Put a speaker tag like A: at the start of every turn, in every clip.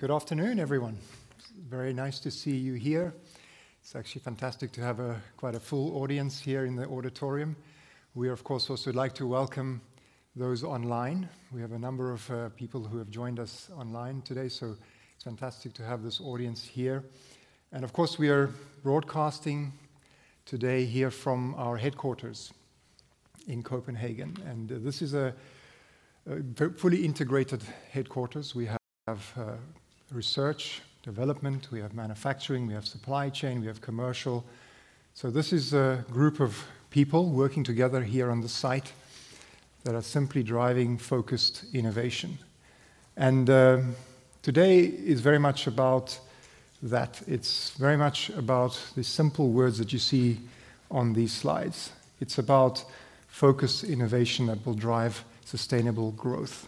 A: Good afternoon, everyone. Very nice to see you here. It's actually fantastic to have quite a full audience here in the auditorium. We, of course, also would like to welcome those online. We have a number of people who have joined us online today, so it's fantastic to have this audience here. And of course, we are broadcasting today here from our headquarters in Copenhagen, and this is a fully integrated headquarters. We have research, development, we have manufacturing, we have supply chain, we have commercial. So this is a group of people working together here on the site that are simply driving focused innovation. And today is very much about that. It's very much about the simple words that you see on these slides. It's about focused innovation that will drive sustainable growth,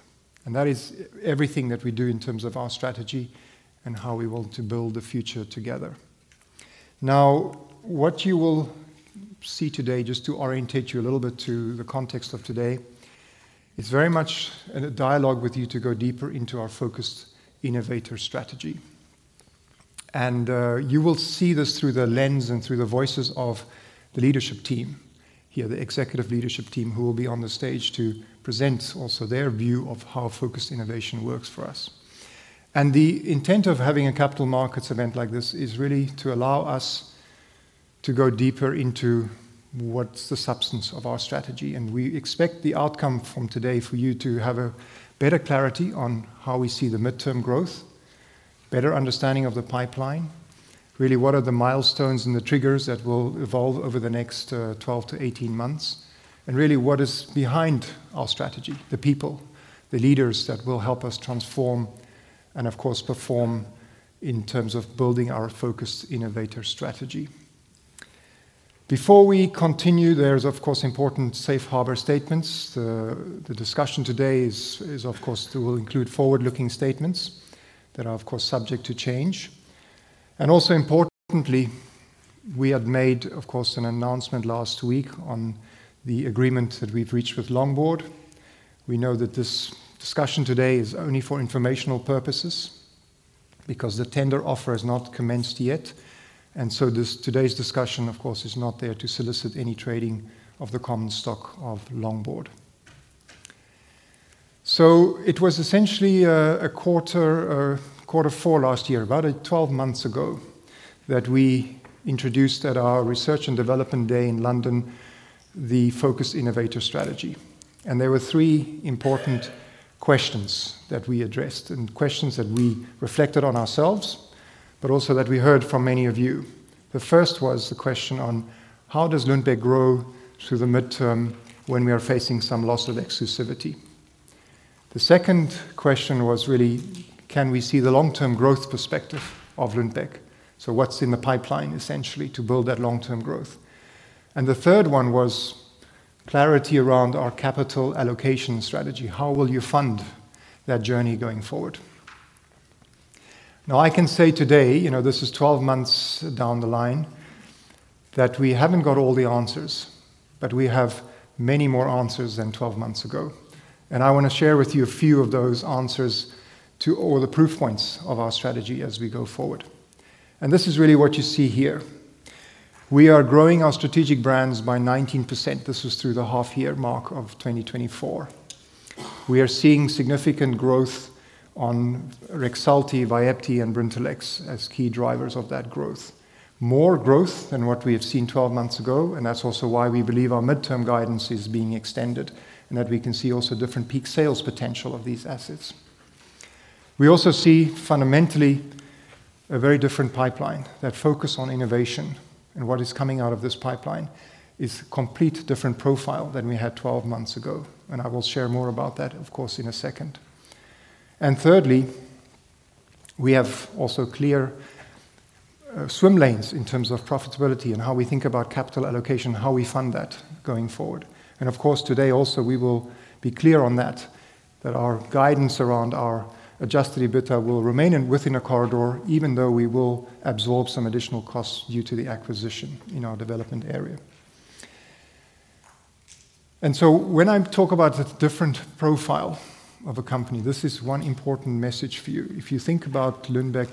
A: and that is everything that we do in terms of our strategy and how we want to build the future together. Now, what you will see today, just to orientate you a little bit to the context of today, is very much in a dialogue with you to go deeper into our focused innovator strategy. And you will see this through the lens and through the voices of the leadership team here, the executive leadership team, who will be on the stage to present also their view of how focused innovation works for us. And the intent of having a capital markets event like this is really to allow us to go deeper into what's the substance of our strategy. We expect the outcome from today for you to have a better clarity on how we see the midterm growth, better understanding of the pipeline. Really, what are the milestones and the triggers that will evolve over the next 12 to eighteen months? And really, what is behind our strategy? The people, the leaders that will help us transform and of course, perform in terms of building our focused innovator strategy. Before we continue, there is of course important safe harbor statements. The discussion today is of course will include forward-looking statements that are, of course, subject to change. And also importantly, we have made, of course, an announcement last week on the agreement that we've reached with Longboard. We know that this discussion today is only for informational purposes because the tender offer has not commenced yet. And so today's discussion, of course, is not there to solicit any trading of the common stock of Longboard. So it was essentially quarter four last year, about 12 months ago, that we introduced at our Research and Development Day in London the Focused Innovator strategy. There were three important questions that we addressed, and questions that we reflected on ourselves, but also that we heard from many of you. The first was the question on: How does Lundbeck grow through the midterm when we are facing some loss of exclusivity? The second question was really: Can we see the long-term growth perspective of Lundbeck? What's in the pipeline, essentially, to build that long-term growth. The third one was clarity around our capital allocation strategy. How will you fund that journey going forward? Now, I can say today, you know, this is 12 months down the line, that we haven't got all the answers, but we have many more answers than 12 months ago. And I want to share with you a few of those answers to all the proof points of our strategy as we go forward. And this is really what you see here. We are growing our strategic brands by 19%. This was through the half-year mark of 2024. We are seeing significant growth on REXULTI, VYEPTI, and Brintellix as key drivers of that growth. More growth than what we have seen 12 months ago, and that's also why we believe our midterm guidance is being extended, and that we can see also different peak sales potential of these assets. We also see fundamentally a very different pipeline, that focus on innovation, and what is coming out of this pipeline is a complete different profile than we had 12 months ago, and I will share more about that, of course, in a second. And thirdly, we have also clear, swim lanes in terms of profitability and how we think about capital allocation, how we fund that going forward. And of course, today also we will be clear on that, that our guidance around our adjusted EBITDA will remain within a corridor, even though we will absorb some additional costs due to the acquisition in our development area. And so when I talk about the different profile of a company, this is one important message for you. If you think about Lundbeck,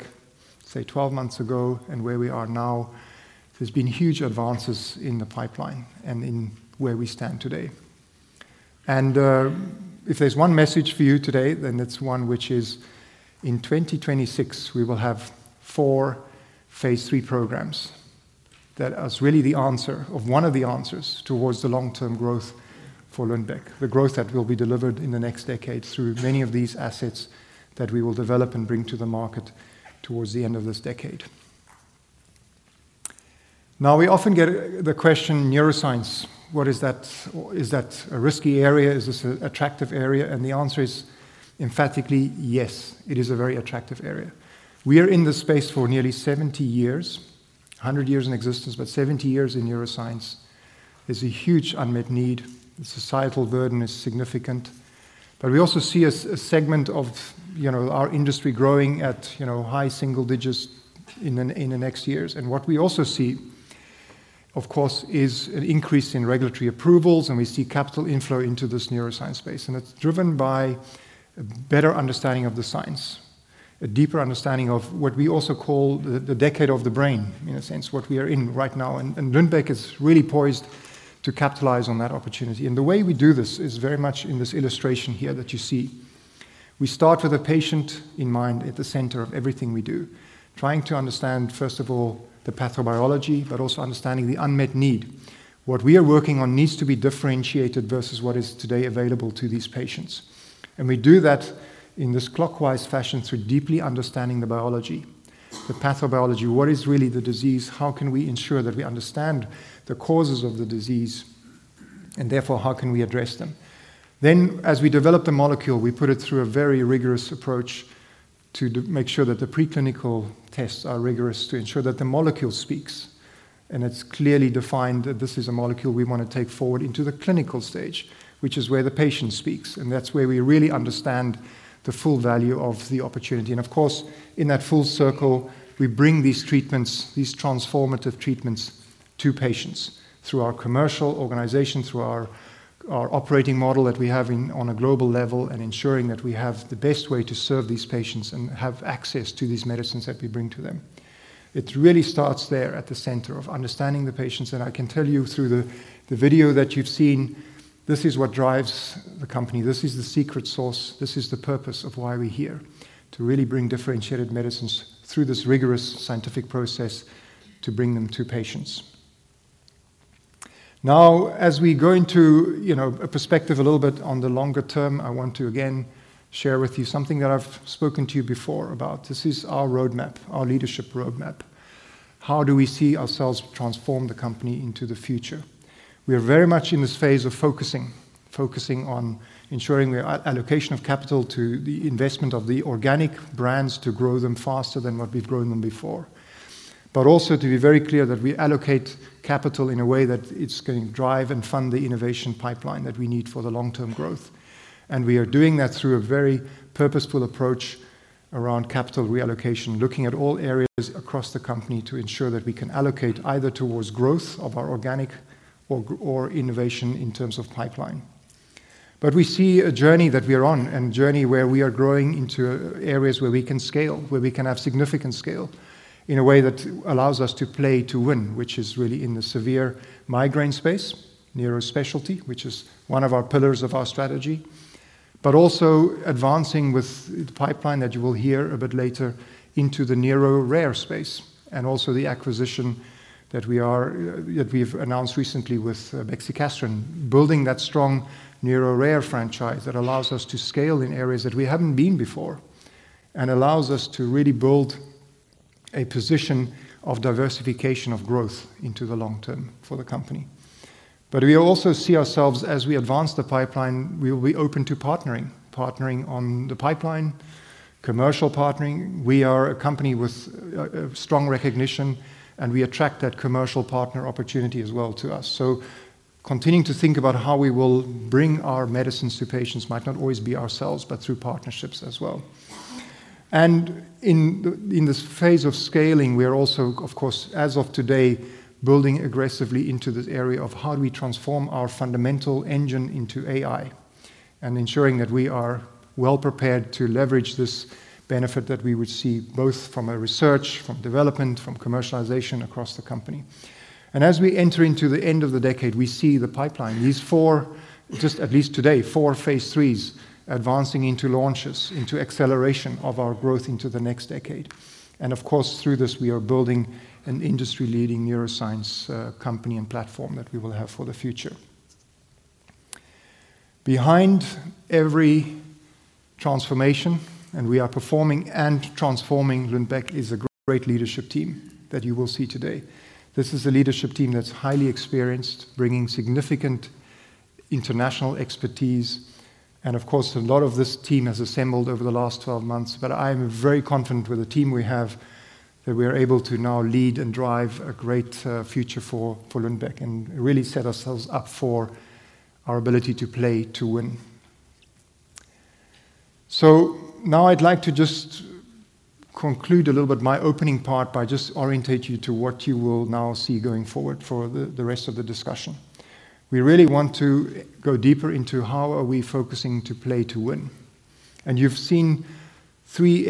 A: say, 12 months ago and where we are now, there's been huge advances in the pipeline and in where we stand today. If there's one message for you today, then it's one which is in 2026, we will have four phase III programs. That is really the answer or one of the answers towards the long-term growth for Lundbeck, the growth that will be delivered in the next decade through many of these assets that we will develop and bring to the market towards the end of this decade. Now, we often get the question, neuroscience, what is that? Is that a risky area? Is this an attractive area? And the answer is emphatically yes, it is a very attractive area. We are in this space for nearly 70 years, 100 years in existence, but 70 years in neuroscience. There's a huge unmet need. The societal burden is significant, but we also see a segment of, you know, our industry growing at, you know, high single digits in the next years. And what we also see, of course, is an increase in regulatory approvals, and we see capital inflow into this neuroscience space. And it's driven by a better understanding of the science, a deeper understanding of what we also call the decade of the brain, in a sense, what we are in right now. And Lundbeck is really poised to capitalize on that opportunity. And the way we do this is very much in this illustration here that you see. We start with the patient in mind at the center of everything we do, trying to understand, first of all, the pathobiology, but also understanding the unmet need. What we are working on needs to be differentiated versus what is today available to these patients, and we do that in this clockwise fashion through deeply understanding the biology, the pathobiology. What is really the disease? How can we ensure that we understand the causes of the disease, and therefore, how can we address them, then as we develop the molecule, we put it through a very rigorous approach to make sure that the preclinical tests are rigorous, to ensure that the molecule speaks, and it's clearly defined that this is a molecule we want to take forward into the clinical stage, which is where the patient speaks, and that's where we really understand the full value of the opportunity. And of course, in that full circle, we bring these treatments, these transformative treatments, to patients through our commercial organization, through our operating model that we have in on a global level, and ensuring that we have the best way to serve these patients and have access to these medicines that we bring to them. It really starts there at the center of understanding the patients, and I can tell you through the video that you've seen, this is what drives the company. This is the secret sauce. This is the purpose of why we're here, to really bring differentiated medicines through this rigorous scientific process to bring them to patients. Now, as we go into, you know, a perspective a little bit on the longer term, I want to again share with you something that I've spoken to you before about. This is our roadmap, our leadership roadmap. How do we see ourselves transform the company into the future? We are very much in this phase of focusing on ensuring the allocation of capital to the investment of the organic brands, to grow them faster than what we've grown them before, but also to be very clear that we allocate capital in a way that it's going to drive and fund the innovation pipeline that we need for the long-term growth, and we are doing that through a very purposeful approach around capital reallocation, looking at all areas across the company to ensure that we can allocate either towards growth of our organic or growth or innovation in terms of pipeline. But we see a journey that we are on, and a journey where we are growing into areas where we can scale, where we can have significant scale, in a way that allows us to play to win, which is really in the severe migraine space, neurospecialty, which is one of our pillars of our strategy. But also advancing with the pipeline that you will hear a bit later into the neuro rare space, and also the acquisition that we've announced recently with Longboard, building that strong neuro rare franchise that allows us to scale in areas that we haven't been before, and allows us to really build a position of diversification, of growth into the long term for the company. But we also see ourselves, as we advance the pipeline, we will be open to partnering, partnering on the pipeline, commercial partnering. We are a company with a strong recognition, and we attract that commercial partner opportunity as well to us. So continuing to think about how we will bring our medicines to patients might not always be ourselves, but through partnerships as well. And in this phase of scaling, we are also, of course, as of today, building aggressively into this area of how do we transform our fundamental engine into AI, and ensuring that we are well prepared to leverage this benefit that we would see both from a research, from development, from commercialization across the company. And as we enter into the end of the decade, we see the pipeline, these four, just at least today, four phase IIIs advancing into launches, into acceleration of our growth into the next decade. And of course, through this, we are building an industry-leading neuroscience company and platform that we will have for the future. Behind every transformation, and we are performing and transforming Lundbeck, is a great leadership team that you will see today. This is a leadership team that's highly experienced, bringing significant international expertise, and of course, a lot of this team has assembled over the last 12 months. But I am very confident with the team we have, that we are able to now lead and drive a great future for Lundbeck and really set ourselves up for our ability to play to win. So now I'd like to just conclude a little bit my opening part by just orientate you to what you will now see going forward for the rest of the discussion. We really want to go deeper into how are we focusing to play to win? And you've seen three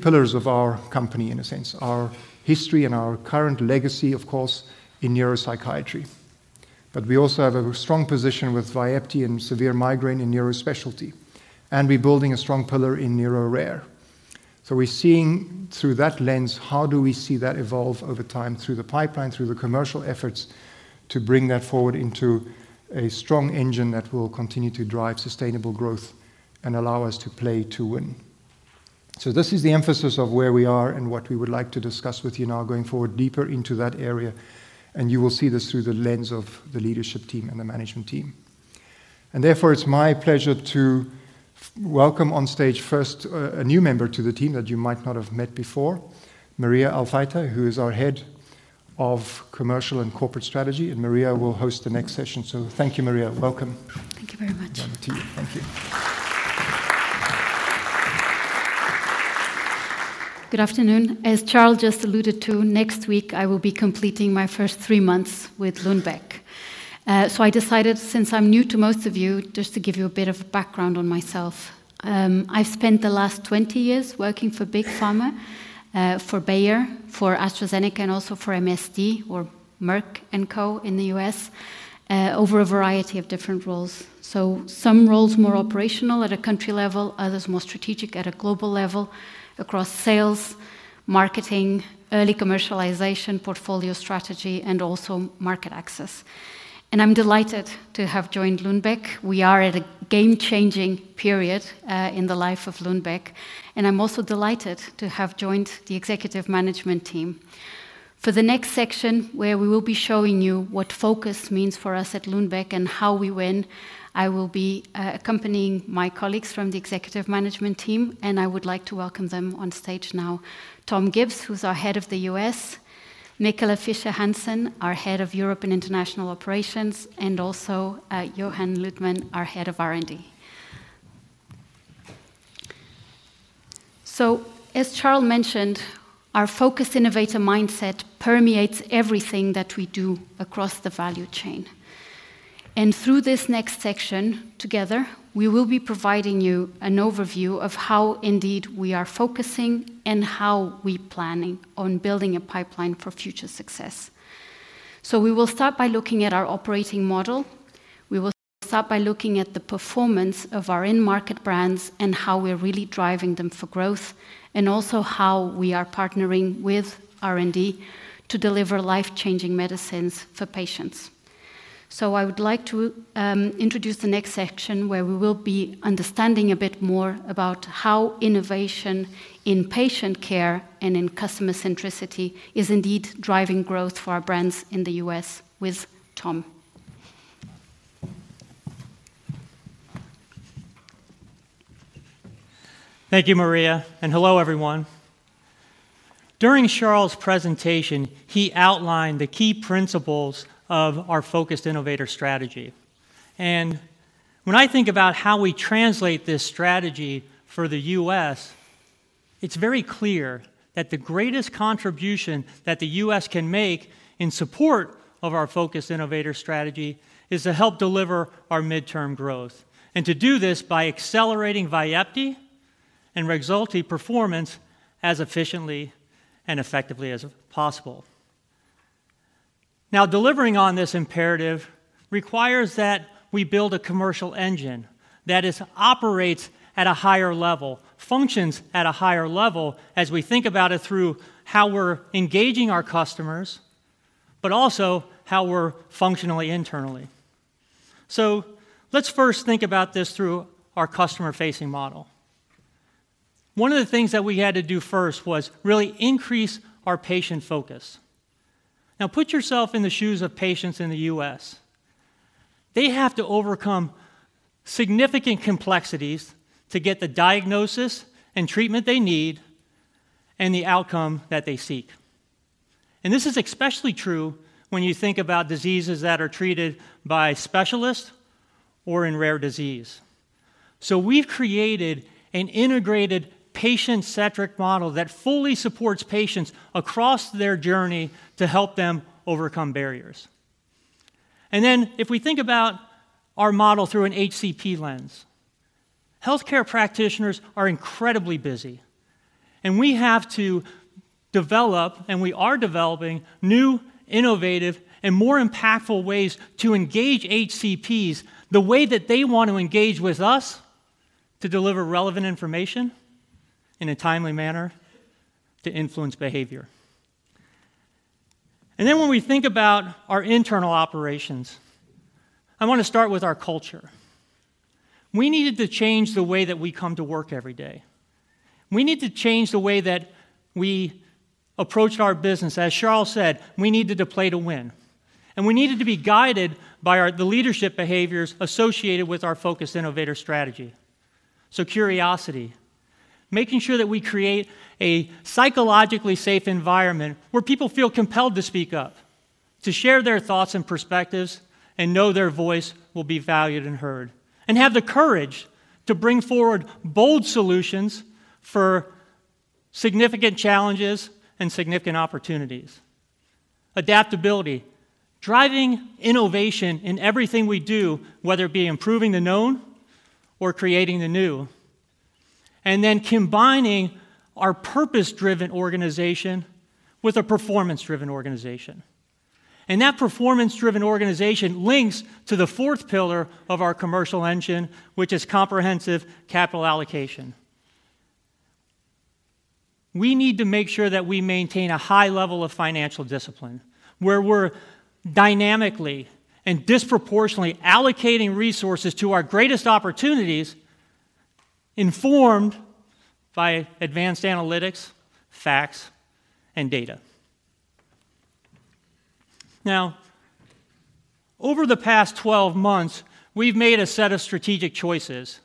A: pillars of our company, in a sense, our history and our current legacy, of course, in neuropsychiatry. But we also have a strong position with VYEPTI and severe migraine and neurospecialty, and we're building a strong pillar in neuro rare. So we're seeing through that lens, how do we see that evolve over time through the pipeline, through the commercial efforts, to bring that forward into a strong engine that will continue to drive sustainable growth and allow us to play to win? So this is the emphasis of where we are and what we would like to discuss with you now going forward, deeper into that area, and you will see this through the lens of the leadership team and the management team. And therefore, it's my pleasure to welcome on stage first, a new member to the team that you might not have met before, Maria Alfaiate, who is our Head of Commercial and Corporate Strategy, and Maria will host the next session. So thank you, Maria. Welcome.
B: Thank you very much.
A: Over to you. Thank you.
B: Good afternoon. As Charl just alluded to, next week I will be completing my first three months with Lundbeck. So I decided, since I'm new to most of you, just to give you a bit of background on myself. I've spent the last 20 years working for Big Pharma, for Bayer, for AstraZeneca, and also for MSD, or Merck & Co. in the U.S., over a variety of different roles. So some roles more operational at a country level, others more strategic at a global level, across sales, marketing, early commercialization, portfolio strategy, and also market access, and I'm delighted to have joined Lundbeck. We are at a game-changing period in the life of Lundbeck, and I'm also delighted to have joined the executive management team. For the next section, where we will be showing you what focus means for us at Lundbeck and how we win, I will be accompanying my colleagues from the executive management team, and I would like to welcome them on stage now. Tom Gibbs, who's our Head of the U.S.; Michala Fischer-Hansen, our Head of Europe and International Operations; and also Johan Luthman, our Head of R&D. So, as Charl mentioned, our Focused Innovator mindset permeates everything that we do across the value chain. And through this next section, together, we will be providing you an overview of how indeed we are focusing and how we planning on building a pipeline for future success. So we will start by looking at our operating model. We will start by looking at the performance of our in-market brands and how we're really driving them for growth, and also how we are partnering with R&D to deliver life-changing medicines for patients, so I would like to introduce the next section, where we will be understanding a bit more about how innovation in patient care and in customer centricity is indeed driving growth for our brands in the U.S. with Tom.
C: Thank you, Maria, and hello, everyone. During Charl's presentation, he outlined the key principles of our Focused Innovator strategy. And when I think about how we translate this strategy for the U.S., it's very clear that the greatest contribution that the U.S. can make in support of our Focused Innovator strategy is to help deliver our midterm growth, and to do this by accelerating VYEPTI and REXULTI performance as efficiently and effectively as possible. Now, delivering on this imperative requires that we build a commercial engine that is, operates at a higher level, functions at a higher level as we think about it through how we're engaging our customers, but also how we're functionally internally. So let's first think about this through our customer-facing model. One of the things that we had to do first was really increase our patient focus. Now, put yourself in the shoes of patients in the U.S. They have to overcome significant complexities to get the diagnosis and treatment they need and the outcome that they seek. And this is especially true when you think about diseases that are treated by specialists or in rare disease. So we've created an integrated patient-centric model that fully supports patients across their journey to help them overcome barriers. And then, if we think about our model through an HCP lens, healthcare practitioners are incredibly busy, and we have to develop, and we are developing, new, innovative, and more impactful ways to engage HCPs the way that they want to engage with us, to deliver relevant information in a timely manner to influence behavior. And then when we think about our internal operations, I want to start with our culture. We needed to change the way that we come to work every day. We need to change the way that we approached our business. As Charl said, we needed to play to win, and we needed to be guided by our, the leadership behaviors associated with our Focused Innovator strategy, so curiosity, making sure that we create a psychologically safe environment where people feel compelled to speak up, to share their thoughts and perspectives, and know their voice will be valued and heard, and have the courage to bring forward bold solutions for significant challenges and significant opportunities. Adaptability, driving innovation in everything we do, whether it be improving the known or creating the new, and then combining our purpose-driven organization with a performance-driven organization, and that performance-driven organization links to the fourth pillar of our commercial engine, which is comprehensive capital allocation. We need to make sure that we maintain a high level of financial discipline, where we're dynamically and disproportionately allocating resources to our greatest opportunities, informed by advanced analytics, facts, and data. Now, over the past 12 months, we've made a set of strategic choices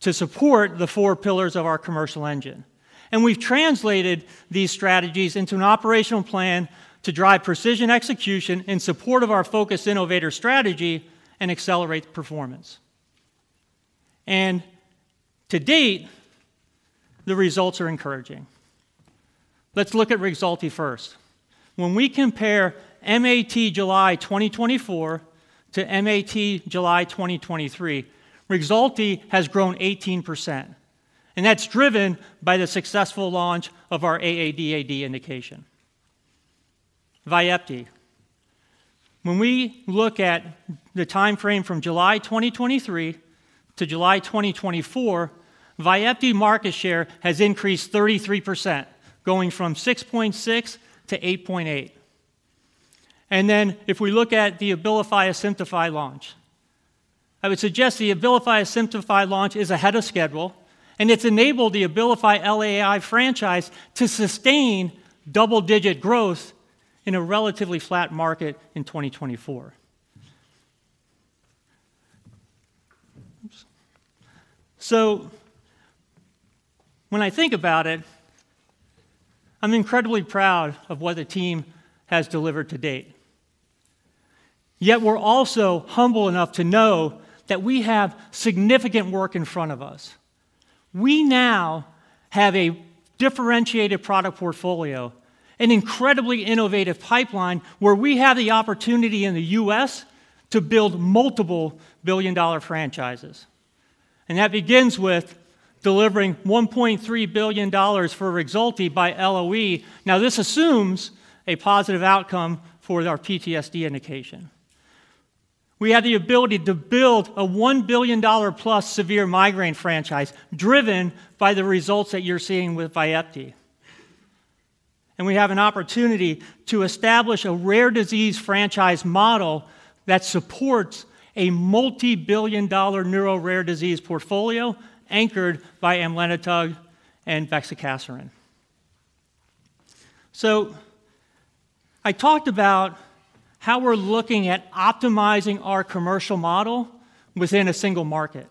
C: to support the four pillars of our commercial engine, and we've translated these strategies into an operational plan to drive precision execution in support of our Focused Innovator strategy and accelerate performance... and to date, the results are encouraging. Let's look at REXULTI first. When we compare MAT July 2024 to MAT July 2023, REXULTI has grown 18%, and that's driven by the successful launch of our AAD/AD indication. VYEPTI. When we look at the timeframe from July 2023 to July 2024, VYEPTI market share has increased 33%, going from 6.6% to 8.8%. And then if we look at the Abilify Asimtufii launch, I would suggest the Abilify Asimtufii launch is ahead of schedule, and it's enabled the Abilify LAI franchise to sustain double-digit growth in a relatively flat market in 2024. So when I think about it, I'm incredibly proud of what the team has delivered to date. Yet we're also humble enough to know that we have significant work in front of us. We now have a differentiated product portfolio, an incredibly innovative pipeline, where we have the opportunity in the U.S. to build multiple billion-dollar franchises. And that begins with delivering $1.3 billion for REXULTI by LOE. Now, this assumes a positive outcome for our PTSD indication. We have the ability to build a $1 billion-plus severe migraine franchise, driven by the results that you're seeing with VYEPTI. We have an opportunity to establish a rare disease franchise model that supports a multi-billion-dollar neuro rare disease portfolio, anchored by amlenetug and bexicaserin. I talked about how we're looking at optimizing our commercial model within a single market.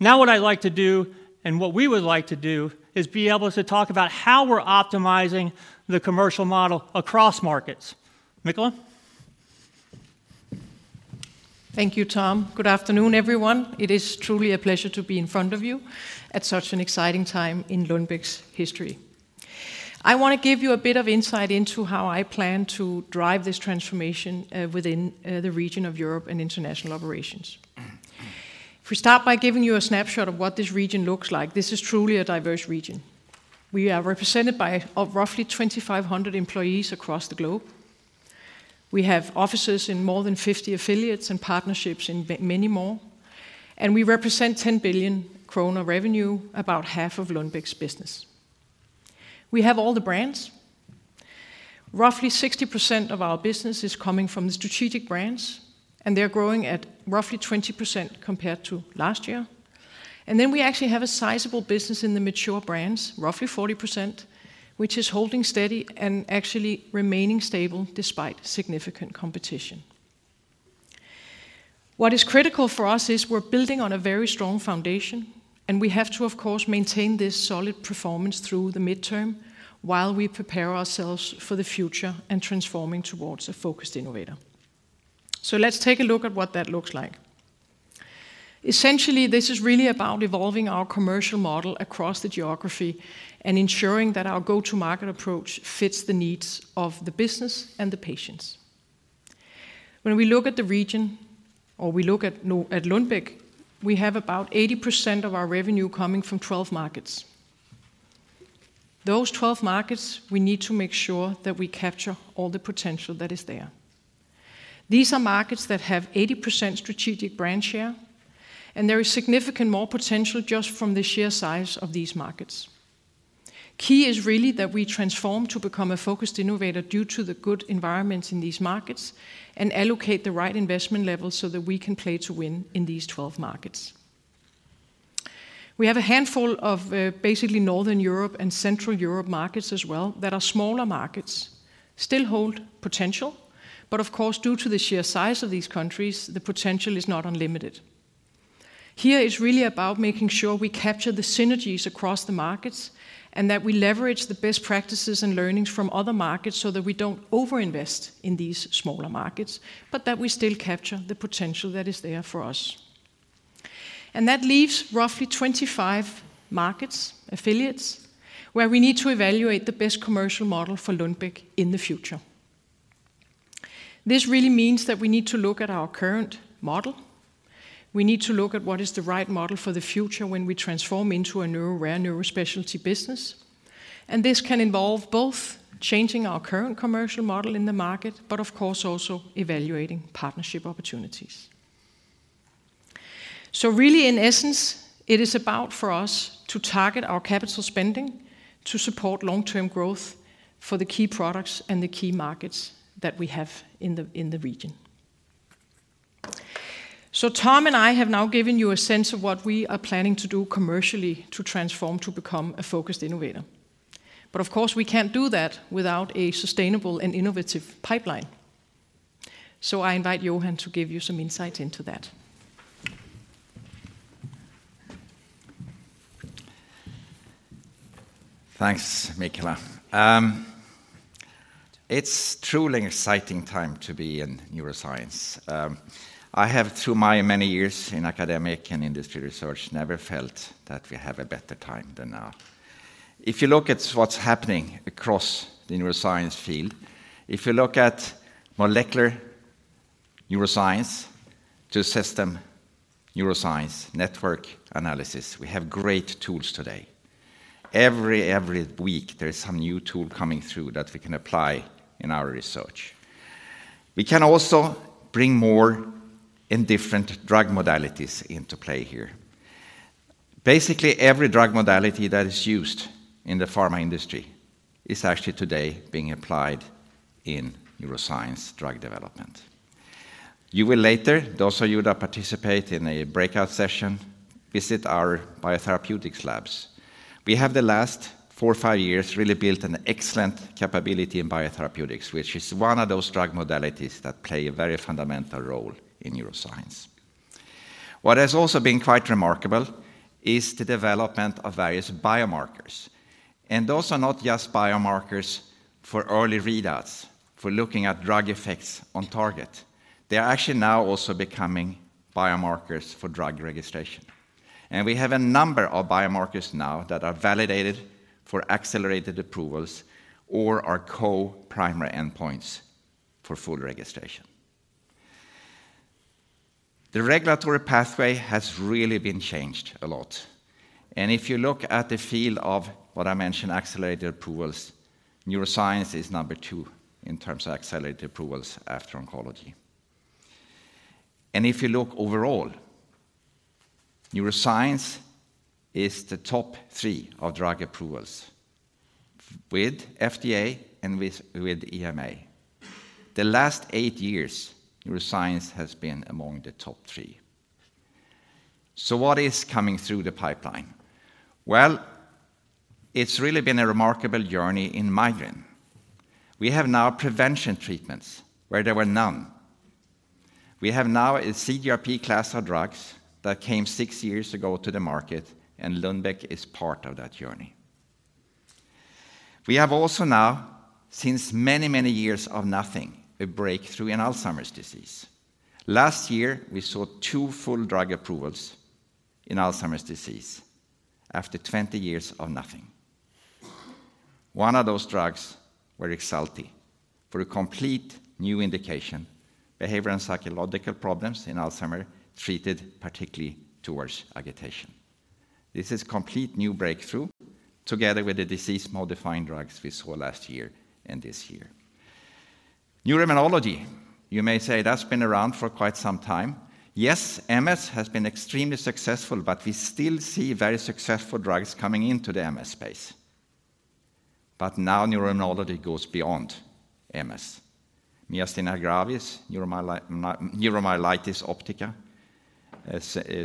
C: Now, what I'd like to do, and what we would like to do, is be able to talk about how we're optimizing the commercial model across markets. Michala?
D: Thank you, Tom. Good afternoon, everyone. It is truly a pleasure to be in front of you at such an exciting time in Lundbeck's history. I want to give you a bit of insight into how I plan to drive this transformation within the region of Europe and international operations. If we start by giving you a snapshot of what this region looks like, this is truly a diverse region. We are represented by roughly 2,500 employees across the globe. We have offices in more than 50 affiliates and partnerships in many more, and we represent 10 billion kroner revenue, about half of Lundbeck's business. We have all the brands. Roughly 60% of our business is coming from the strategic brands, and they're growing at roughly 20% compared to last year. Then we actually have a sizable business in the mature brands, roughly 40%, which is holding steady and actually remaining stable despite significant competition. What is critical for us is we're building on a very strong foundation, and we have to, of course, maintain this solid performance through the midterm while we prepare ourselves for the future and transforming towards a focused innovator. Let's take a look at what that looks like. Essentially, this is really about evolving our commercial model across the geography and ensuring that our go-to-market approach fits the needs of the business and the patients. When we look at Lundbeck, we have about 80% of our revenue coming from 12 markets. Those 12 markets, we need to make sure that we capture all the potential that is there. These are markets that have 80% strategic brand share, and there is significant more potential just from the sheer size of these markets. Key is really that we transform to become a focused innovator due to the good environments in these markets and allocate the right investment levels so that we can play to win in these 12 markets. We have a handful of, basically Northern Europe and Central Europe markets as well, that are smaller markets, still hold potential, but of course, due to the sheer size of these countries, the potential is not unlimited. Here, it's really about making sure we capture the synergies across the markets and that we leverage the best practices and learnings from other markets so that we don't overinvest in these smaller markets, but that we still capture the potential that is there for us. That leaves roughly 25 markets, affiliates, where we need to evaluate the best commercial model for Lundbeck in the future. This really means that we need to look at our current model. We need to look at what is the right model for the future when we transform into a neuro, rare neurospecialty business. This can involve both changing our current commercial model in the market, but of course, also evaluating partnership opportunities. Really, in essence, it is about for us to target our capital spending to support long-term growth for the key products and the key markets that we have in the region. Tom and I have now given you a sense of what we are planning to do commercially to transform to become a focused innovator. Of course, we can't do that without a sustainable and innovative pipeline. So I invite Johan to give you some insight into that.
E: Thanks, Michala. It's truly an exciting time to be in neuroscience. I have, through my many years in academic and industry research, never felt that we have a better time than now. If you look at what's happening across the neuroscience field, if you look at molecular neuroscience to system neuroscience, network analysis, we have great tools today. Every week, there is some new tool coming through that we can apply in our research. We can also bring more and different drug modalities into play here. Basically, every drug modality that is used in the pharma industry is actually today being applied in neuroscience drug development. You will later, those of you that participate in a breakout session, visit our biotherapeutics labs. We have the last four or five years really built an excellent capability in biotherapeutics, which is one of those drug modalities that play a very fundamental role in neuroscience. What has also been quite remarkable is the development of various biomarkers, and those are not just biomarkers for early readouts, for looking at drug effects on target. They are actually now also becoming biomarkers for drug registration. And we have a number of biomarkers now that are validated for accelerated approvals or are co-primary endpoints for full registration. The regulatory pathway has really been changed a lot, and if you look at the field of what I mentioned, accelerated approvals, neuroscience is number two in terms of accelerated approvals after oncology. And if you look overall, neuroscience is the top three of drug approvals with FDA and with EMA. The last eight years, neuroscience has been among the top three. So what is coming through the pipeline? Well, it's really been a remarkable journey in migraine. We have now prevention treatments where there were none. We have now a CGRP class of drugs that came six years ago to the market, and Lundbeck is part of that journey. We have also now, since many, many years of nothing, a breakthrough in Alzheimer's disease. Last year, we saw two full drug approvals in Alzheimer's disease after 20 years of nothing. One of those drugs were REXULTI for a complete new indication, behavioral and psychological problems in Alzheimer's, treated particularly towards agitation. This is complete new breakthrough, together with the disease-modifying drugs we saw last year and this year. Neuroimmunology, you may say that's been around for quite some time. Yes, MS has been extremely successful, but we still see very successful drugs coming into the MS space. But now neuroimmunology goes beyond MS. Myasthenia gravis, neuromyelitis optica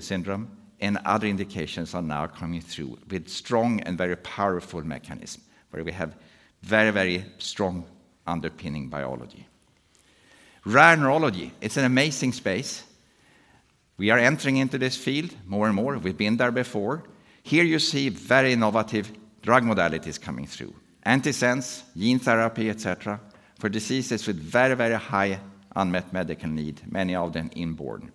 E: syndrome, and other indications are now coming through with strong and very powerful mechanism, where we have very, very strong underpinning biology. Rare neurology, it's an amazing space. We are entering into this field more and more. We've been there before. Here you see very innovative drug modalities coming through, antisense, gene therapy, et cetera, for diseases with very, very high unmet medical need, many of them inborn.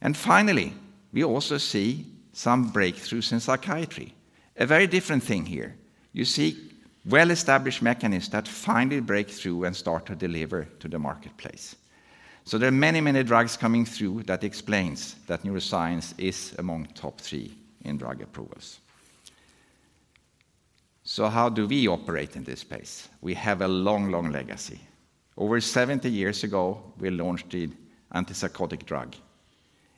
E: And finally, we also see some breakthroughs in psychiatry. A very different thing here. You see well-established mechanisms that finally break through and start to deliver to the marketplace. So there are many, many drugs coming through that explains that neuroscience is among top three in drug approvals. So how do we operate in this space? We have a long, long legacy. Over seventy years ago, we launched the antipsychotic drug,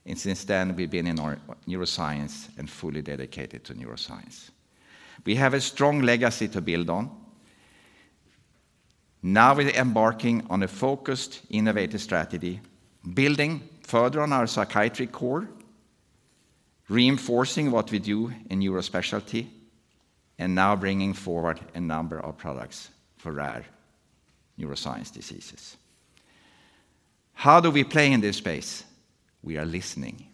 E: and since then, we've been in our neuroscience and fully dedicated to neuroscience. We have a strong legacy to build on. Now, we're embarking on a focused, innovative strategy, building further on our psychiatry core, reinforcing what we do in neurospecialty, and now bringing forward a number of products for rare neuroscience diseases. How do we play in this space? We are listening.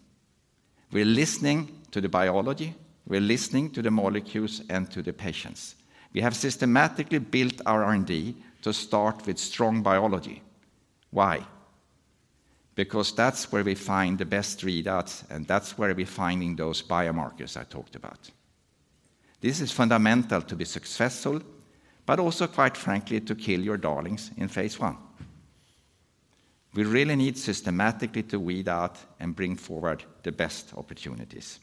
E: We're listening to the biology, we're listening to the molecules, and to the patients. We have systematically built our R&D to start with strong biology. Why? Because that's where we find the best readouts, and that's where we're finding those biomarkers I talked about. This is fundamental to be successful, but also, quite frankly, to kill your darlings in phase I. We really need systematically to weed out and bring forward the best opportunities.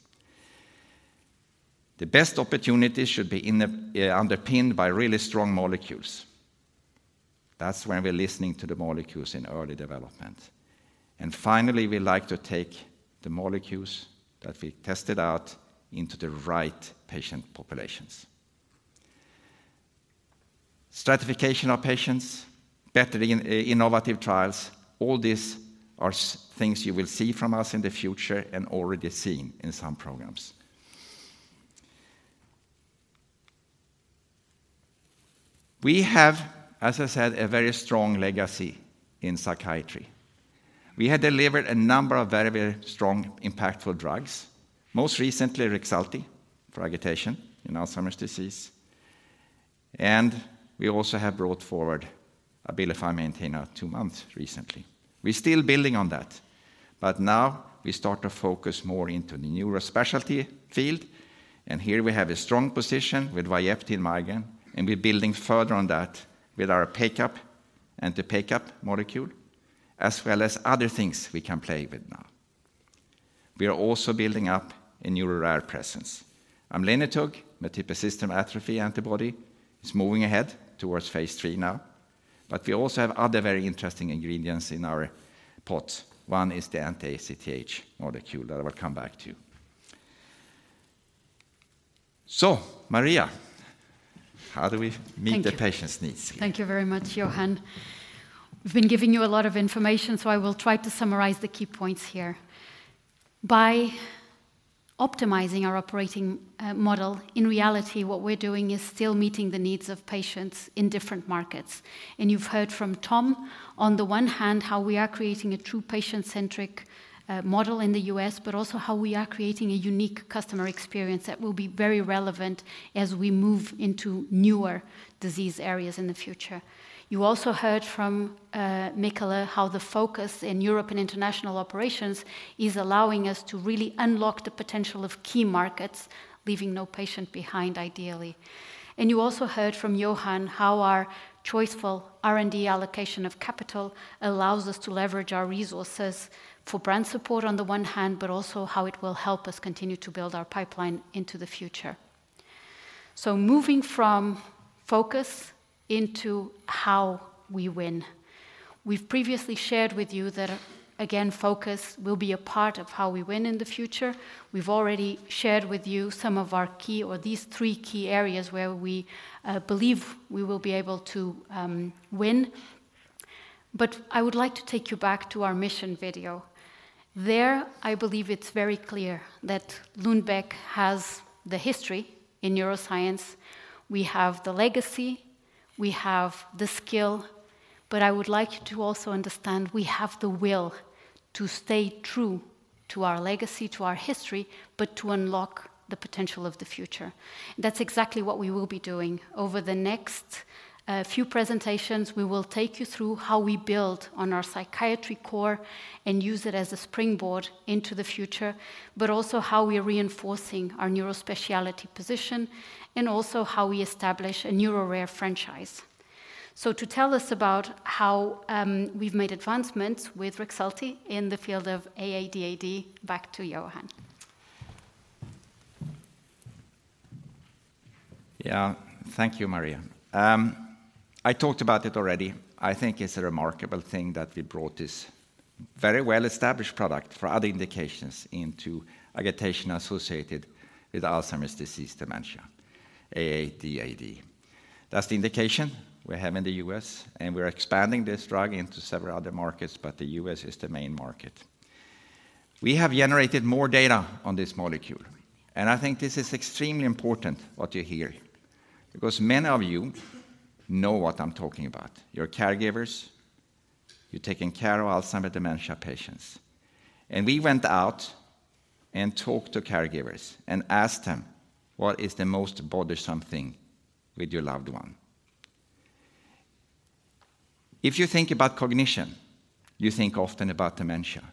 E: The best opportunities should be in the underpinned by really strong molecules. That's when we're listening to the molecules in early development. And finally, we like to take the molecules that we tested out into the right patient populations. Stratification of patients, better in, innovative trials, all these are things you will see from us in the future and already seen in some programs. We have, as I said, a very strong legacy in psychiatry. We had delivered a number of very, very strong, impactful drugs, most recently REXULTI for agitation in Alzheimer's disease. And we also have brought forward Abilify Maintena two months recently. We're still building on that, but now we start to focus more into the neurospecialty field, and here we have a strong position with VYEPTI in migraine, and we're building further on that with our pipeline and the pipeline molecule, as well as other things we can play with now. We are also building up a neuro-rare presence. amlenetug, multiple system atrophy antibody, is moving ahead towards phase III now. But we also have other very interesting ingredients in our pot. One is the anti-ACTH molecule that I will come back to. So, Maria, how do we meet the patient's needs?
B: Thank you very much, Johan. We've been giving you a lot of information, so I will try to summarize the key points here. By optimizing our operating model, in reality, what we're doing is still meeting the needs of patients in different markets. And you've heard from Tom, on the one hand, how we are creating a true patient-centric model in the U.S., but also how we are creating a unique customer experience that will be very relevant as we move into newer disease areas in the future. You also heard from Michala, how the focus in Europe and International Operations is allowing us to really unlock the potential of key markets, leaving no patient behind, ideally. You also heard from Johan how our choiceful R&D allocation of capital allows us to leverage our resources for brand support on the one hand, but also how it will help us continue to build our pipeline into the future. Moving from focus into how we win. We've previously shared with you that, again, focus will be a part of how we win in the future. We've already shared with you some of our key or these three key areas where we believe we will be able to win. I would like to take you back to our mission video. There, I believe it's very clear that Lundbeck has the history in neuroscience. We have the legacy, we have the skill, but I would like you to also understand we have the will to stay true to our legacy, to our history, but to unlock the potential of the future. That's exactly what we will be doing. Over the next few presentations, we will take you through how we build on our psychiatry core and use it as a springboard into the future, but also how we are reinforcing our neurospecialty position, and also how we establish a neuro rare franchise. So, to tell us about how we've made advancements with REXULTI in the field of AADAD, back to Johan.
E: Yeah. Thank you, Maria. I talked about it already. I think it's a remarkable thing that we brought this very well-established product for other indications into agitation associated with Alzheimer's disease dementia, AADAD. That's the indication we have in the U.S., and we're expanding this drug into several other markets, but the U.S. is the main market. We have generated more data on this molecule, and I think this is extremely important what you hear, because many of you know what I'm talking about. You're caregivers, you're taking care of Alzheimer's dementia patients. And we went out and talked to caregivers and asked them, "What is the most bothersome thing with your loved one?" If you think about cognition, you think often about dementia,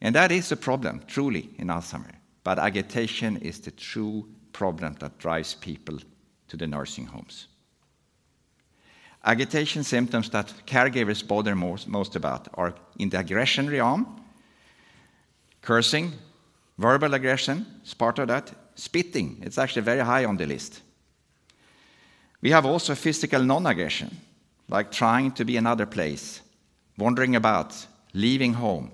E: and that is a problem, truly, in Alzheimer's, but agitation is the true problem that drives people to the nursing homes. Agitation symptoms that caregivers bother most about are in the aggression area, cursing, verbal aggression is part of that. Spitting, it's actually very high on the list. We have also physical non-aggression, like trying to be another place, wandering about, leaving home,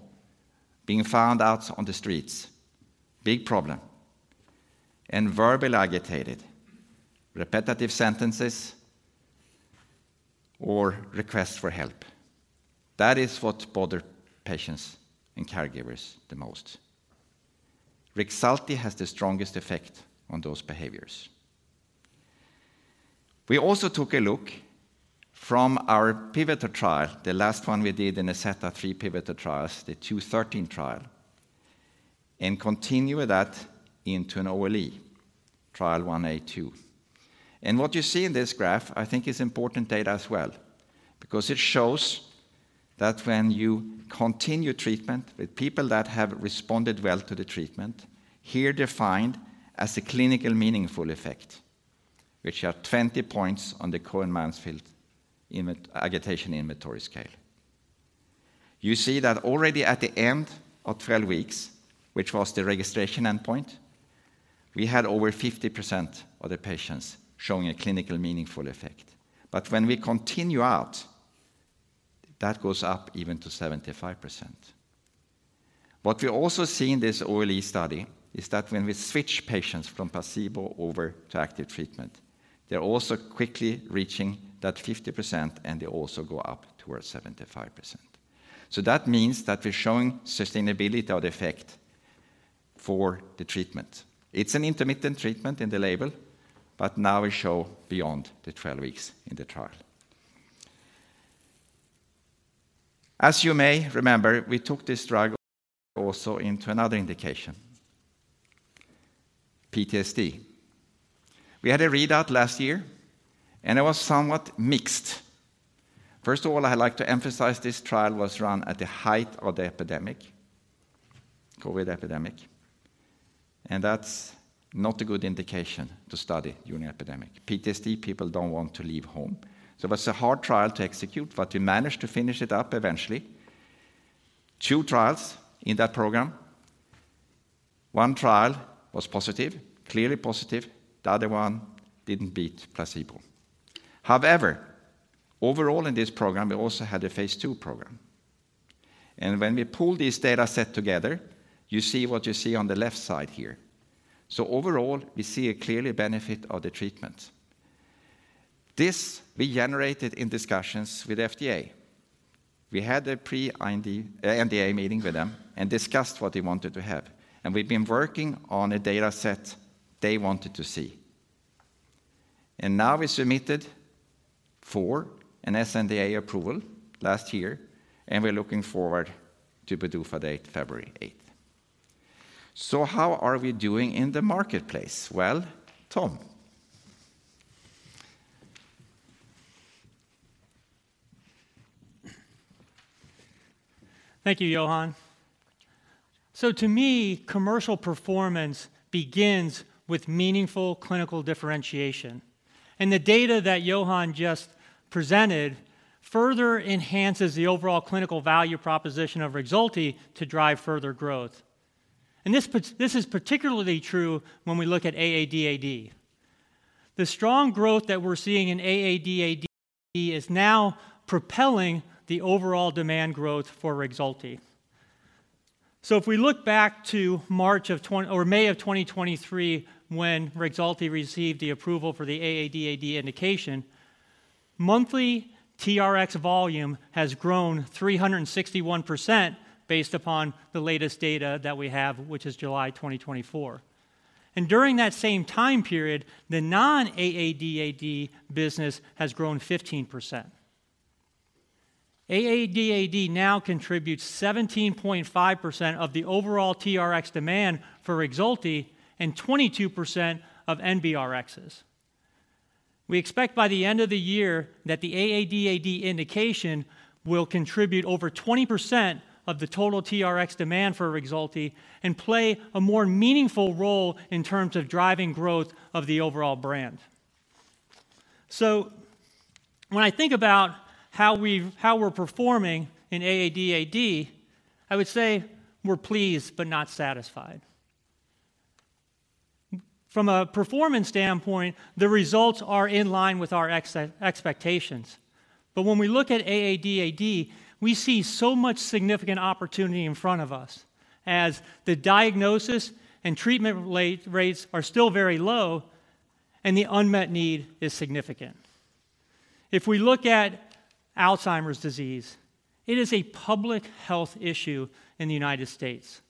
E: being found out on the streets. Big problem. Verbally agitated, repetitive sentences or requests for help. That is what bother patients and caregivers the most. REXULTI has the strongest effect on those behaviors. We also took a look from our pivotal trial, the last one we did in a set of three pivotal trials, the 213 trial, and continue with that into an OLE, trial 1A2. What you see in this graph, I think is important data as well, because it shows that when you continue treatment with people that have responded well to the treatment, here defined as a clinically meaningful effect, which are 20 points on the Cohen-Mansfield Agitation Inventory scale. You see that already at the end of 12 weeks, which was the registration endpoint, we had over 50% of the patients showing a clinically meaningful effect. But when we continue out, that goes up even to 75%. What we also see in this OLE study is that when we switch patients from placebo over to active treatment, they're also quickly reaching that 50%, and they also go up towards 75%. So that means that we're showing sustainability of the effect for the treatment. It's an intermittent treatment in the label, but now we show beyond the 12 weeks in the trial. As you may remember, we took this drug also into another indication, PTSD. We had a readout last year, and it was somewhat mixed. First of all, I'd like to emphasize this trial was run at the height of the epidemic, COVID epidemic, and that's not a good indication to study during epidemic. PTSD, people don't want to leave home. So it was a hard trial to execute, but we managed to finish it up eventually. Two trials in that program. One trial was positive, clearly positive, the other one didn't beat placebo. However, overall in this program, we also had a phase II program, and when we pull this data set together, you see what you see on the left side here. So overall, we see a clear benefit of the treatment. This we generated in discussions with FDA. We had a pre-IND NDA meeting with them and discussed what they wanted to have, and we've been working on a data set they wanted to see. And now we submitted for an sNDA approval last year, and we're looking forward to PDUFA date, February 8th. So how are we doing in the marketplace? Well, Tom.
C: Thank you, Johan. To me, commercial performance begins with meaningful clinical differentiation, and the data that Johan just presented further enhances the overall clinical value proposition of REXULTI to drive further growth. This is particularly true when we look at AADAD. The strong growth that we're seeing in AADAD is now propelling the overall demand growth for REXULTI. If we look back to May of 2023, when REXULTI received the approval for the AADAD indication, monthly TRX volume has grown 361% based upon the latest data that we have, which is July 2024. During that same time period, the non-AADAD business has grown 15%. AADAD now contributes 17.5% of the overall TRX demand for REXULTI, and 22% of NBRXs. We expect by the end of the year that the AADAD indication will contribute over 20% of the total TRX demand for REXULTI and play a more meaningful role in terms of driving growth of the overall brand. So when I think about how we're performing in AADAD, I would say we're pleased but not satisfied. From a performance standpoint, the results are in line with our expectations. But when we look at AADAD, we see so much significant opportunity in front of us, as the diagnosis and treatment rates are still very low, and the unmet need is significant. If we look at Alzheimer's disease, it is a public health issue in the United States.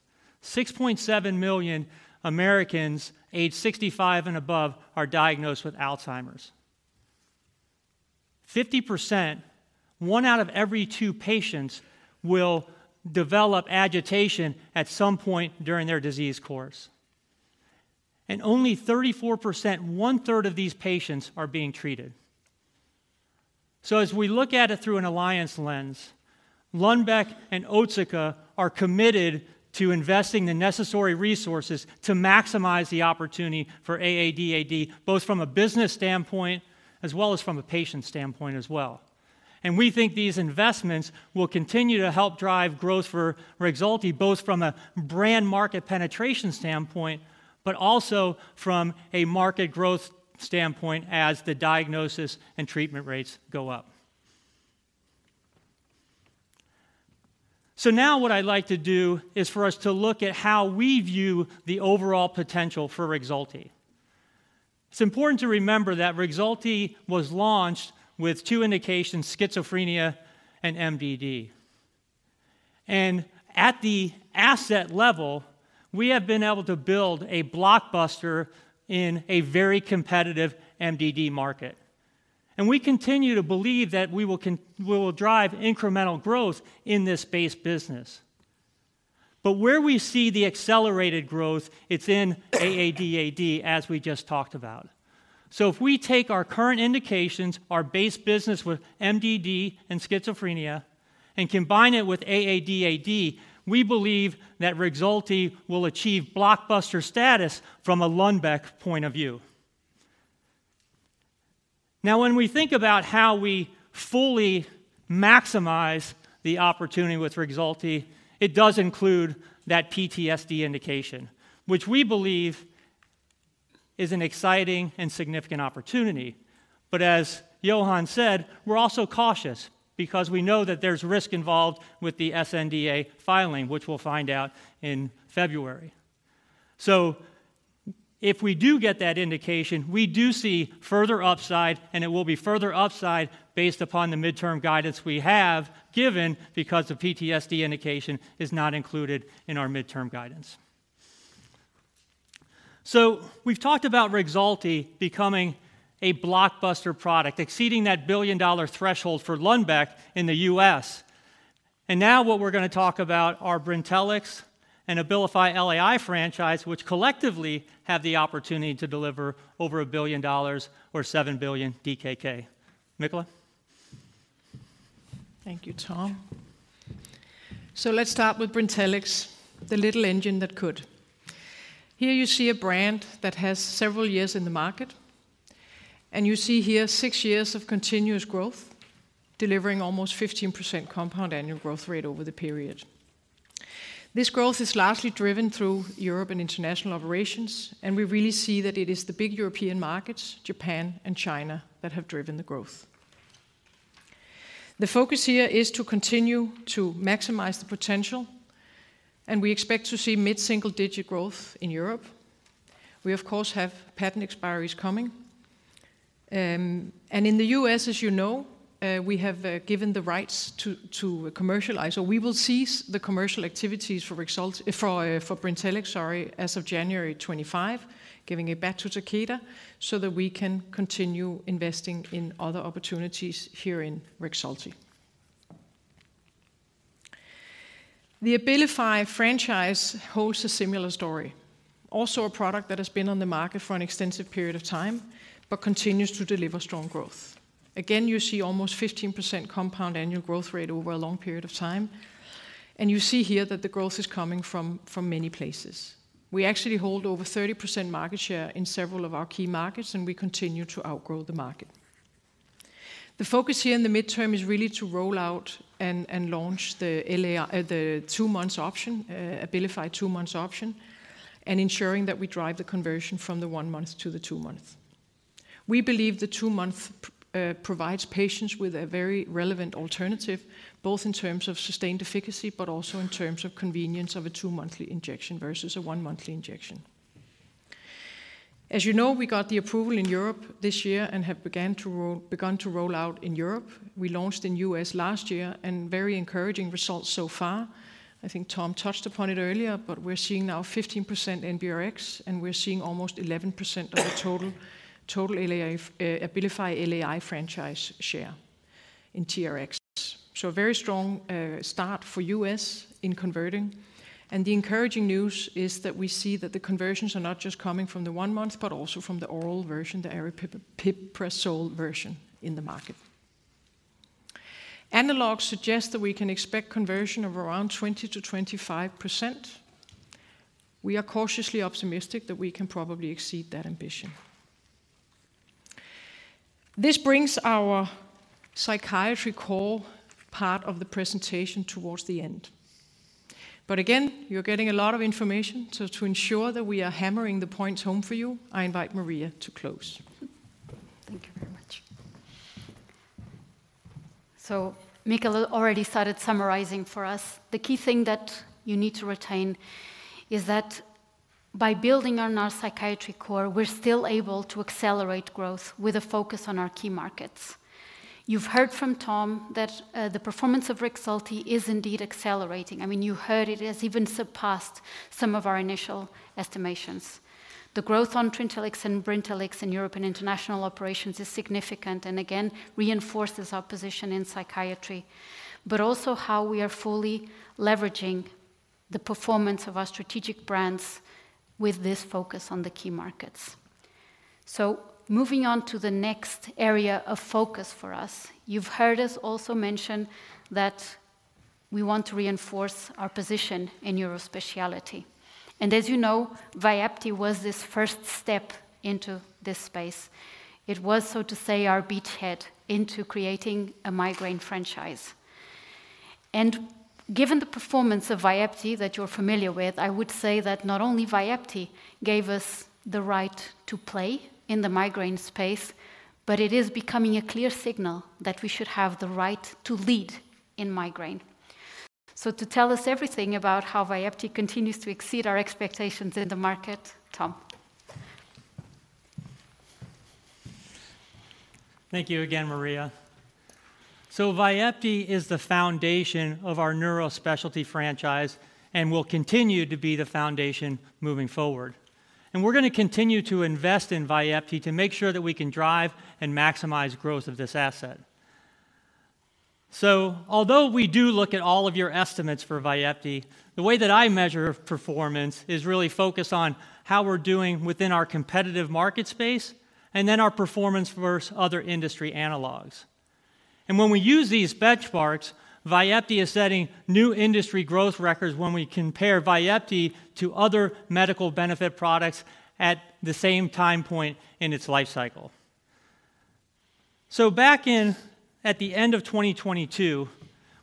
C: 6.7 million Americans aged 65 and above are diagnosed with Alzheimer's. 50%, one out of every two patients, will develop agitation at some point during their disease course, and only 34%, 1/3 of these patients, are being treated. So as we look at it through an alliance lens, Lundbeck and Otsuka are committed to investing the necessary resources to maximize the opportunity for AADAD, both from a business standpoint as well as from a patient standpoint as well. And we think these investments will continue to help drive growth for REXULTI, both from a brand market penetration standpoint, but also from a market growth standpoint as the diagnosis and treatment rates go up. So now what I'd like to do is for us to look at how we view the overall potential for REXULTI. It's important to remember that REXULTI was launched with two indications: schizophrenia and MDD. At the asset level, we have been able to build a blockbuster in a very competitive MDD market, and we continue to believe that we will drive incremental growth in this base business. Where we see the accelerated growth, it's in AADAD, as we just talked about. If we take our current indications, our base business with MDD and schizophrenia, and combine it with AADAD, we believe that REXULTI will achieve blockbuster status from a Lundbeck point of view. Now, when we think about how we fully maximize the opportunity with REXULTI, it does include that PTSD indication, which we believe is an exciting and significant opportunity. As Johan said, we're also cautious because we know that there's risk involved with the sNDA filing, which we'll find out in February. If we do get that indication, we do see further upside, and it will be further upside based upon the midterm guidance we have given, because the PTSD indication is not included in our midterm guidance. So we've talked about REXULTI becoming a blockbuster product, exceeding that $1 billion threshold for Lundbeck in the U.S. And now what we're gonna talk about are Brintellix and Abilify LAI franchise, which collectively have the opportunity to deliver over $1 billion or 7 billion DKK. Michala?
D: Thank you, Tom. So let's start with Brintellix, the little engine that could. Here you see a brand that has several years in the market, and you see here six years of continuous growth, delivering almost 15% compound annual growth rate over the period. This growth is largely driven through Europe and international operations, and we really see that it is the big European markets, Japan and China, that have driven the growth. The focus here is to continue to maximize the potential, and we expect to see mid-single-digit growth in Europe. We, of course, have patent expiries coming. And in the US, as you know, we have given the rights to commercialize. So we will cease the commercial activities for Brintellix, sorry, as of January 2025, giving it back to Takeda so that we can continue investing in other opportunities here in REXULTI. The Abilify franchise holds a similar story. Also, a product that has been on the market for an extensive period of time but continues to deliver strong growth. Again, you see almost 15% compound annual growth rate over a long period of time, and you see here that the growth is coming from many places. We actually hold over 30% market share in several of our key markets, and we continue to outgrow the market. The focus here in the midterm is really to roll out and launch the LAI... the two months option, Abilify two months option, and ensuring that we drive the conversion from the one month to the two month. We believe the two month provides patients with a very relevant alternative, both in terms of sustained efficacy, but also in terms of convenience of a two-monthly injection versus a one-monthly injection. As you know, we got the approval in Europe this year and have begun to roll out in Europe. We launched in U.S. last year, and very encouraging results so far. I think Tom touched upon it earlier, but we're seeing now 15% NBRX, and we're seeing almost 11% of the total LAI Abilify LAI franchise share in TRXs. A very strong start for the U.S. in converting, and the encouraging news is that we see that the conversions are not just coming from the one month, but also from the oral version, the aripiprazole version in the market. Analogs suggest that we can expect conversion of around 20%-25%. We are cautiously optimistic that we can probably exceed that ambition. This brings our psychiatry core part of the presentation towards the end. But again, you're getting a lot of information, so to ensure that we are hammering the points home for you, I invite Maria to close.
B: Thank you very much, so Michala already started summarizing for us. The key thing that you need to retain is that by building on our psychiatry core, we're still able to accelerate growth with a focus on our key markets. You've heard from Tom that the performance of REXULTI is indeed accelerating. I mean, you heard it has even surpassed some of our initial estimations. The growth on TRINTELLIX and Brintellix in Europe and international operations is significant, and again, reinforces our position in psychiatry, but also how we are fully leveraging the performance of our strategic brands with this focus on the key markets, so moving on to the next area of focus for us. You've heard us also mention that we want to reinforce our position in neurospecialty, and as you know, VYEPTI was this first step into this space. It was, so to say, our beachhead into creating a migraine franchise. And given the performance of VYEPTI that you're familiar with, I would say that not only VYEPTI gave us the right to play in the migraine space, but it is becoming a clear signal that we should have the right to lead in migraine. So to tell us everything about how VYEPTI continues to exceed our expectations in the market, Tom.
C: Thank you again, Maria. So VYEPTI is the foundation of our neurospecialty franchise and will continue to be the foundation moving forward. And we're gonna continue to invest in VYEPTI to make sure that we can drive and maximize growth of this asset. So although we do look at all of your estimates for VYEPTI, the way that I measure performance is really focused on how we're doing within our competitive market space, and then our performance versus other industry analogues. And when we use these benchmarks, VYEPTI is setting new industry growth records when we compare VYEPTI to other medical benefit products at the same time point in its life cycle. So back at the end of 2022,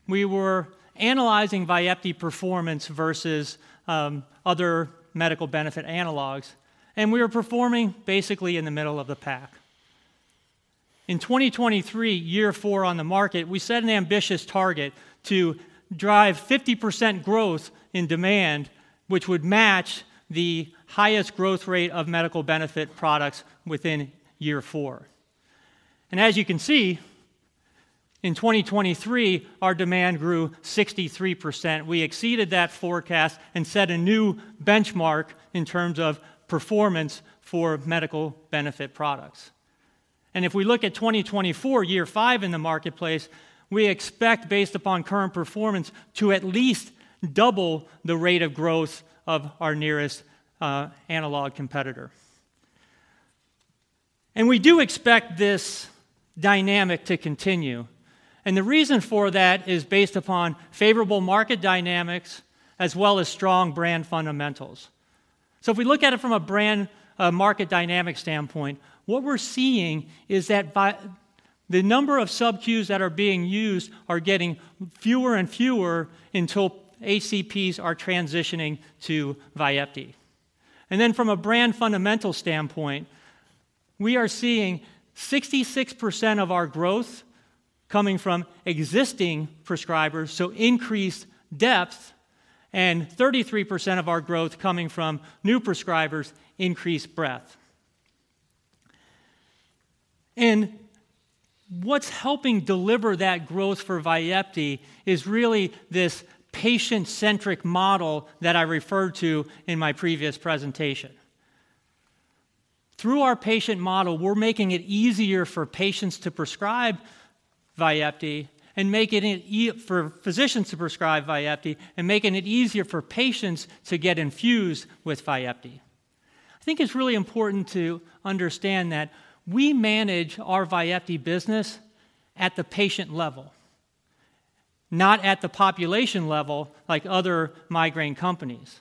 C: we were analyzing VYEPTI performance versus other medical benefit analogues, and we were performing basically in the middle of the pack. In 2023, year four on the market, we set an ambitious target to drive 50% growth in demand, which would match the highest growth rate of medical benefit products within year four. And as you can see, in 2023, our demand grew 63%. We exceeded that forecast and set a new benchmark in terms of performance for medical benefit products. And if we look at 2024, year five in the marketplace, we expect, based upon current performance, to at least double the rate of growth of our nearest analog competitor. And we do expect this dynamic to continue, and the reason for that is based upon favorable market dynamics as well as strong brand fundamentals. So if we look at it from a brand market dynamic standpoint, what we're seeing is that by the number of sub-Qs that are being used are getting fewer and fewer until ACPs are transitioning to VYEPTI. And then from a brand fundamental standpoint, we are seeing 66% of our growth coming from existing prescribers, so increased depth, and 33% of our growth coming from new prescribers, increased breadth. And what's helping deliver that growth for VYEPTI is really this patient-centric model that I referred to in my previous presentation. Through our patient model, we're making it easier for patients to prescribe VYEPTI and making it easier for physicians to prescribe VYEPTI, and making it easier for patients to get infused with VYEPTI. I think it's really important to understand that we manage our VYEPTI business at the patient level, not at the population level, like other migraine companies,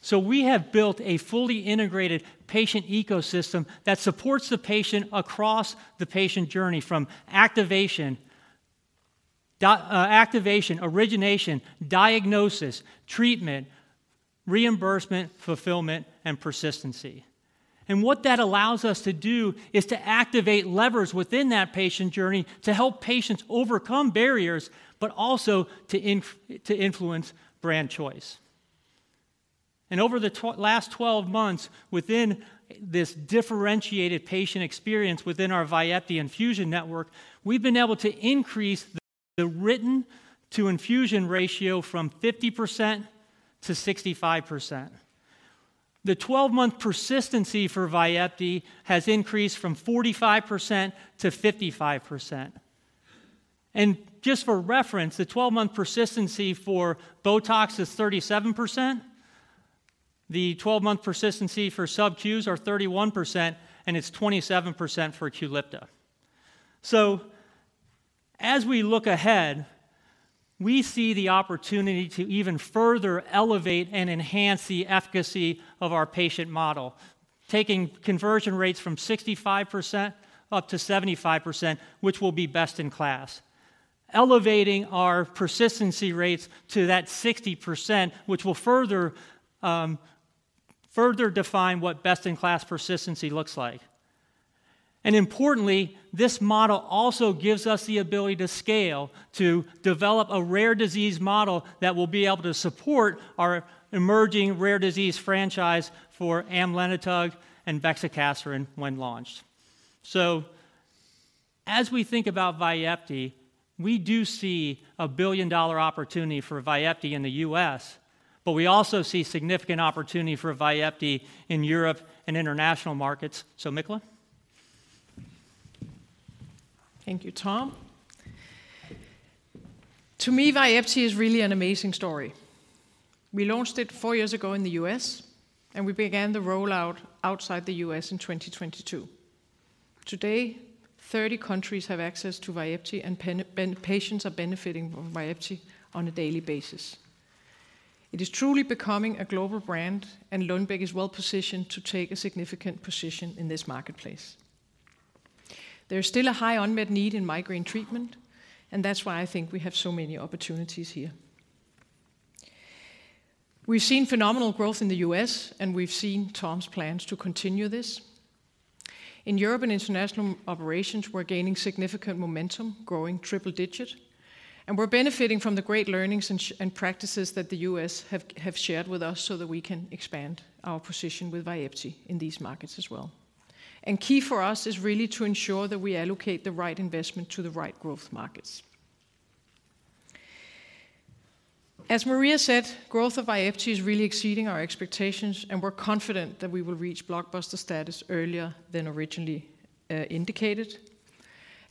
C: so we have built a fully integrated patient ecosystem that supports the patient across the patient journey, from activation, origination, diagnosis, treatment, reimbursement, fulfillment, and persistency, and what that allows us to do is to activate levers within that patient journey to help patients overcome barriers, but also to influence brand choice, and over the last 12 months, within this differentiated patient experience within our VYEPTI infusion network, we've been able to increase the written-to-infusion ratio from 50%-65%. The 12-month persistency for VYEPTI has increased from 45%-55%. Just for reference, the 12-month persistency for Botox is 37%, the 12-month persistency for sub-Qs is 31%, and it's 27% for Qalypta. So as we look ahead, we see the opportunity to even further elevate and enhance the efficacy of our patient model, taking conversion rates from 65% up to 75%, which will be best-in-class, elevating our persistency rates to that 60%, which will further further define what best-in-class persistency looks like. And importantly, this model also gives us the ability to scale, to develop a rare disease model that will be able to support our emerging rare disease franchise for amlenetug and bexicaserin when launched. So as we think about VYEPTI, we do see a billion-dollar opportunity for VYEPTI in the US, but we also see significant opportunity for VYEPTI in Europe and international markets. So, Michala?
D: Thank you, Tom. To me, VYEPTI is really an amazing story. We launched it four years ago in the U.S., and we began the rollout outside the U.S. in 2022. Today, 30 countries have access to VYEPTI, and patients are benefiting from VYEPTI on a daily basis. It is truly becoming a global brand, and Lundbeck is well-positioned to take a significant position in this marketplace. There is still a high unmet need in migraine treatment, and that's why I think we have so many opportunities here. We've seen phenomenal growth in the U.S., and we've seen Tom's plans to continue this. In Europe and international operations, we're gaining significant momentum, growing triple digit, and we're benefiting from the great learnings and practices that the U.S. have shared with us so that we can expand our position with VYEPTI in these markets as well. Key for us is really to ensure that we allocate the right investment to the right growth markets. As Maria said, growth of VYEPTI is really exceeding our expectations, and we're confident that we will reach blockbuster status earlier than originally indicated.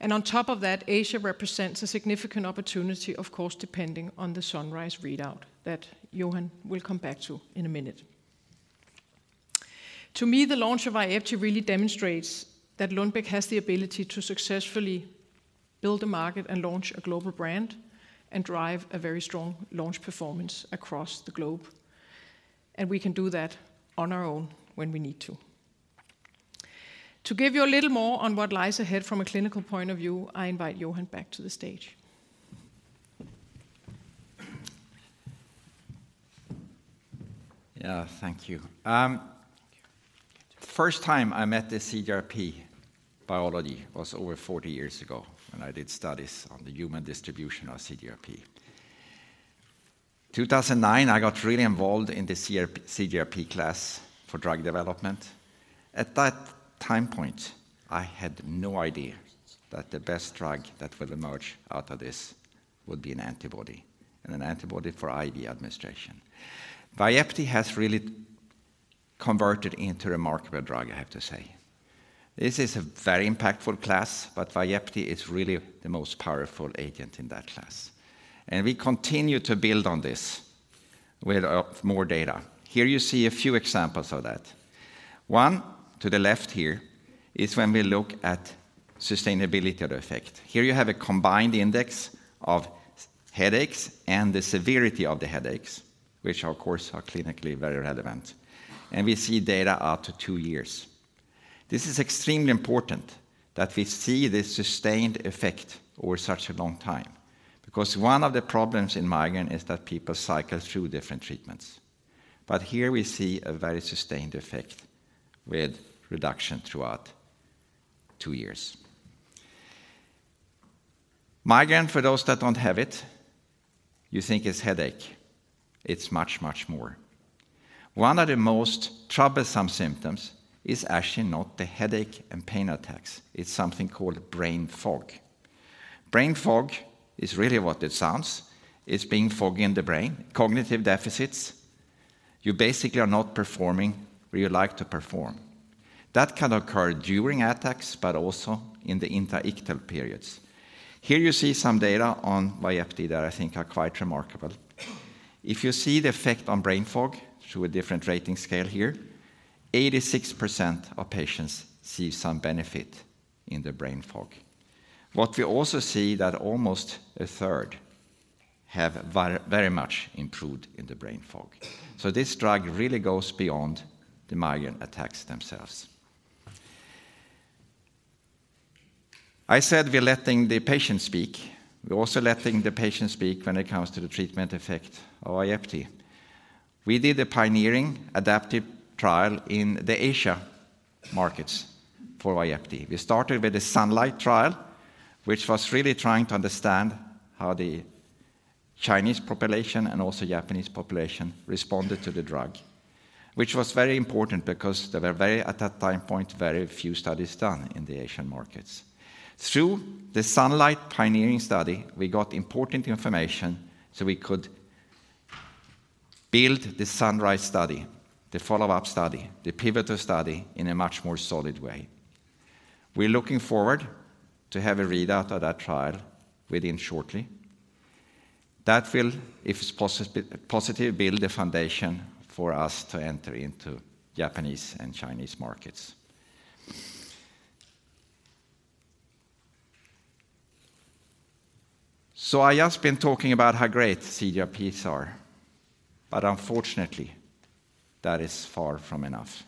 D: On top of that, Asia represents a significant opportunity, of course, depending on the SUNRISE readout that Johan will come back to in a minute. To me, the launch of VYEPTI really demonstrates that Lundbeck has the ability to successfully build a market and launch a global brand and drive a very strong launch performance across the globe, and we can do that on our own when we need to. To give you a little more on what lies ahead from a clinical point of view, I invite Johan back to the stage.
E: Yeah, thank you. First time I met the CGRP biology was over 40 years ago when I did studies on the human distribution of CGRP. 2009, I got really involved in the CGRP class for drug development. At that time point, I had no idea that the best drug that would emerge out of this would be an antibody, and an antibody for IV administration. VYEPTI has really converted into a remarkable drug, I have to say. This is a very impactful class, but VYEPTI is really the most powerful agent in that class. And we continue to build on this with more data. Here you see a few examples of that. One, to the left here, is when we look at sustainability of the effect. Here you have a combined index of headaches and the severity of the headaches, which of course, are clinically very relevant, and we see data out to two years. This is extremely important that we see this sustained effect over such a long time, because one of the problems in migraine is that people cycle through different treatments. But here we see a very sustained effect with reduction throughout two years. Migraine, for those that don't have it, you think it's headache. It's much, much more. One of the most troublesome symptoms is actually not the headache and pain attacks, it's something called brain fog. Brain fog is really what it sounds. It's being foggy in the brain, cognitive deficits. You basically are not performing where you like to perform. That can occur during attacks, but also in the interictal periods. Here you see some data on VYEPTI that I think are quite remarkable. If you see the effect on brain fog through a different rating scale here, 86% of patients see some benefit in the brain fog. What we also see that almost a third have very, very much improved in the brain fog. So this drug really goes beyond the migraine attacks themselves. I said we're letting the patient speak. We're also letting the patient speak when it comes to the treatment effect of VYEPTI. We did a pioneering adaptive trial in the Asia markets for VYEPTI. We started with the SUNLIGHT trial, which was really trying to understand how the Chinese population, and also Japanese population, responded to the drug. Which was very important because there were very, at that time point, very few studies done in the Asian markets. Through the SUNLIGHT pioneering study, we got important information, so we could build the SUNRISE study, the follow-up study, the pivotal study, in a much more solid way. We're looking forward to have a readout of that trial within shortly. That will, if it's positive, build the foundation for us to enter into Japanese and Chinese markets. So I have been talking about how great CGRPs are, but unfortunately, that is far from enough.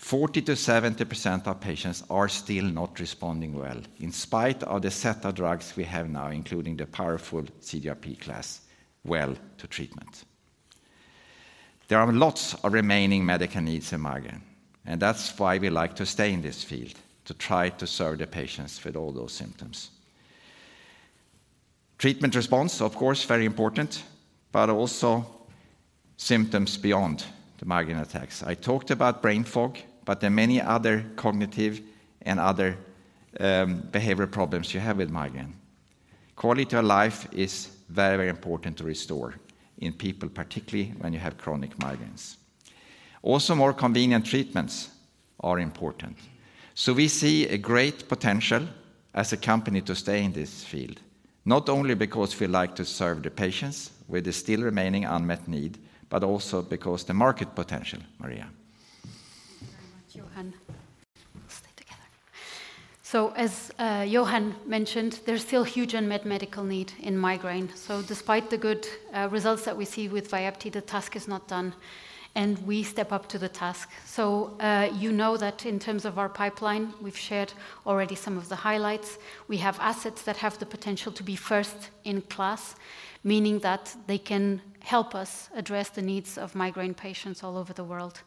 E: 40%-70% of patients are still not responding well, in spite of the set of drugs we have now, including the powerful CGRP class, well to treatment. There are lots of remaining medical needs in migraine, and that's why we like to stay in this field, to try to serve the patients with all those symptoms. Treatment response, of course, very important, but also symptoms beyond the migraine attacks. I talked about brain fog, but there are many other cognitive and other, behavior problems you have with migraine. Quality of life is very, very important to restore in people, particularly when you have chronic migraines. Also, more convenient treatments are important. So we see a great potential as a company to stay in this field, not only because we like to serve the patients with the still remaining unmet need, but also because the market potential. Maria.
B: Thank you very much, Johan. We'll stay together. So as Johan mentioned, there's still huge unmet medical need in migraine. So despite the good results that we see with VYEPTI, the task is not done, and we step up to the task. So you know that in terms of our pipeline, we've shared already some of the highlights. We have assets that have the potential to be first in class, meaning that they can help us address the needs of migraine patients all over the world.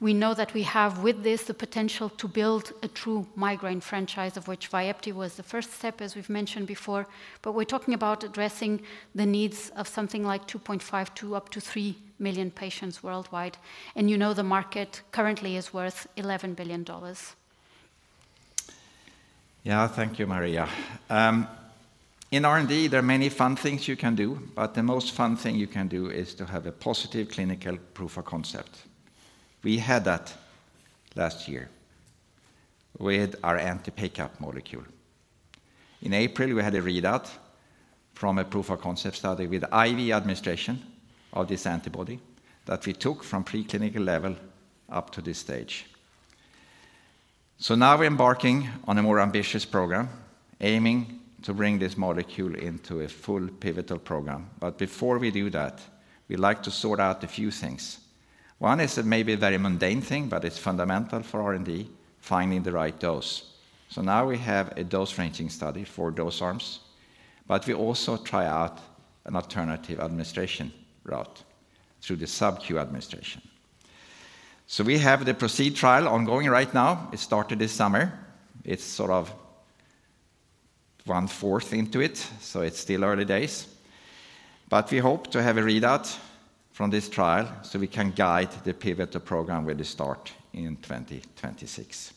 B: We know that we have, with this, the potential to build a true migraine franchise, of which VYEPTI was the first step, as we've mentioned before. But we're talking about addressing the needs of something like 2.5 to up to 3 million patients worldwide, and you know, the market currently is worth $11 billion.
E: Yeah. Thank you, Maria. In R&D, there are many fun things you can do, but the most fun thing you can do is to have a positive clinical proof of concept. We had that last year with our anti-PACAP molecule. In April, we had a readout from a proof of concept study with IV administration of this antibody that we took from preclinical level up to this stage. So now we're embarking on a more ambitious program, aiming to bring this molecule into a full pivotal program. But before we do that, we like to sort out a few things. One is maybe a very mundane thing, but it's fundamental for R&D, finding the right dose. So now we have a dose-ranging study for dose arms, but we also try out an alternative administration route through the subcutaneous administration. So we have the PROCEED trial ongoing right now. It started this summer. It's sort of 1/4 into it, so it's still early days. But we hope to have a readout from this trial, so we can guide the pivotal program with the start in 2026,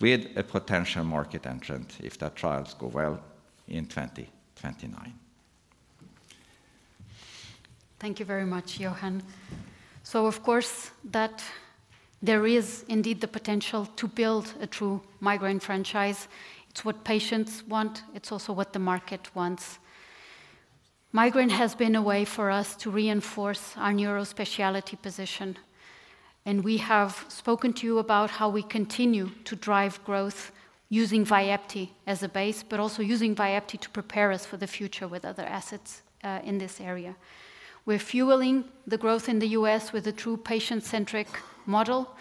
E: with a potential market entrant, if the trials go well, in 2029.
B: Thank you very much, Johan, so of course, that there is indeed the potential to build a true migraine franchise. It's what patients want, it's also what the market wants. Migraine has been a way for us to reinforce our neurospecialty position, and we have spoken to you about how we continue to drive growth using VYEPTI as a base, but also using VYEPTI to prepare us for the future with other assets in this area. We're fueling the growth in the U.S. with a true patient-centric model,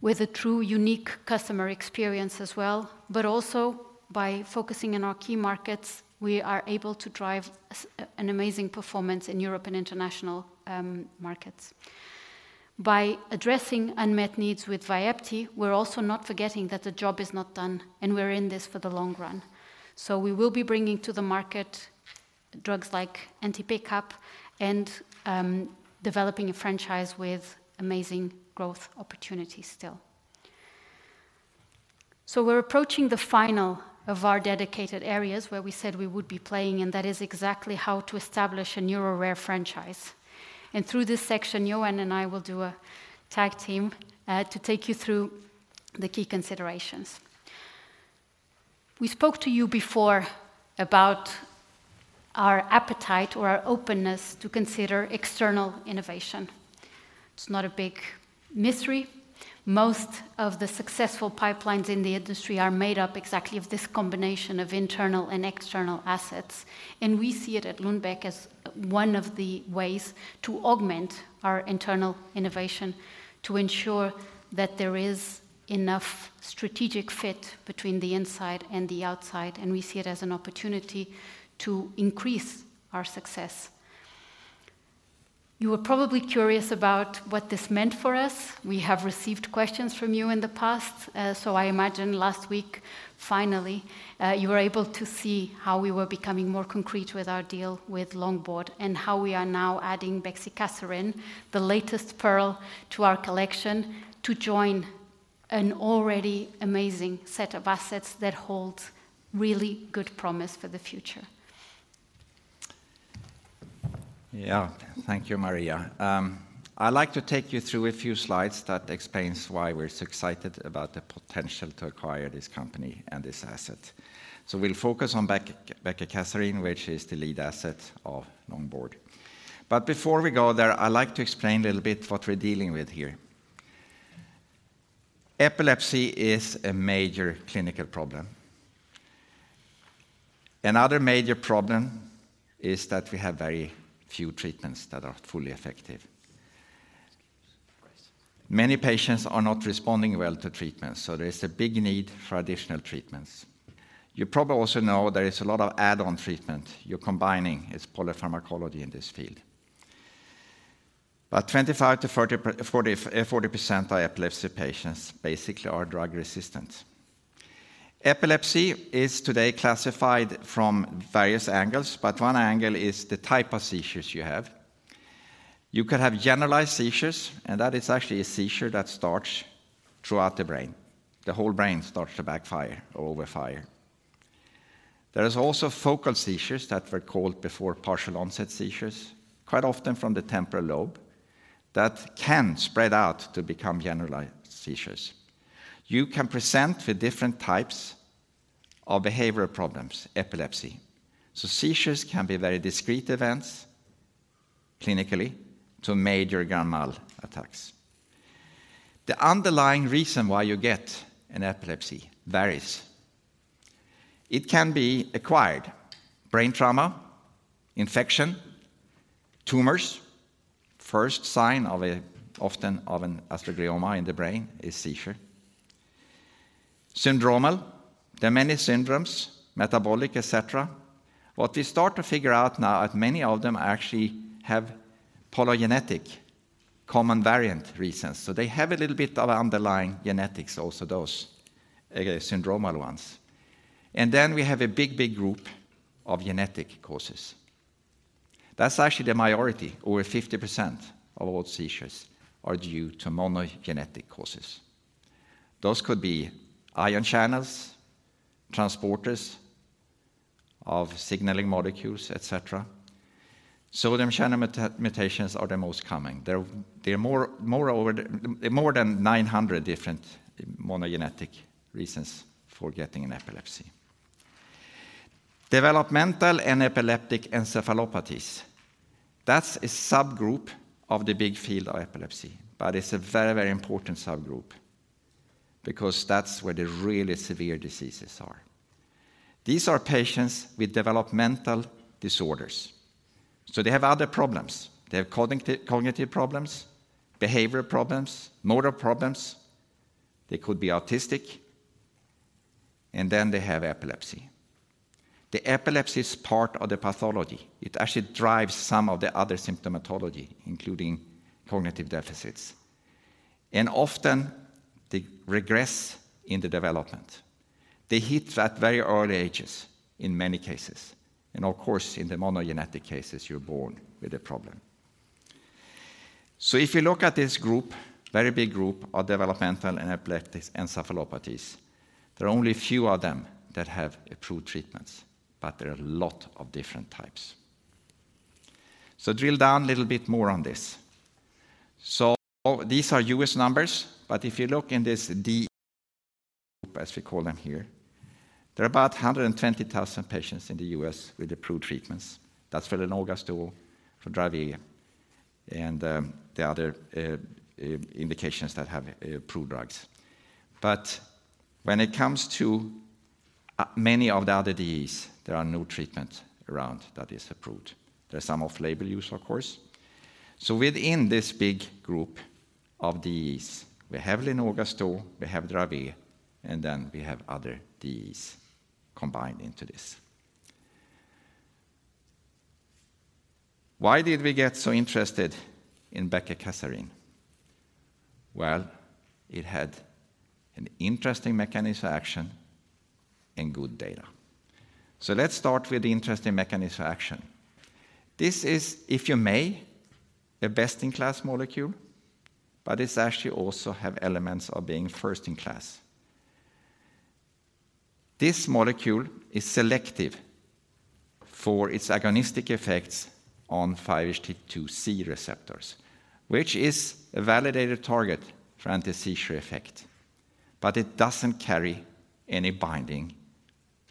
B: with a true unique customer experience as well, but also by focusing in our key markets, we are able to drive an amazing performance in Europe and international markets. By addressing unmet needs with VYEPTI, we're also not forgetting that the job is not done, and we're in this for the long run. So we will be bringing to the market drugs like anti-PACAP, and, developing a franchise with amazing growth opportunities still. So we're approaching the final of our dedicated areas where we said we would be playing, and that is exactly how to establish a neuro rare franchise. And through this section, Johan and I will do a tag team, to take you through the key considerations. We spoke to you before about our appetite or our openness to consider external innovation. It's not a big mystery. Most of the successful pipelines in the industry are made up exactly of this combination of internal and external assets, and we see it at Lundbeck as one of the ways to augment our internal innovation, to ensure that there is enough strategic fit between the inside and the outside, and we see it as an opportunity to increase our success. You were probably curious about what this meant for us. We have received questions from you in the past, so I imagine last week, finally, you were able to see how we were becoming more concrete with our deal with Longboard, and how we are now adding bexicaserin, the latest pearl to our collection, to join an already amazing set of assets that hold really good promise for the future.
E: Yeah. Thank you, Maria. I'd like to take you through a few slides that explains why we're so excited about the potential to acquire this company and this asset. So we'll focus on bexicaserin, which is the lead asset of Longboard. But before we go there, I'd like to explain a little bit what we're dealing with here. Epilepsy is a major clinical problem. Another major problem is that we have very few treatments that are fully effective. Many patients are not responding well to treatment, so there is a big need for additional treatments. You probably also know there is a lot of add-on treatment. You're combining its polypharmacology in this field. But 25%-40% of epilepsy patients basically are drug resistant. Epilepsy is today classified from various angles, but one angle is the type of seizures you have. You could have generalized seizures, and that is actually a seizure that starts throughout the brain. The whole brain starts to backfire or overfire. There is also focal seizures that were called before partial onset seizures, quite often from the temporal lobe, that can spread out to become generalized seizures. You can present with different types of behavioral problems, epilepsy, so seizures can be very discrete events, clinically, to major grand mal attacks. The underlying reason why you get an epilepsy varies. It can be acquired: brain trauma, infection, tumors. First sign of a, often of an astrocytoma in the brain is seizure. Syndromal, there are many syndromes, metabolic, et cetera. What we start to figure out now is many of them actually have polygenic common variant reasons, so they have a little bit of underlying genetics, also, those syndromal ones. And then we have a big, big group of genetic causes. That's actually the minority. Over 50% of all seizures are due to monogenic causes. Those could be ion channels, transporters of signaling molecules, et cetera. Sodium channel mutations are the most common. There are more than 900 different monogenic reasons for getting an epilepsy. Developmental and epileptic encephalopathies, that's a subgroup of the big field of epilepsy, but it's a very, very important subgroup because that's where the really severe diseases are. These are patients with developmental disorders, so they have other problems. They have cognitive problems, behavioral problems, motor problems. They could be autistic, and then they have epilepsy. The epilepsy is part of the pathology. It actually drives some of the other symptomatology, including cognitive deficits. And often, they regress in the development. They hit at very early ages in many cases, and of course, in the monogenic cases, you're born with a problem. So if you look at this group, very big group of developmental and epileptic encephalopathies, there are only a few of them that have approved treatments, but there are a lot of different types. So drill down a little bit more on this. So these are U.S. numbers, but if you look in this DEE, as we call them here, there are about hundred and 20,000 patients in the U.S. with approved treatments. That's for Lennox-Gastaut, for Dravet, and the other indications that have approved drugs. But when it comes to many of the other DEEs, there are no treatment around that is approved. There are some off-label use, of course. Within this big group of DEEs, we have Lennox-Gastaut, we have Dravet, and then we have other DEEs combined into this. Why did we get so interested in bexicaserin? It had an interesting mechanism of action and good data. Let's start with the interesting mechanism of action. This is, if you may, a best-in-class molecule, but it's actually also have elements of being first-in-class. This molecule is selective for its agonistic effects on 5-HT2C receptors, which is a validated target for anti-seizure effect, but it doesn't carry any binding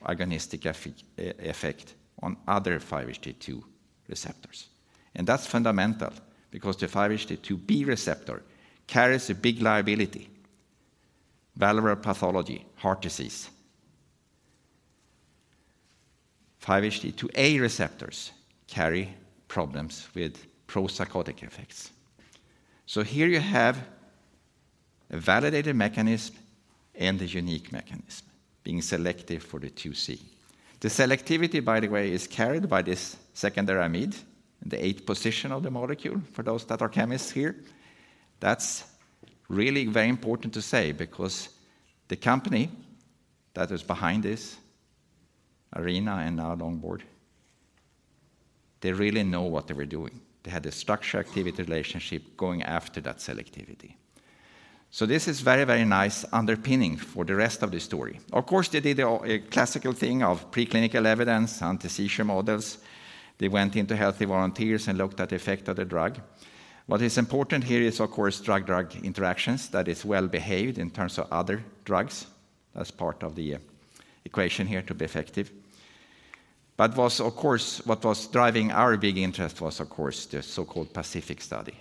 E: agonistic effect on other 5-HT2 receptors. That's fundamental because the 5-HT2B receptor carries a big liability, valvular pathology, heart disease. 5-HT2A receptors carry problems with pro-psychotic effects. Here you have a validated mechanism and a unique mechanism being selective for the 2C. The selectivity, by the way, is carried by this secondary amide in the eighth position of the molecule, for those that are chemists here. That's really very important to say because the company that is behind this, Arena, and now Longboard, they really know what they were doing. They had a structure activity relationship going after that selectivity. So this is very, very nice underpinning for the rest of the story. Of course, they did a classical thing of preclinical evidence, anti-seizure models. They went into healthy volunteers and looked at the effect of the drug. What is important here is, of course, drug-drug interactions, that is well behaved in terms of other drugs. That's part of the equation here to be effective. But was, of course, what was driving our big interest was, of course, the so-called PACIFIC study,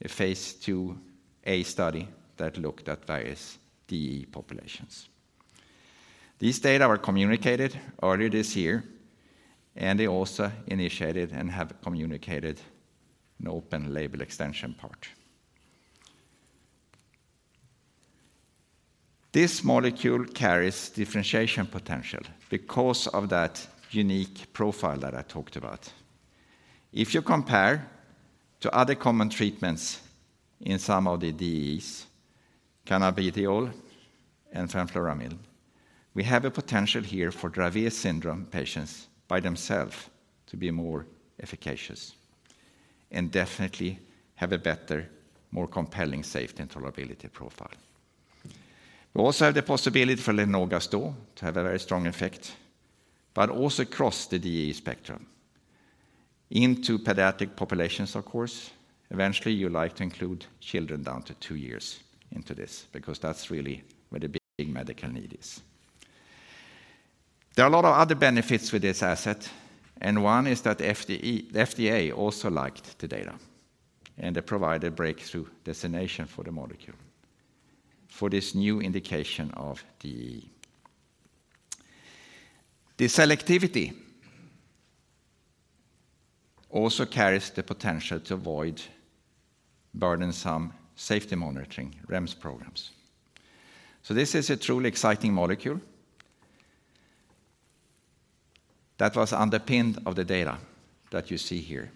E: a phase II-A study that looked at various DEE populations. These data are communicated earlier this year, and they also initiated and have communicated an open label extension part. This molecule carries differentiation potential because of that unique profile that I talked about. If you compare to other common treatments in some of the DEEs, cannabidiol and fenfluramine, we have a potential here for Dravet syndrome patients by themselves to be more efficacious and definitely have a better, more compelling safety and tolerability profile. We also have the possibility for Lennox-Gastaut, too, to have a very strong effect, but also across the DEE spectrum into pediatric populations, of course. Eventually, you like to include children down to two years into this because that's really where the big medical need is. There are a lot of other benefits with this asset, and one is that FDA, the FDA also liked the data, and they provided breakthrough designation for the molecule for this new indication of DEE. The selectivity also carries the potential to avoid burdensome safety monitoring REMS programs. So this is a truly exciting molecule that was underpinned of the data that you see here.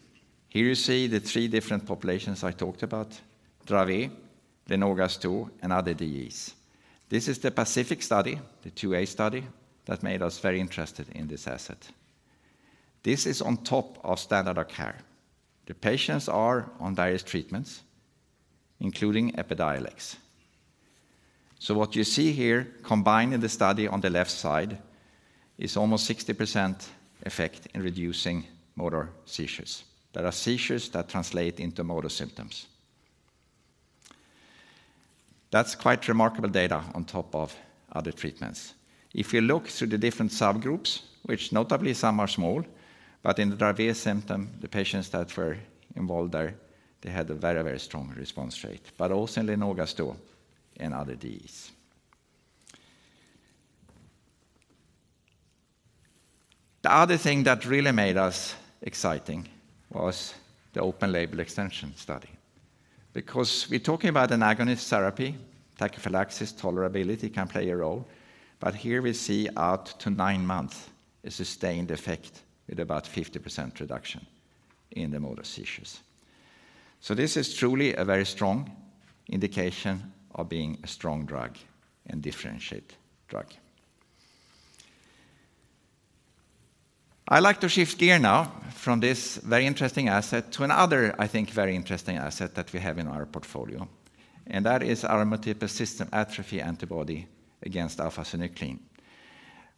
E: Here you see the three different populations I talked about, Dravet, Lennox-Gastaut, and other DEEs. This is the PACIFIC study, the 2A study, that made us very interested in this asset. This is on top of standard of care. The patients are on various treatments, including EPIDIOLEX. So what you see here, combined in the study on the left side, is almost 60% effect in reducing motor seizures. There are seizures that translate into motor symptoms. That's quite remarkable data on top of other treatments. If you look through the different subgroups, which notably some are small, but in the Dravet syndrome, the patients that were involved there, they had a very, very strong response rate, but also in Lennox-Gastaut and other DEEs. The other thing that really made us exciting was the open label extension study. Because we're talking about an agonist therapy, tachyphylaxis tolerability can play a role, but here we see out to nine months, a sustained effect with about 50% reduction in the motor seizures. So this is truly a very strong indication of being a strong drug and differentiate drug. I'd like to shift gear now from this very interesting asset to another, I think, very interesting asset that we have in our portfolio, and that is our multiple system atrophy antibody against alpha-synuclein.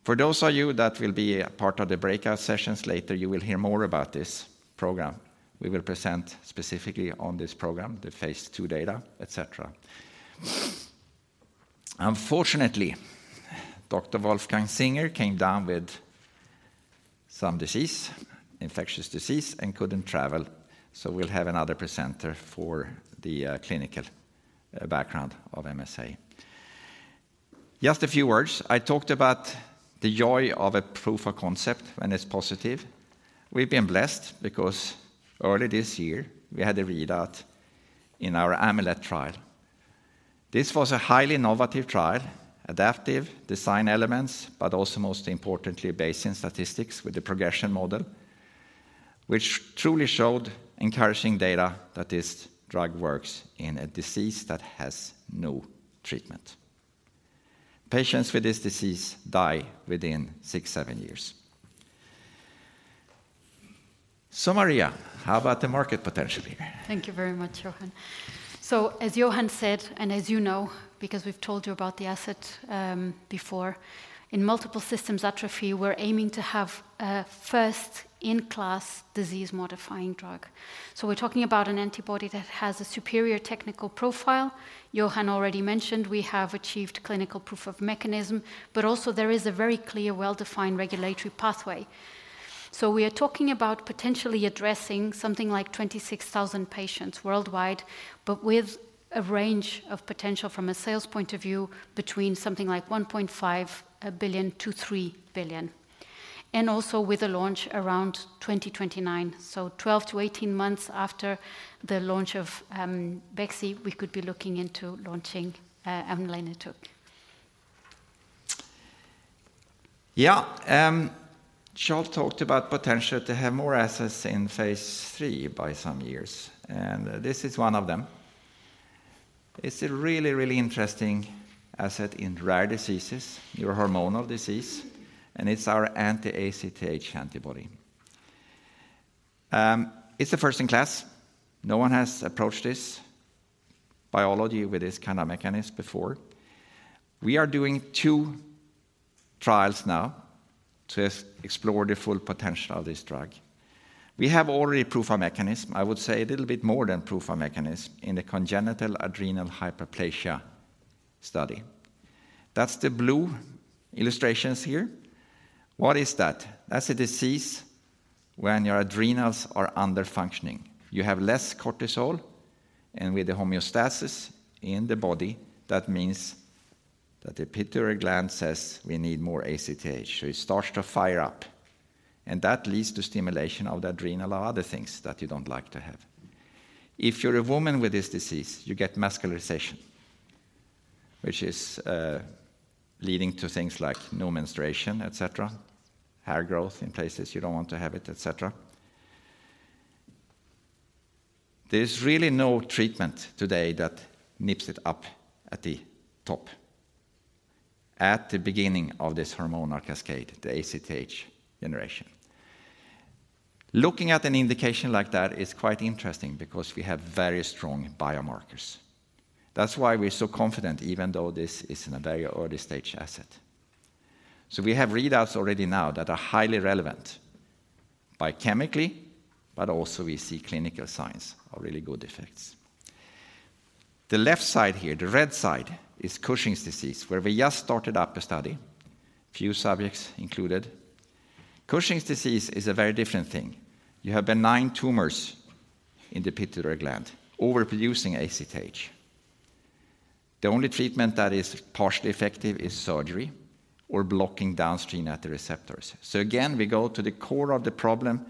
E: For those of you that will be a part of the breakout sessions later, you will hear more about this program. We will present specifically on this program, the phase II data, et cetera. Unfortunately, Dr. Wolfgang Singer came down with some disease, infectious disease, and couldn't travel, so we'll have another presenter for the clinical background of MSA. Just a few words. I talked about the joy of a proof of concept when it's positive. We've been blessed because early this year, we had a readout in our AMYLET trial. This was a highly innovative trial, adaptive design elements, but also most importantly, Bayesian statistics with the progression model, which truly showed encouraging data that this drug works in a disease that has no treatment. Patients with this disease die within six, seven years. So Maria, how about the market potentially?
B: Thank you very much, Johan. So as Johan said, and as you know, because we've told you about the asset, before, in Multiple System Atrophy, we're aiming to have a first-in-class disease modifying drug. So we're talking about an antibody that has a superior technical profile. Johan already mentioned we have achieved clinical proof of mechanism, but also there is a very clear, well-defined regulatory pathway. So we are talking about potentially addressing something like 26,000 patients worldwide, but with a range of potential from a sales point of view between something like $1.5 billion-$3 billion. And also with a launch around 2029. So 12-18 months after the launch of VYEPTI, we could be looking into launching amlenetug.
E: Yeah, Charl talked about potential to have more assets in phase III by some years, and this is one of them. It's a really, really interesting asset in rare diseases, neurohormonal disease, and it's our anti-ACTH antibody. It's the first in class. No one has approached this biology with this kind of mechanism before. We are doing two trials now to explore the full potential of this drug. We have already proof of mechanism, I would say a little bit more than proof of mechanism, in the congenital adrenal hyperplasia study. That's the blue illustrations here. What is that? That's a disease when your adrenals are underfunctioning. You have less cortisol, and with the homeostasis in the body, that means that the pituitary gland says, "We need more ACTH." So it starts to fire up, and that leads to stimulation of the adrenal and other things that you don't like to have. If you're a woman with this disease, you get masculinization, which is leading to things like no menstruation, et cetera, hair growth in places you don't want to have it, et cetera. There's really no treatment today that nips it up at the top, at the beginning of this hormonal cascade, the ACTH generation. Looking at an indication like that is quite interesting because we have very strong biomarkers. That's why we're so confident, even though this is in a very early stage asset. We have readouts already now that are highly relevant biochemically, but also we see clinical signs of really good effects. The left side here, the red side, is Cushing's disease, where we just started up a study, few subjects included. Cushing's disease is a very different thing. You have benign tumors in the pituitary gland, overproducing ACTH. The only treatment that is partially effective is surgery or blocking downstream at the receptors. We go to the core of the problem,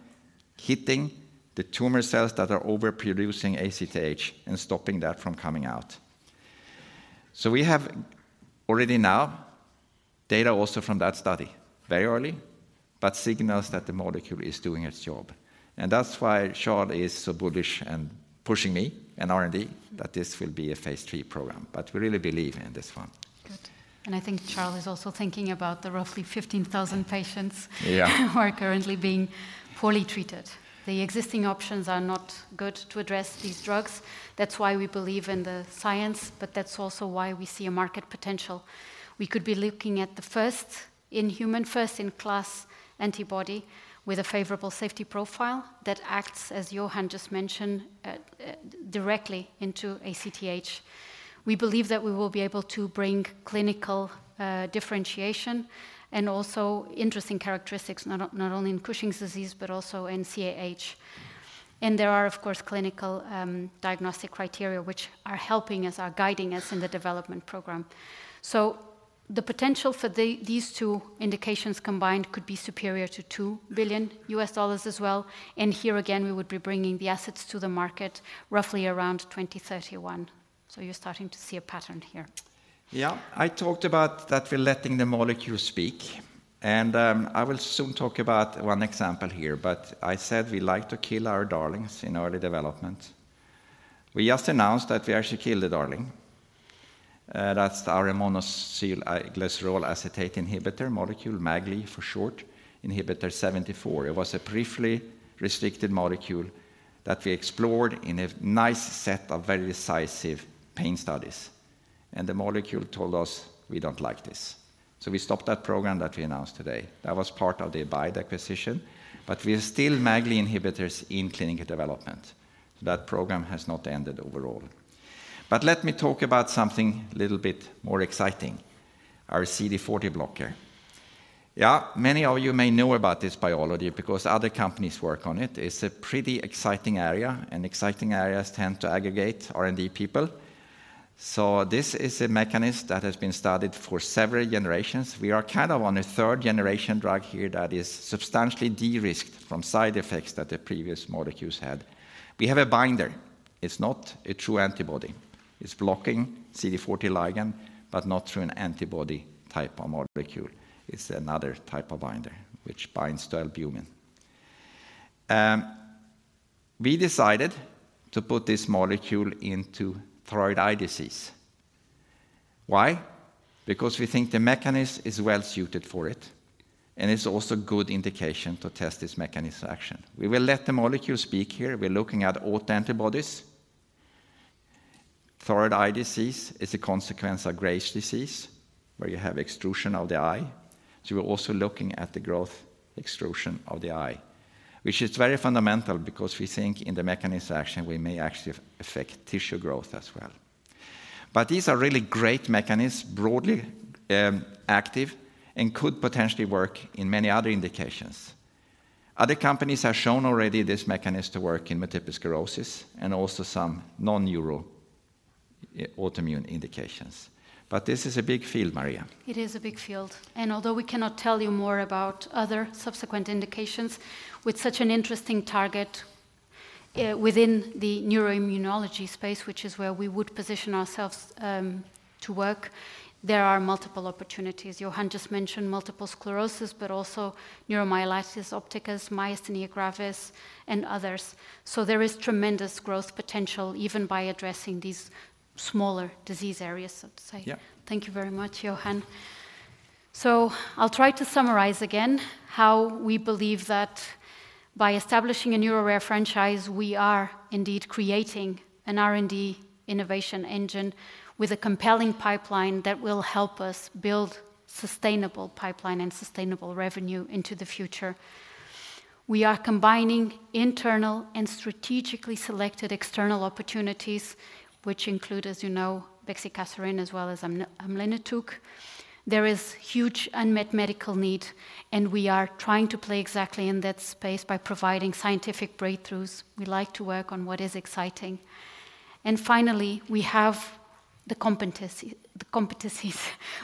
E: hitting the tumor cells that are overproducing ACTH and stopping that from coming out. We have already now data also from that study, very early, but signals that the molecule is doing its job. That's why Charl is so bullish and pushing me and R&D that this will be a phase III program, but we really believe in this one.
B: Good. And I think Charl is also thinking about the roughly 15,000 patients-
E: Yeah.
B: Who are currently being poorly treated. The existing options are not good to address these drugs. That's why we believe in the science, but that's also why we see a market potential. We could be looking at the first-in-human, first-in-class antibody with a favorable safety profile that acts, as Johan just mentioned, directly into ACTH. We believe that we will be able to bring clinical differentiation and also interesting characteristics, not only, not only in Cushing's disease, but also in CAH. And there are, of course, clinical diagnostic criteria which are helping us, are guiding us in the development program. So the potential for these two indications combined could be superior to $2 billion as well, and here again, we would be bringing the assets to the market roughly around 2031. So you're starting to see a pattern here.
E: Yeah. I talked about that we're letting the molecule speak, and, I will soon talk about one example here. But I said we like to kill our darlings in early development. We just announced that we actually killed a darling. That's the monoacylglycerol lipase inhibitor molecule, MAGL for short, inhibitor 74. It was a briefly restricted molecule that we explored in a nice set of very decisive pain studies, and the molecule told us, "We don't like this." So we stopped that program that we announced today. That was part of the Abide acquisition, but we have still MAGL inhibitors in clinical development. That program has not ended overall. But let me talk about something a little bit more exciting, our CD40 blocker. Yeah, many of you may know about this biology because other companies work on it. It's a pretty exciting area, and exciting areas tend to aggregate R&D people. So this is a mechanism that has been studied for several generations. We are kind of on a 3rd-generation drug here that is substantially de-risked from side effects that the previous molecules had. We have a binder. It's not a true antibody. It's blocking CD40 ligand, but not through an antibody type of molecule. It's another type of binder which binds to albumin. We decided to put this molecule into thyroid eye disease. Why? Because we think the mechanism is well suited for it, and it's also good indication to test this mechanism action. We will let the molecule speak here. We're looking at autoantibodies. Thyroid Eye disease is a consequence of Graves' disease, where you have extrusion of the eye. So we're also looking at the growth extrusion of the eye, which is very fundamental because we think in the mechanism action, we may actually affect tissue growth as well. But these are really great mechanisms, broadly active, and could potentially work in many other indications. Other companies have shown already this mechanism to work in multiple sclerosis and also some non-neuro autoimmune indications. But this is a big field, Maria.
B: It is a big field, and although we cannot tell you more about other subsequent indications, with such an interesting target, within the neuroimmunology space, which is where we would position ourselves, to work, there are multiple opportunities. Johan just mentioned multiple sclerosis, but also neuromyelitis optica, myasthenia gravis, and others. So there is tremendous growth potential, even by addressing these smaller disease areas, so to say.
E: Yeah.
B: Thank you very much, Johan. So I'll try to summarize again how we believe that by establishing a neuro rare franchise, we are indeed creating an R&D innovation engine with a compelling pipeline that will help us build sustainable pipeline and sustainable revenue into the future. We are combining internal and strategically selected external opportunities, which include, as you know, bexicaserin, as well as amlenetug. There is huge unmet medical need, and we are trying to play exactly in that space by providing scientific breakthroughs. We like to work on what is exciting. And finally, we have the competencies.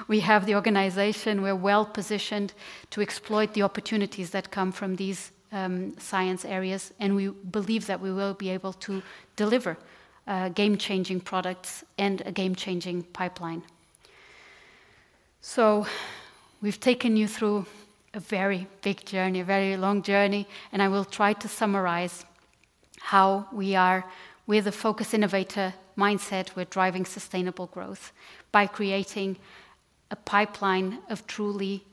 B: We have the organization. We're well-positioned to exploit the opportunities that come from these science areas, and we believe that we will be able to deliver game-changing products and a game-changing pipeline. So we've taken you through a very big journey, a very long journey, and I will try to summarize how we are. With a focused innovator mindset, we're driving sustainable growth by creating a pipeline of truly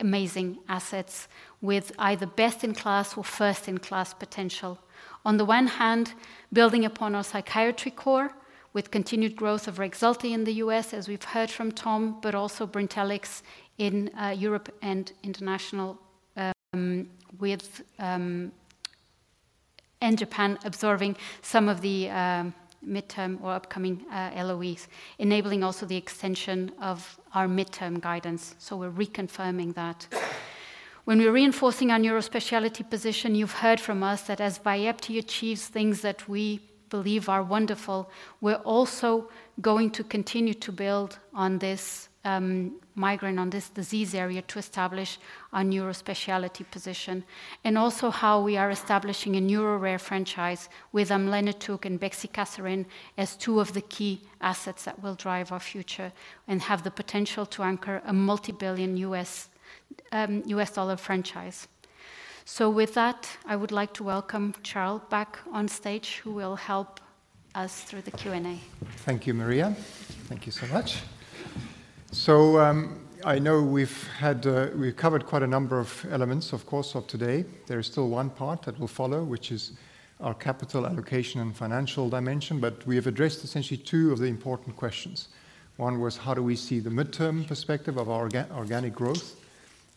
B: amazing assets with either best-in-class or first-in-class potential. On the one hand, building upon our psychiatry core, with continued growth of REXULTI in the US, as we've heard from Tom, but also Brintellix in Europe and international, with and Japan absorbing some of the midterm or upcoming LOEs, enabling also the extension of our midterm guidance. So we're reconfirming that. When we're reinforcing our neurospecialty position, you've heard from us that as VYEPTI achieves things that we believe are wonderful, we're also going to continue to build on this migraine, on this disease area, to establish our neurospecialty position. And also how we are establishing a neuro rare franchise with amlenetug and bexicaserin as two of the key assets that will drive our future and have the potential to anchor a multi-billion U.S., U.S. dollar franchise. So with that, I would like to welcome Charl back on stage, who will help us through the Q&A.
A: Thank you, Maria. Thank you so much. I know we've had, we've covered quite a number of elements, of course, of today. There is still one part that will follow, which is our capital allocation and financial dimension, but we have addressed essentially two of the important questions. One was, how do we see the midterm perspective of our organic growth?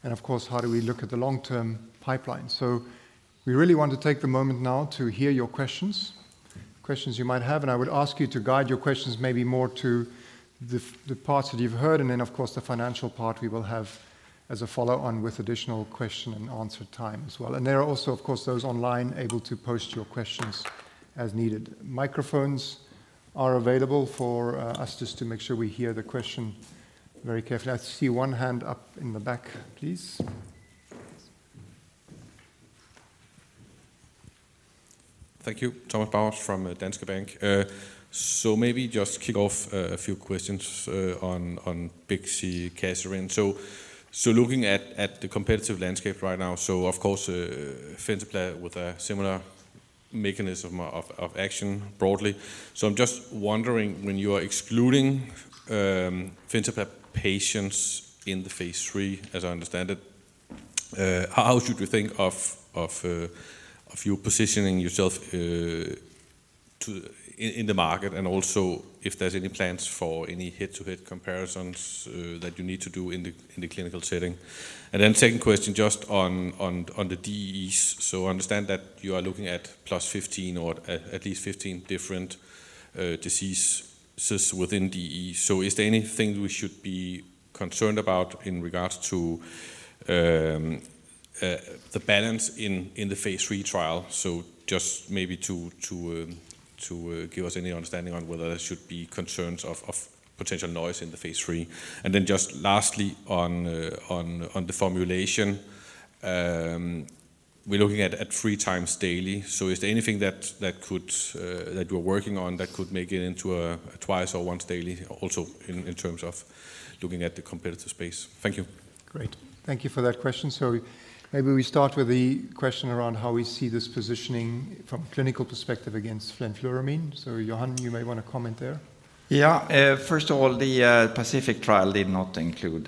A: And of course, how do we look at the long-term pipeline? We really want to take the moment now to hear your questions you might have, and I would ask you to guide your questions maybe more to the parts that you've heard, and then, of course, the financial part we will have as a follow-on with additional question and answer time as well. There are also, of course, those online able to post your questions as needed. Microphones are available for us just to make sure we hear the question very carefully. I see one hand up in the back, please.
F: Thank you. Thomas Bowers from Danske Bank. So maybe just kick off a few questions on bexicaserin. So looking at the competitive landscape right now, so of course, Fintepla with a similar mechanism of action broadly. So I'm just wondering, when you are excluding Fintepla patients in the phase III, as I understand it, how should we think of you positioning yourself in the market? And also, if there's any plans for any head-to-head comparisons that you need to do in the clinical setting. And then second question, just on the DEEs. So I understand that you are looking at plus fifteen or at least fifteen different diseases within DEE. So is there anything we should be concerned about in regards to the balance in the phase III trial? So just maybe to give us any understanding on whether there should be concerns of potential noise in the phase III. And then just lastly, on the formulation, we're looking at three times daily. So is there anything that you are working on, that could make it into a twice or once daily, also in terms of looking at the competitive space? Thank you.
A: Great. Thank you for that question. So maybe we start with the question around how we see this positioning from a clinical perspective against fenfluramine. So, Johan, you may want to comment there.
E: Yeah. First of all, the Pacific trial did not include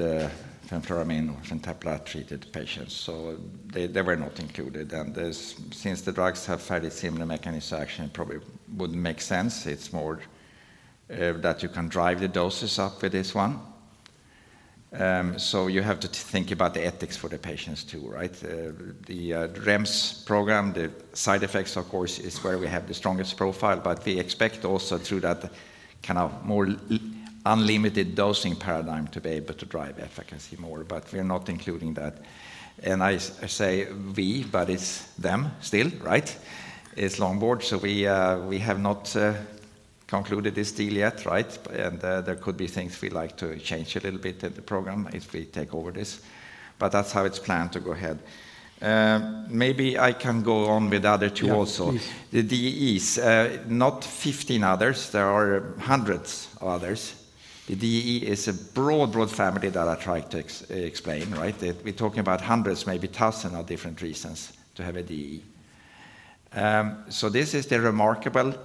E: fenfluramine or Fintepla-treated patients, so they were not included. And this, since the drugs have fairly similar mechanism of action, it probably wouldn't make sense. It's more that you can drive the doses up with this one. So you have to think about the ethics for the patients too, right? The REMS program, the side effects, of course, is where we have the strongest profile, but we expect also through that kind of more unlimited dosing paradigm to be able to drive efficacy more, but we are not including that. And I say "we", but it's them still, right? It's Longboard. So we have not concluded this deal yet, right? And, there could be things we like to change a little bit in the program if we take over this. But that's how it's planned to go ahead. Maybe I can go on with the other two also.
A: Yeah, please.
E: The DEEs, not fifteen others, there are hundreds of others. The DEE is a broad, broad family that I tried to explain, right? We're talking about hundreds, maybe thousands of different reasons to have a DEE. So this is the remarkable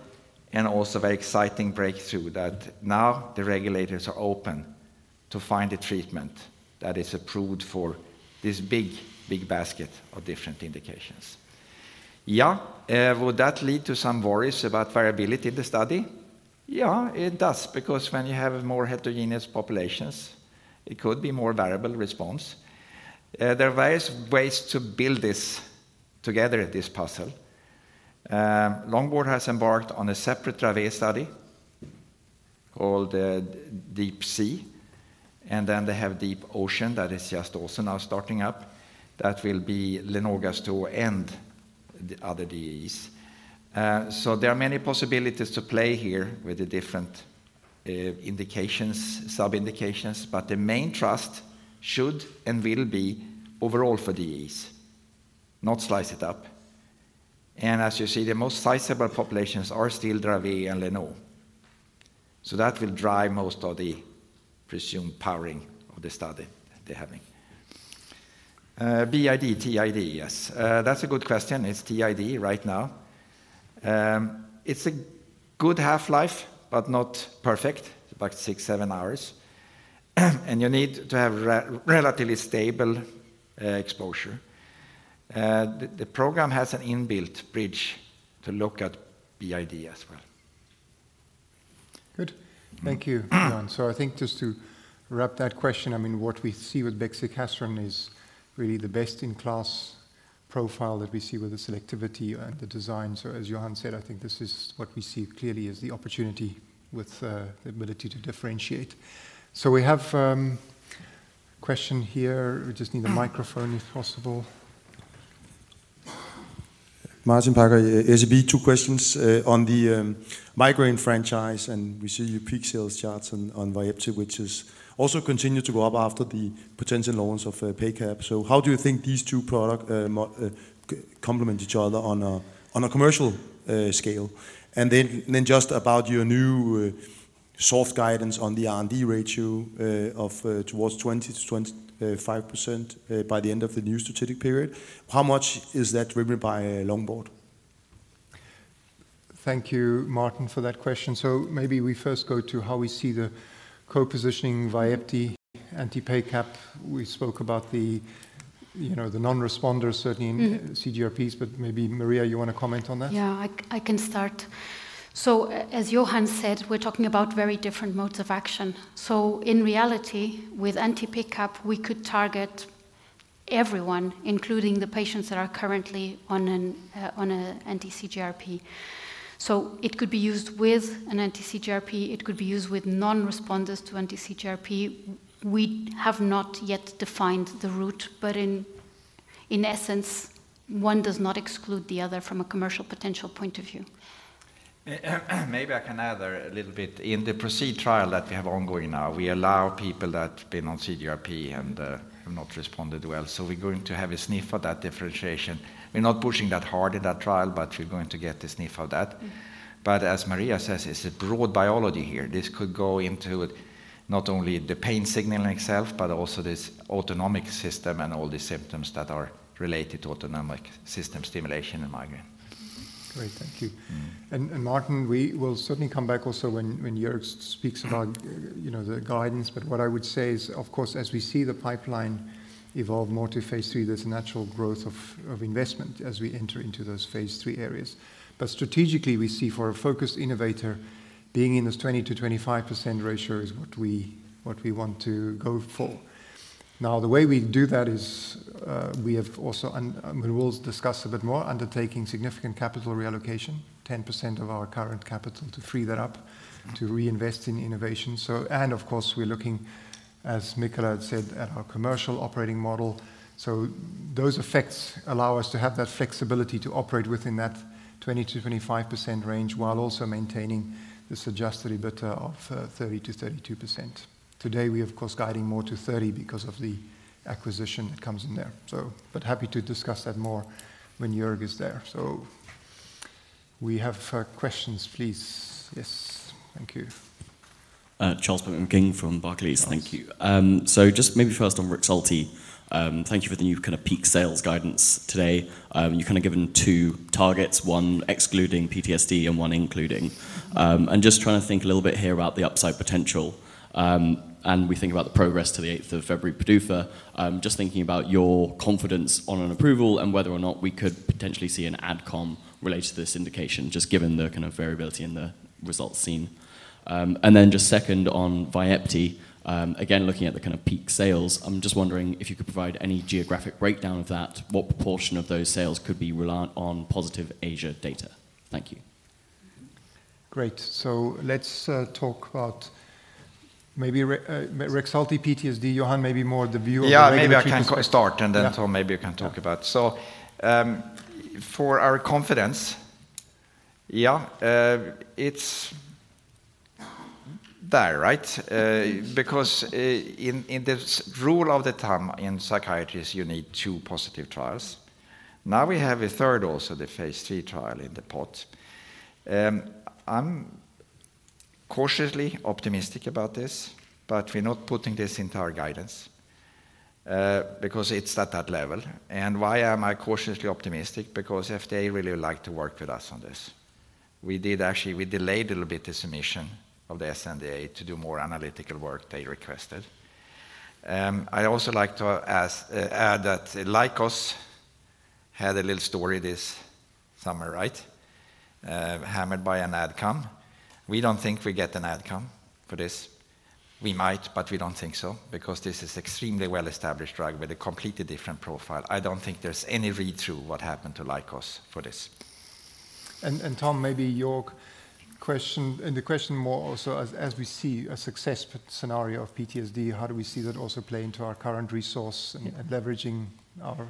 E: and also very exciting breakthrough, that now the regulators are open to find a treatment that is approved for this big, big basket of different indications. Yeah, would that lead to some worries about variability in the study? Yeah, it does, because when you have more heterogeneous populations, it could be more variable response. There are various ways to build this together, this puzzle. Longboard has embarked on a separate Dravet study called DEEp SEA, and then they have DEEp OCEAN that is just also now starting up. That will be Lennox-Gastaut and the other DEEs. So there are many possibilities to play here with the different indications, sub-indications, but the main trust should and will be overall for DEEs, not slice it up. And as you see, the most sizable populations are still Dravet and Lennox, so that will drive most of the presumed powering of the study they're having. BID, TID, yes. That's a good question. It's TID right now. It's a good half-life, but not perfect, about six, seven hours, and you need to have relatively stable exposure. The program has an inbuilt bridge to look at BID as well.
A: Good. Thank you, Johan. So I think just to wrap that question, I mean, what we see with bexicaserin is really the best-in-class profile that we see with the selectivity and the design. So as Johan said, I think this is what we see clearly as the opportunity with the ability to differentiate. So we have a question here. We just need a microphone if possible.
G: Martin Parkhøi, SEB. Two questions. On the migraine franchise, and we see your peak sales charts on VYEPTI, which has also continued to go up after the potential launch of PACAP. So how do you think these two products complement each other on a commercial scale? And then just about your new soft guidance on the R&D ratio of towards 20%-25% by the end of the new strategic period. How much is that driven by Longboard?
A: Thank you, Martin, for that question. So maybe we first go to how we see the co-positioning VYEPTI and the PACAP. We spoke about the, you know, the non-responders, certainly in CGRPs, but maybe, Maria, you want to comment on that?
B: Yeah, I can start, so as Johan said, we're talking about very different modes of action, so in reality, with anti-PACAP, we could target everyone, including the patients that are currently on an anti-CGRP. So it could be used with an anti-CGRP, it could be used with non-responders to anti-CGRP. We have not yet defined the route, but in essence, one does not exclude the other from a commercial potential point of view.
E: Maybe I can add a little bit. In the PROCEED trial that we have ongoing now, we allow people that have been on CGRP and have not responded well. So we're going to have a sniff of that differentiation. We're not pushing that hard in that trial, but we're going to get a sniff of that.
B: Mm-hmm.
E: But as Maria says, it's a broad biology here. This could go into not only the pain signaling itself, but also this autonomic system and all the symptoms that are related to autonomic system stimulation and migraine.
A: Great, thank you.
E: Mm.
A: Martin, we will certainly come back also when Joerg speaks about...
E: Mm
A: You know, the guidance. But what I would say is, of course, as we see the pipeline evolve more to phase III, there's a natural growth of investment as we enter into those phase III areas. But strategically, we see for a focused innovator, being in this 20%-25% ratio is what we want to go for. Now, the way we do that is, we have also and we will discuss a bit more, undertaking significant capital reallocation, 10% of our current capital to free that up to reinvest in innovation. So. And of course, we're looking, as Michala had said, at our commercial operating model. So those effects allow us to have that flexibility to operate within that 20%-25% range, while also maintaining the suggested EBITDA of 30%-32%. Today, we are of course guiding more to 30 because of the acquisition that comes in there. So, but happy to discuss that more when Joerg is there. So we have questions, please. Yes. Thank you.
H: Charles King from Barclays.
A: Charles.
H: Thank you. So just maybe first on REXULTI. Thank you for the new kind of peak sales guidance today. You've kind of given two targets, one excluding PTSD and one including. I'm just trying to think a little bit here about the upside potential. And we think about the progress to the eighth of February PDUFA. Just thinking about your confidence on an approval and whether or not we could potentially see an ad com related to this indication, just given the kind of variability in the results seen. And then just second on VYEPTI, again, looking at the kind of peak sales, I'm just wondering if you could provide any geographic breakdown of that. What proportion of those sales could be reliant on positive Asia data? Thank you.
A: Great. So let's talk about maybe REXULTI PTSD. Johan, maybe more the view of-
E: Yeah, maybe I can start-
A: Yeah...
E: and then Tom, maybe you can talk about.
A: Yeah.
E: For our confidence, yeah, it's there, right? Because in the rule of thumb in psychiatry, you need two positive trials. Now, we have a third also, the phase III trial in the pot. I'm cautiously optimistic about this, but we're not putting this into our guidance, because it's not that level. And why am I cautiously optimistic? Because FDA really would like to work with us on this. We did actually. We delayed a little bit the submission of the sNDA to do more analytical work they requested. I'd also like to add that Lykos had a little story this summer, right? Hammered by an ad com. We don't think we get an ad com for this. We might, but we don't think so, because this is extremely well-established drug with a completely different profile. I don't think there's any read-through what happened to Lykos for this.
A: Tom, maybe Joerg question. As we see a success scenario of PTSD, how do we see that also play into our current resource-
C: Yeah...
A: and leveraging our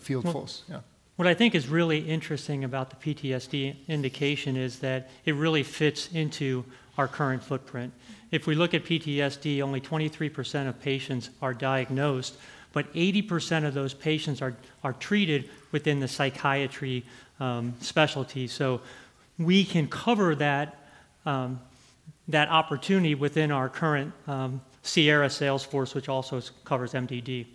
A: field force? Yeah.
C: What I think is really interesting about the PTSD indication is that it really fits into our current footprint. If we look at PTSD, only 23% of patients are diagnosed, but 80% of those patients are treated within the psychiatry specialty. So we can cover that opportunity within our current U.S. sales force, which also covers MDD,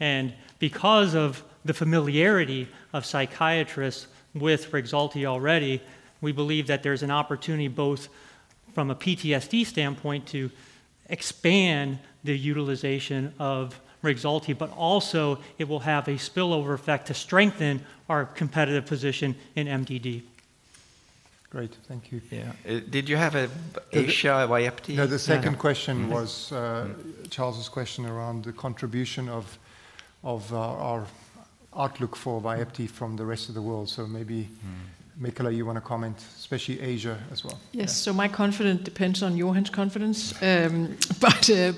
C: and because of the familiarity of psychiatrists with REXULTI already, we believe that there's an opportunity, both from a PTSD standpoint, to expand the utilization of REXULTI, but also it will have a spillover effect to strengthen our competitive position in MDD.
A: Great. Thank you.
E: Yeah. Did you have a Asia VYEPTI?
A: No, the second question-
E: Mm-hmm...
A: was Charles' question around the contribution of our outlook for VYEPTI from the rest of the world, so maybe-
E: Mm...
A: Michala, you want to comment, especially Asia as well?
D: Yes. So my confidence depends on Johan's confidence,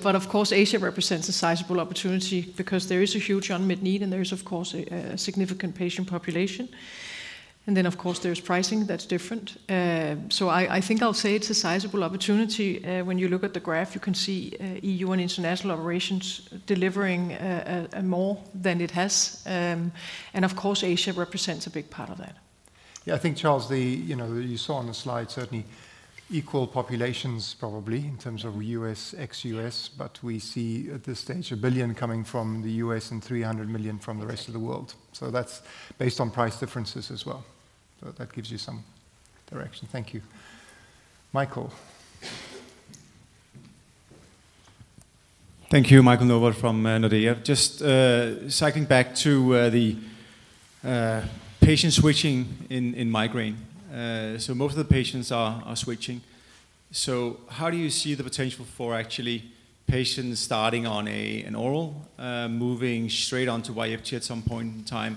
D: but of course, Asia represents a sizable opportunity because there is a huge unmet need, and there is, of course, a significant patient population, and then, of course, there's pricing that's different, so I think I'll say it's a sizable opportunity. When you look at the graph, you can see EU and international operations delivering more than it has, and of course, Asia represents a big part of that.
A: Yeah, I think, Charles. You know, you saw on the slide, certainly equal populations, probably, in terms of U.S., ex-U.S., but we see at this stage, $1 billion coming from the U.S. and $300 million from the rest of the world. So that's based on price differences as well. So that gives you some direction. Thank you. Michael?
I: Thank you. Michael Novod from Nordea. Just circling back to the patient switching in migraine. So most of the patients are switching. So how do you see the potential for actually patients starting on an oral moving straight onto VYEPTI at some point in time,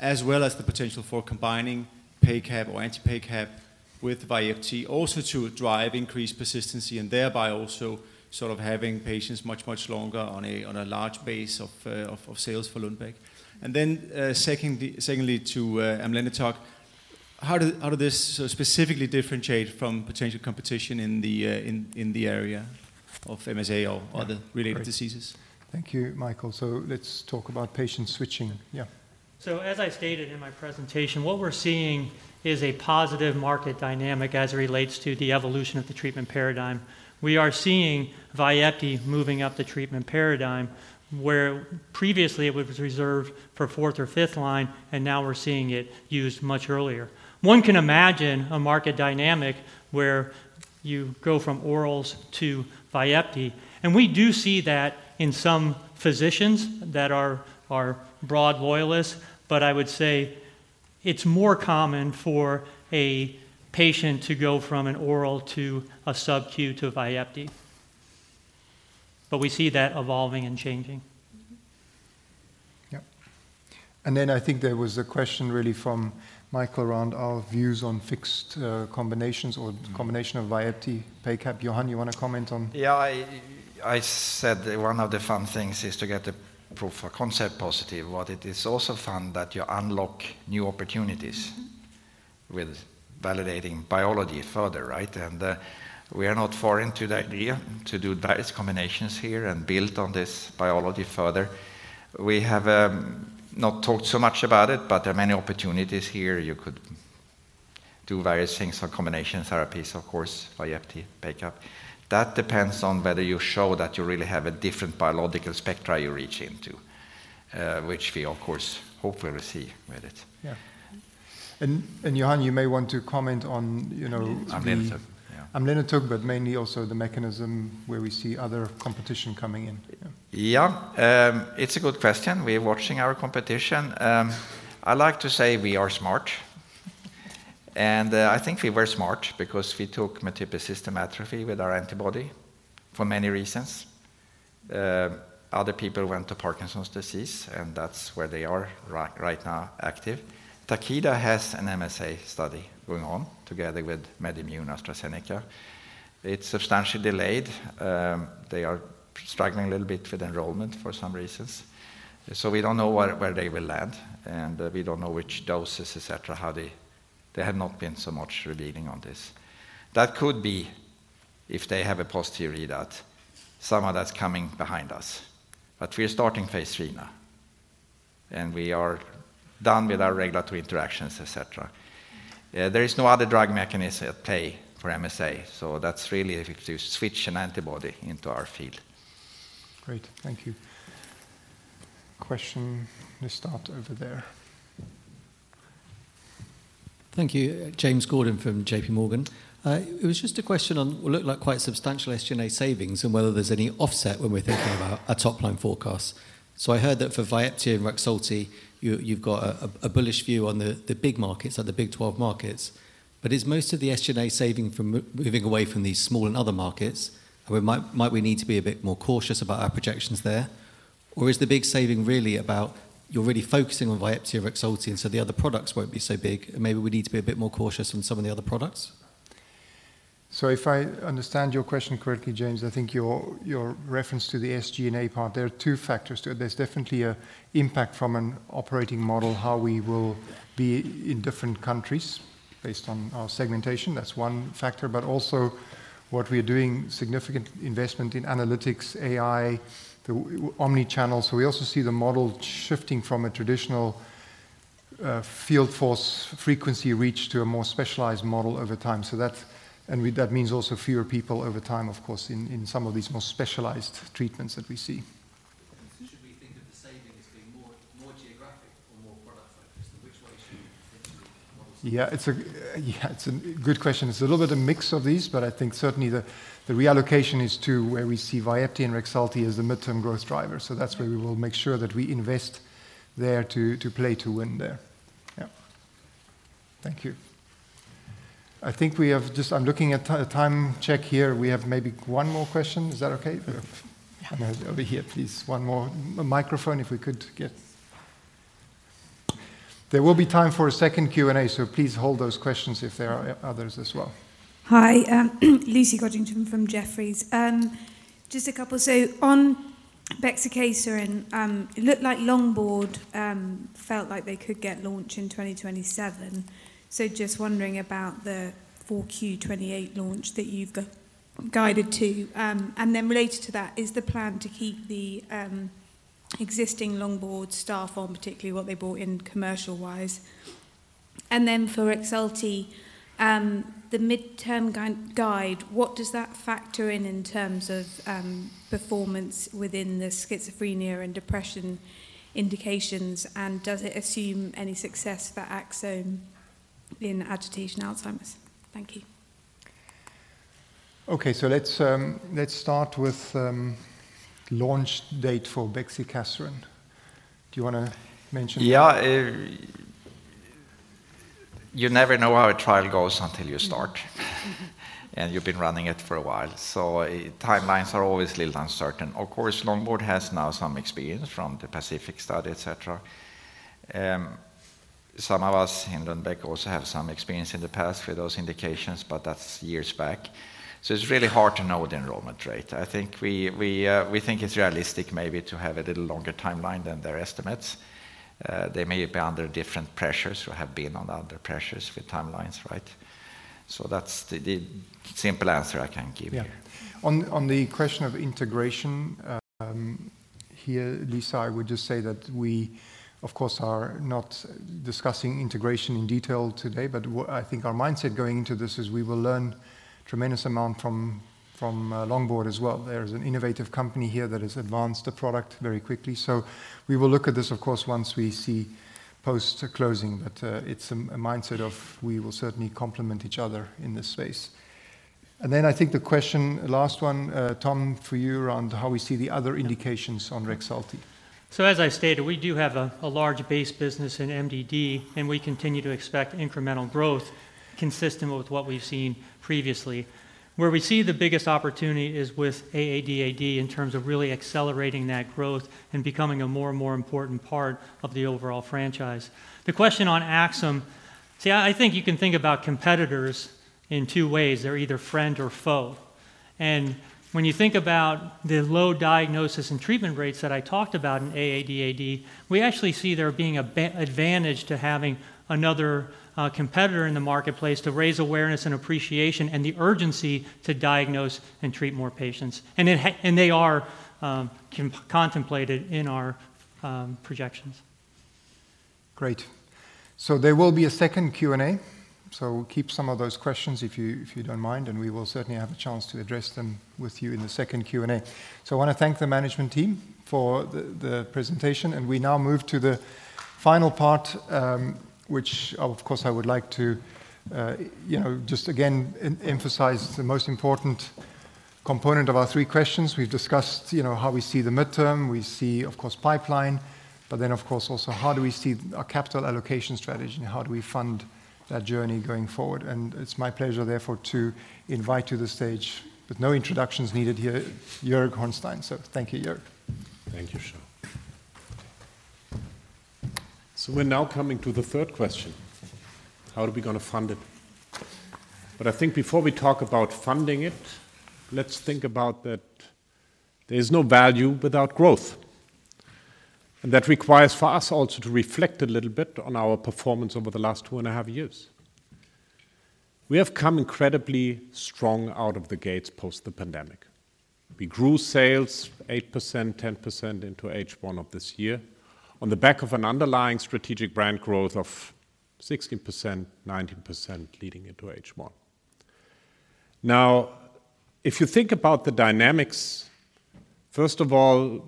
I: as well as the potential for combining PACAP or anti-PACAP with VYEPTI, also to drive increased persistency, and thereby also sort of having patients much longer on a large base of sales for Lundbeck? And then secondly to amlenetug, how does this specifically differentiate from potential competition in the area of MSA or the related diseases?
A: Thank you, Michael, so let's talk about patient switching. Yeah.
C: As I stated in my presentation, what we're seeing is a positive market dynamic as it relates to the evolution of the treatment paradigm. We are seeing VYEPTI moving up the treatment paradigm, where previously it was reserved for fourth or fifth line, and now we're seeing it used much earlier. One can imagine a market dynamic where you go from orals to VYEPTI, and we do see that in some physicians that are brand loyalists. But I would say it's more common for a patient to go from an oral to a sub Q to a VYEPTI. But we see that evolving and changing.
I: Mm-hmm.
A: Yeah. And then I think there was a question really from Michael around our views on fixed combinations or the combination of VYEPTI, PACAP. Johan, you want to comment on?
E: Yeah, I said one of the fun things is to get the proof of concept positive. What it is also fun that you unlock new opportunities-
I: Mm-hmm
E: -with validating biology further, right? And, we are not foreign to the idea to do various combinations here and build on this biology further. We have, not talked so much about it, but there are many opportunities here. You could do various things for combination therapies, of course, VYEPTI, PACAP. That depends on whether you show that you really have a different biological spectrum you reach into, which we of course, hopefully will see with it.
A: Yeah.
I: Mm-hmm.
A: Johan, you may want to comment on, you know-
E: Amlenetug, yeah...
A: amlenetug, but mainly also the mechanism where we see other competition coming in.
E: Yeah. It's a good question. We're watching our competition. I like to say we are smart, and I think we were smart because we took Multiple System Atrophy with our antibody for many reasons. Other people went to Parkinson's disease, and that's where they are right now active. Takeda has an MSA study going on together with MedImmune, AstraZeneca. It's substantially delayed. They are struggling a little bit with enrollment for some reasons. So we don't know where they will land, and we don't know which doses, et cetera, how they... They have not been so much revealing on this. That could be, if they have a positive readout, someone that's coming behind us. But we are starting phase III now, and we are done with our regulatory interactions, et cetera. There is no other drug mechanism at play for MSA, so that's really if you switch an antibody into our field.
A: Great, thank you. Question, let's start over there.
J: Thank you. James Gordon from JPMorgan. It was just a question on what looked like quite substantial SG&A savings and whether there's any offset when we're thinking about a top-line forecast. So I heard that for VYEPTI and REXULTI, you've got a bullish view on the big markets, like the Big 12 markets. But is most of the SG&A saving from moving away from these small and other markets? And might we need to be a bit more cautious about our projections there? Or is the big saving really about you're really focusing on VYEPTI or REXULTI, and so the other products won't be so big, and maybe we need to be a bit more cautious on some of the other products?
A: So if I understand your question correctly, James, I think your reference to the SG&A part, there are two factors to it. There's definitely an impact from an operating model, how we will be in different countries based on our segmentation. That's one factor. But also, what we are doing significant investment in analytics, AI, the omni-channel. So we also see the model shifting from a traditional field force frequency reach to a more specialized model over time. So that's. That means also fewer people over time, of course, in some of these more specialized treatments that we see.
J: Should we think of the savings as being more geographic or more product focused? Which way should we think?
A: Yeah, it's a, yeah, it's a good question. It's a little bit a mix of these, but I think certainly the reallocation is to where we see VYEPTI and REXULTI as the midterm growth driver. So that's where we will make sure that we invest there to play to win there. Yeah. Thank you. I think we have just... I'm looking at a time check here. We have maybe one more question. Is that okay?
J: Yeah.
A: Over here, please, one more. A microphone, if we could get. There will be time for a second Q&A, so please hold those questions if there are others as well.
K: Hi, Lucy Codrington from Jefferies. Just a couple. So on bexicaserin, it looked like Longboard felt like they could get launch in 2027. So just wondering about the Q4 2028 launch that you've guided to. And then related to that, is the plan to keep the existing Longboard staff on, particularly what they brought in commercial wise? And then for REXULTI, the midterm guide, what does that factor in, in terms of performance within the schizophrenia and depression indications? And does it assume any success for Axsome in agitation Alzheimer's? Thank you....
A: Okay, so let's start with launch date for bexicaserin. Do you wanna mention?
E: Yeah, you never know how a trial goes until you start, and you've been running it for a while. So, timelines are always a little uncertain. Of course, Longboard has now some experience from the Pacific study, et cetera. Some of us in Lundbeck also have some experience in the past with those indications, but that's years back. So it's really hard to know the enrollment rate. I think we think it's realistic maybe to have a little longer timeline than their estimates. They may be under different pressures or have been under other pressures with timelines, right? So that's the simple answer I can give you.
A: Yeah. On the question of integration, here, Lucy, I would just say that we, of course, are not discussing integration in detail today. But what I think our mindset going into this is we will learn tremendous amount from Longboard as well. There is an innovative company here that has advanced the product very quickly. So we will look at this, of course, once we see post-closing, but it's a mindset of we will certainly complement each other in this space. And then I think the question, last one, Tom, for you around how we see the other indications on REXULTI.
C: As I stated, we do have a large base business in MDD, and we continue to expect incremental growth consistent with what we've seen previously. Where we see the biggest opportunity is with AADAD, in terms of really accelerating that growth and becoming a more and more important part of the overall franchise. The question on Axsome. I think you can think about competitors in two ways: they're either friend or foe. And when you think about the low diagnosis and treatment rates that I talked about in AADAD, we actually see there being advantage to having another competitor in the marketplace to raise awareness and appreciation, and the urgency to diagnose and treat more patients. And they are contemplated in our projections.
A: Great. So there will be a second Q&A, so keep some of those questions if you don't mind, and we will certainly have a chance to address them with you in the second Q&A. So I want to thank the management team for the presentation, and we now move to the final part, which of course, I would like to, you know, just again emphasize the most important component of our three questions. We've discussed, you know, how we see the midterm, of course, pipeline, but then, of course, also how do we see our capital allocation strategy and how do we fund that journey going forward? And it's my pleasure, therefore, to invite to the stage, with no introductions needed here, Joerg Hornstein. So thank you, Joerg.
L: Thank you, Charl. So we're now coming to the third question: How are we going to fund it? But I think before we talk about funding it, let's think about that there's no value without growth. And that requires for us also to reflect a little bit on our performance over the last two and a half years. We have come incredibly strong out of the gates post the pandemic. We grew sales 8%, 10% into H1 of this year, on the back of an underlying strategic brand growth of 16%, 19% leading into H1. Now, if you think about the dynamics, first of all,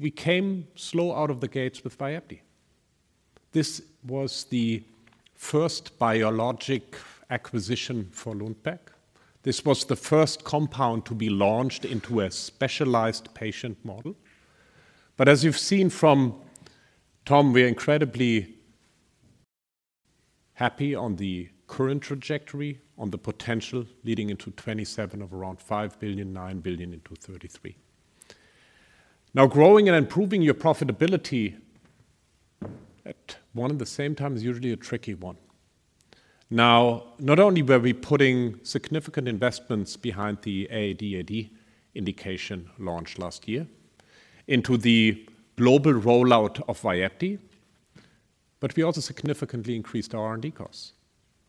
L: we came slow out of the gates with VYEPTI. This was the first biologic acquisition for Lundbeck. This was the first compound to be launched into a specialized patient model. But as you've seen from Tom, we're incredibly happy on the current trajectory, on the potential leading into 2027 of around 5 billion, 9 billion into 2033. Now, growing and improving your profitability at one and the same time is usually a tricky one. Now, not only were we putting significant investments behind the AADAD indication launch last year into the global rollout of VYEPTI, but we also significantly increased our R&D costs.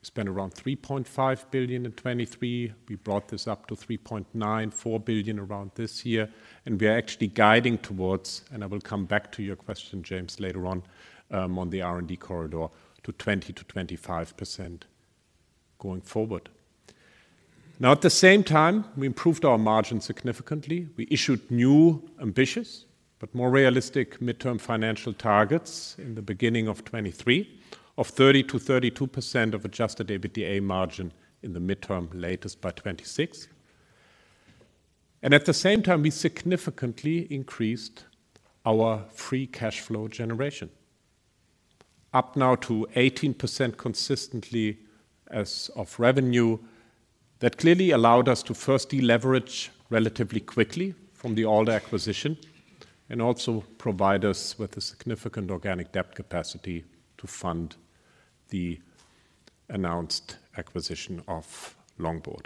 L: We spent around 3.5 billion in 2023. We brought this up to 3.9 billion-4 billion around this year, and we are actually guiding towards... And I will come back to your question, James, later on, on the R&D corridor to 20%-25% going forward. Now, at the same time, we improved our margins significantly. We issued new, ambitious, but more realistic midterm financial targets in the beginning of 2023, of 30%-32% adjusted EBITDA margin in the midterm, latest by 2026. At the same time, we significantly increased our free cash flow generation, up now to 18% consistently as of revenue. That clearly allowed us to first deleverage relatively quickly from the Alder acquisition and also provide us with a significant organic debt capacity to fund the announced acquisition of Longboard.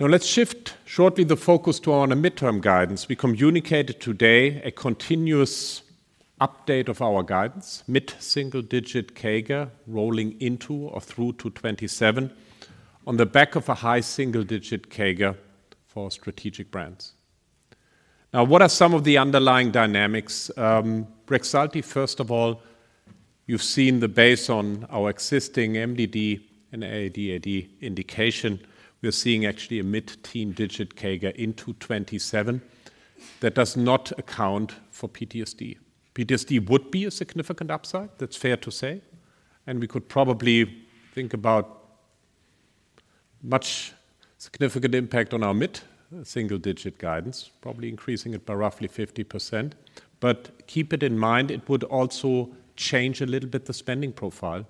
L: Now, let's shift shortly the focus to our midterm guidance. We communicated today a continuous update of our guidance, mid-single-digit CAGR, rolling into or through to 2027, on the back of a high single-digit CAGR for strategic brands. Now, what are some of the underlying dynamics? REXULTI, first of all, you've seen the base on our existing MDD and AADAD indication. We're seeing actually a mid-teen digit CAGR into 2027. That does not account for PTSD. PTSD would be a significant upside, that's fair to say, and we could probably think about much significant impact on our mid-single-digit guidance, probably increasing it by roughly 50%. But keep it in mind, it would also change a little bit the spending profile,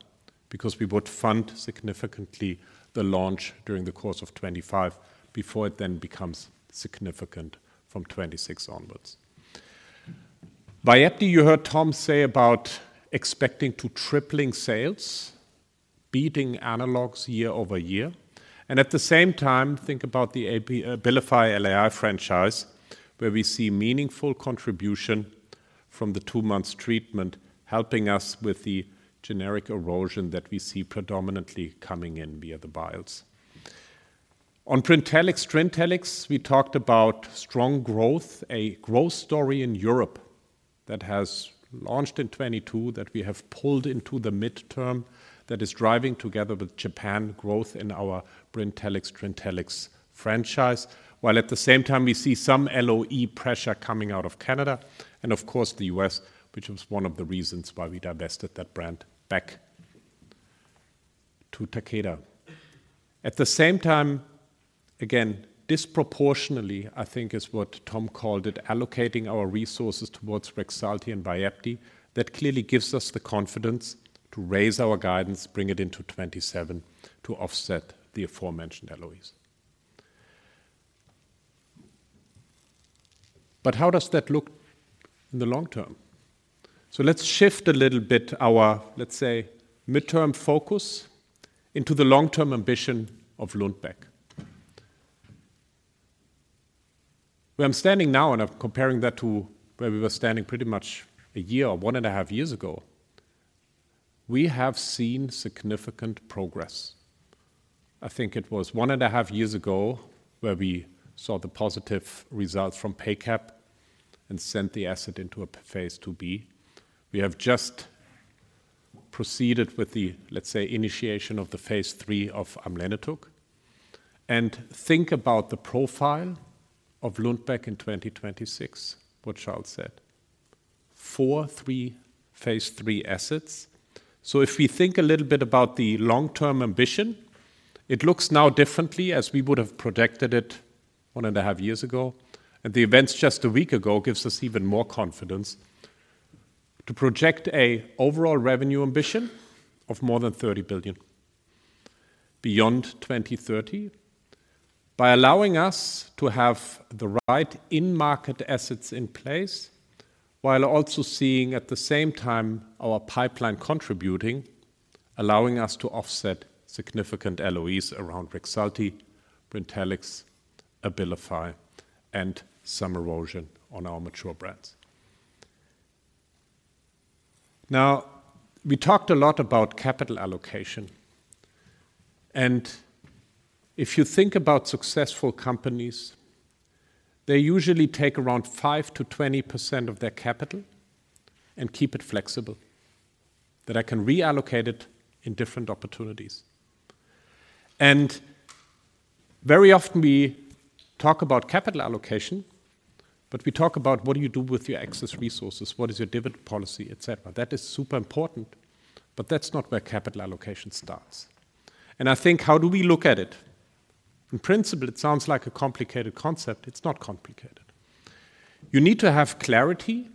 L: because we would fund significantly the launch during the course of 2025, before it then becomes significant from 2026 onwards. VYEPTI, you heard Tom say about expecting to tripling sales, beating analogs year over year, and at the same time, think about the AP, Abilify LAI franchise, where we see meaningful contribution from the two-month treatment, helping us with the generic erosion that we see predominantly coming in via the vials. On Brintellix, TRINTELLIX, we talked about strong growth, a growth story in Europe that has launched in 2022, that we have pulled into the midterm, that is driving together with Japan growth in our Brintellix, TRINTELLIX franchise. While at the same time we see some LOE pressure coming out of Canada and of course, the U.S., which was one of the reasons why we divested that brand back to Takeda. At the same time, again, disproportionately, I think is what Tom called it, allocating our resources towards REXULTI and VYEPTI, that clearly gives us the confidence to raise our guidance, bring it into 2027 to offset the aforementioned LOEs. But how does that look in the long term? So let's shift a little bit our, let's say, midterm focus into the long-term ambition of Lundbeck. Where I'm standing now, and I'm comparing that to where we were standing pretty much a year or one and a half years ago, we have seen significant progress. I think it was one and a half years ago where we saw the positive results from PACAP and sent the asset into a phase II-B. We have just proceeded with the, let's say, initiation of the phase III of amlenetug, and think about the profile of Lundbeck in 2026, what Charl said: four three phase III assets. If we think a little bit about the long-term ambition, it looks now differently as we would have projected it one and a half years ago, and the events just a week ago gives us even more confidence to project an overall revenue ambition of more than 30 billion beyond 2030, by allowing us to have the right in-market assets in place, while also seeing at the same time our pipeline contributing, allowing us to offset significant LOEs around REXULTI, Brintellix, Abilify, and some erosion on our mature brands. Now, we talked a lot about capital allocation, and if you think about successful companies, they usually take around 5%-20% of their capital and keep it flexible, that I can reallocate it in different opportunities. And very often we talk about capital allocation, but we talk about what do you do with your excess resources? What is your dividend policy, etc.? That is super important, but that's not where capital allocation starts. I think, how do we look at it? In principle, it sounds like a complicated concept. It's not complicated. You need to have clarity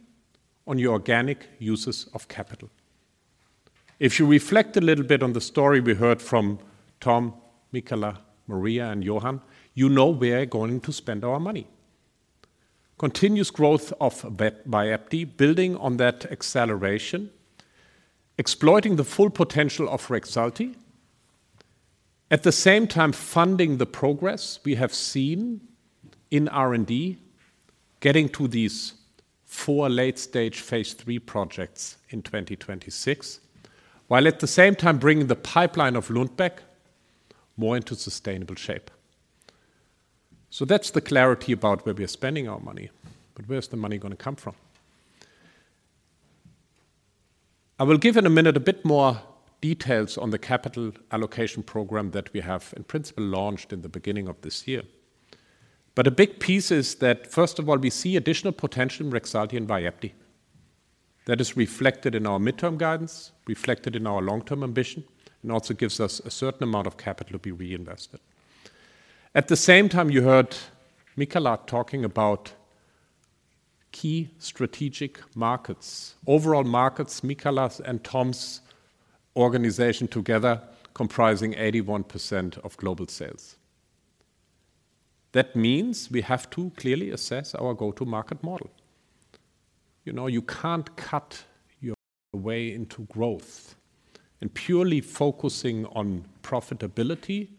L: on your organic uses of capital. If you reflect a little bit on the story we heard from Tom, Michala, Maria, and Johan, you know where we're going to spend our money. Continuous growth of VYEPTI, building on that acceleration, exploiting the full potential of REXULTI. At the same time, funding the progress we have seen in R&D, getting to these four late-stage phase III projects in 2026, while at the same time bringing the pipeline of Lundbeck more into sustainable shape. That's the clarity about where we are spending our money, but where's the money gonna come from? I will give in a minute a bit more details on the capital allocation program that we have in principle launched in the beginning of this year. But a big piece is that, first of all, we see additional potential in REXULTI and VYEPTI. That is reflected in our midterm guidance, reflected in our long-term ambition, and also gives us a certain amount of capital to be reinvested. At the same time, you heard Michala talking about key strategic markets, overall markets, Michala's and Tom's organization together comprising 81% of global sales. That means we have to clearly assess our go-to-market model. You know, you can't cut your way into growth, and purely focusing on profitability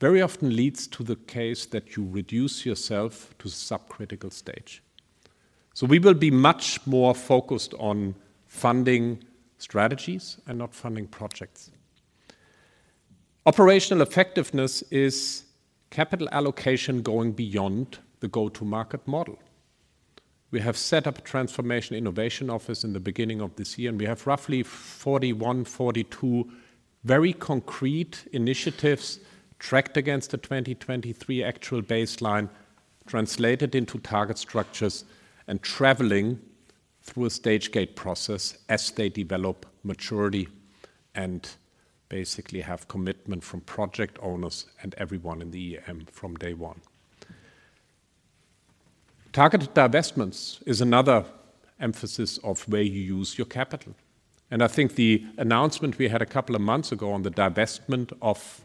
L: very often leads to the case that you reduce yourself to subcritical stage. So we will be much more focused on funding strategies and not funding projects. Operational effectiveness is capital allocation going beyond the go-to-market model. We have set up a transformation innovation office in the beginning of this year, and we have roughly 41, 42 very concrete initiatives tracked against the 2023 actual baseline, translated into target structures and traveling through a stage gate process as they develop maturity and basically have commitment from project owners and everyone in the EM from day one. Targeted divestments is another emphasis of where you use your capital, and I think the announcement we had a couple of months ago on the divestment of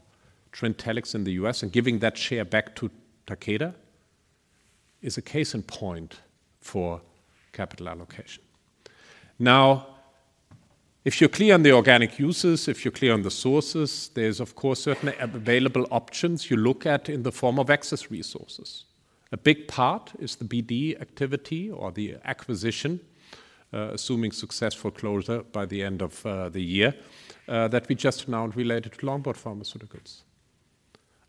L: TRINTELLIX in the U.S. and giving that share back to Takeda is a case in point for capital allocation. Now, if you're clear on the organic uses, if you're clear on the sources, there's of course certain available options you look at in the form of excess resources. A big part is the BD activity or the acquisition, assuming successful closure by the end of the year, that we just announced related to Longboard Pharmaceuticals.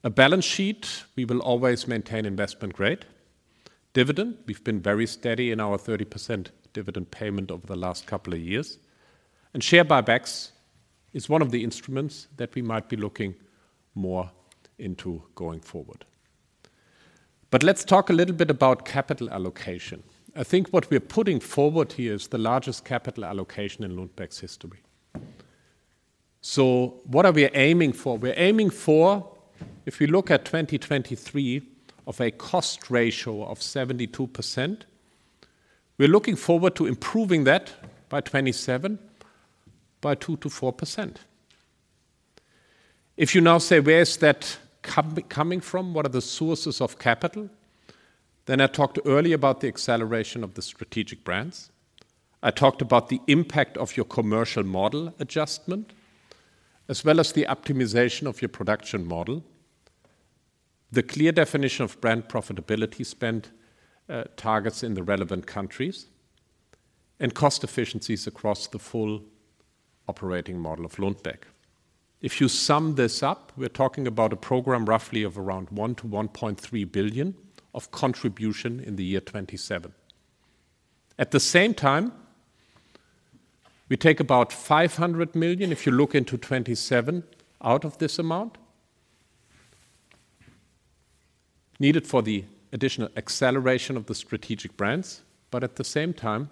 L: A balance sheet, we will always maintain investment grade. Dividend, we've been very steady in our 30% dividend payment over the last couple of years, and share buybacks is one of the instruments that we might be looking more into going forward. But let's talk a little bit about capital allocation. I think what we are putting forward here is the largest capital allocation in Lundbeck's history. So what are we aiming for? We're aiming for, if you look at 2023, of a cost ratio of 72%. We're looking forward to improving that by 2027 by 2%-4%. If you now say: Where's that coming from? What are the sources of capital? Then I talked earlier about the acceleration of the strategic brands. I talked about the impact of your commercial model adjustment, as well as the optimization of your production model, the clear definition of brand profitability spend targets in the relevant countries, and cost efficiencies across the full operating model of Lundbeck. If you sum this up, we're talking about a program roughly of around 1 billion-1.3 billion of contribution in 2027. At the same time, we take about 500 million, if you look into 2027, out of this amount needed for the additional acceleration of the strategic brands, but at the same time,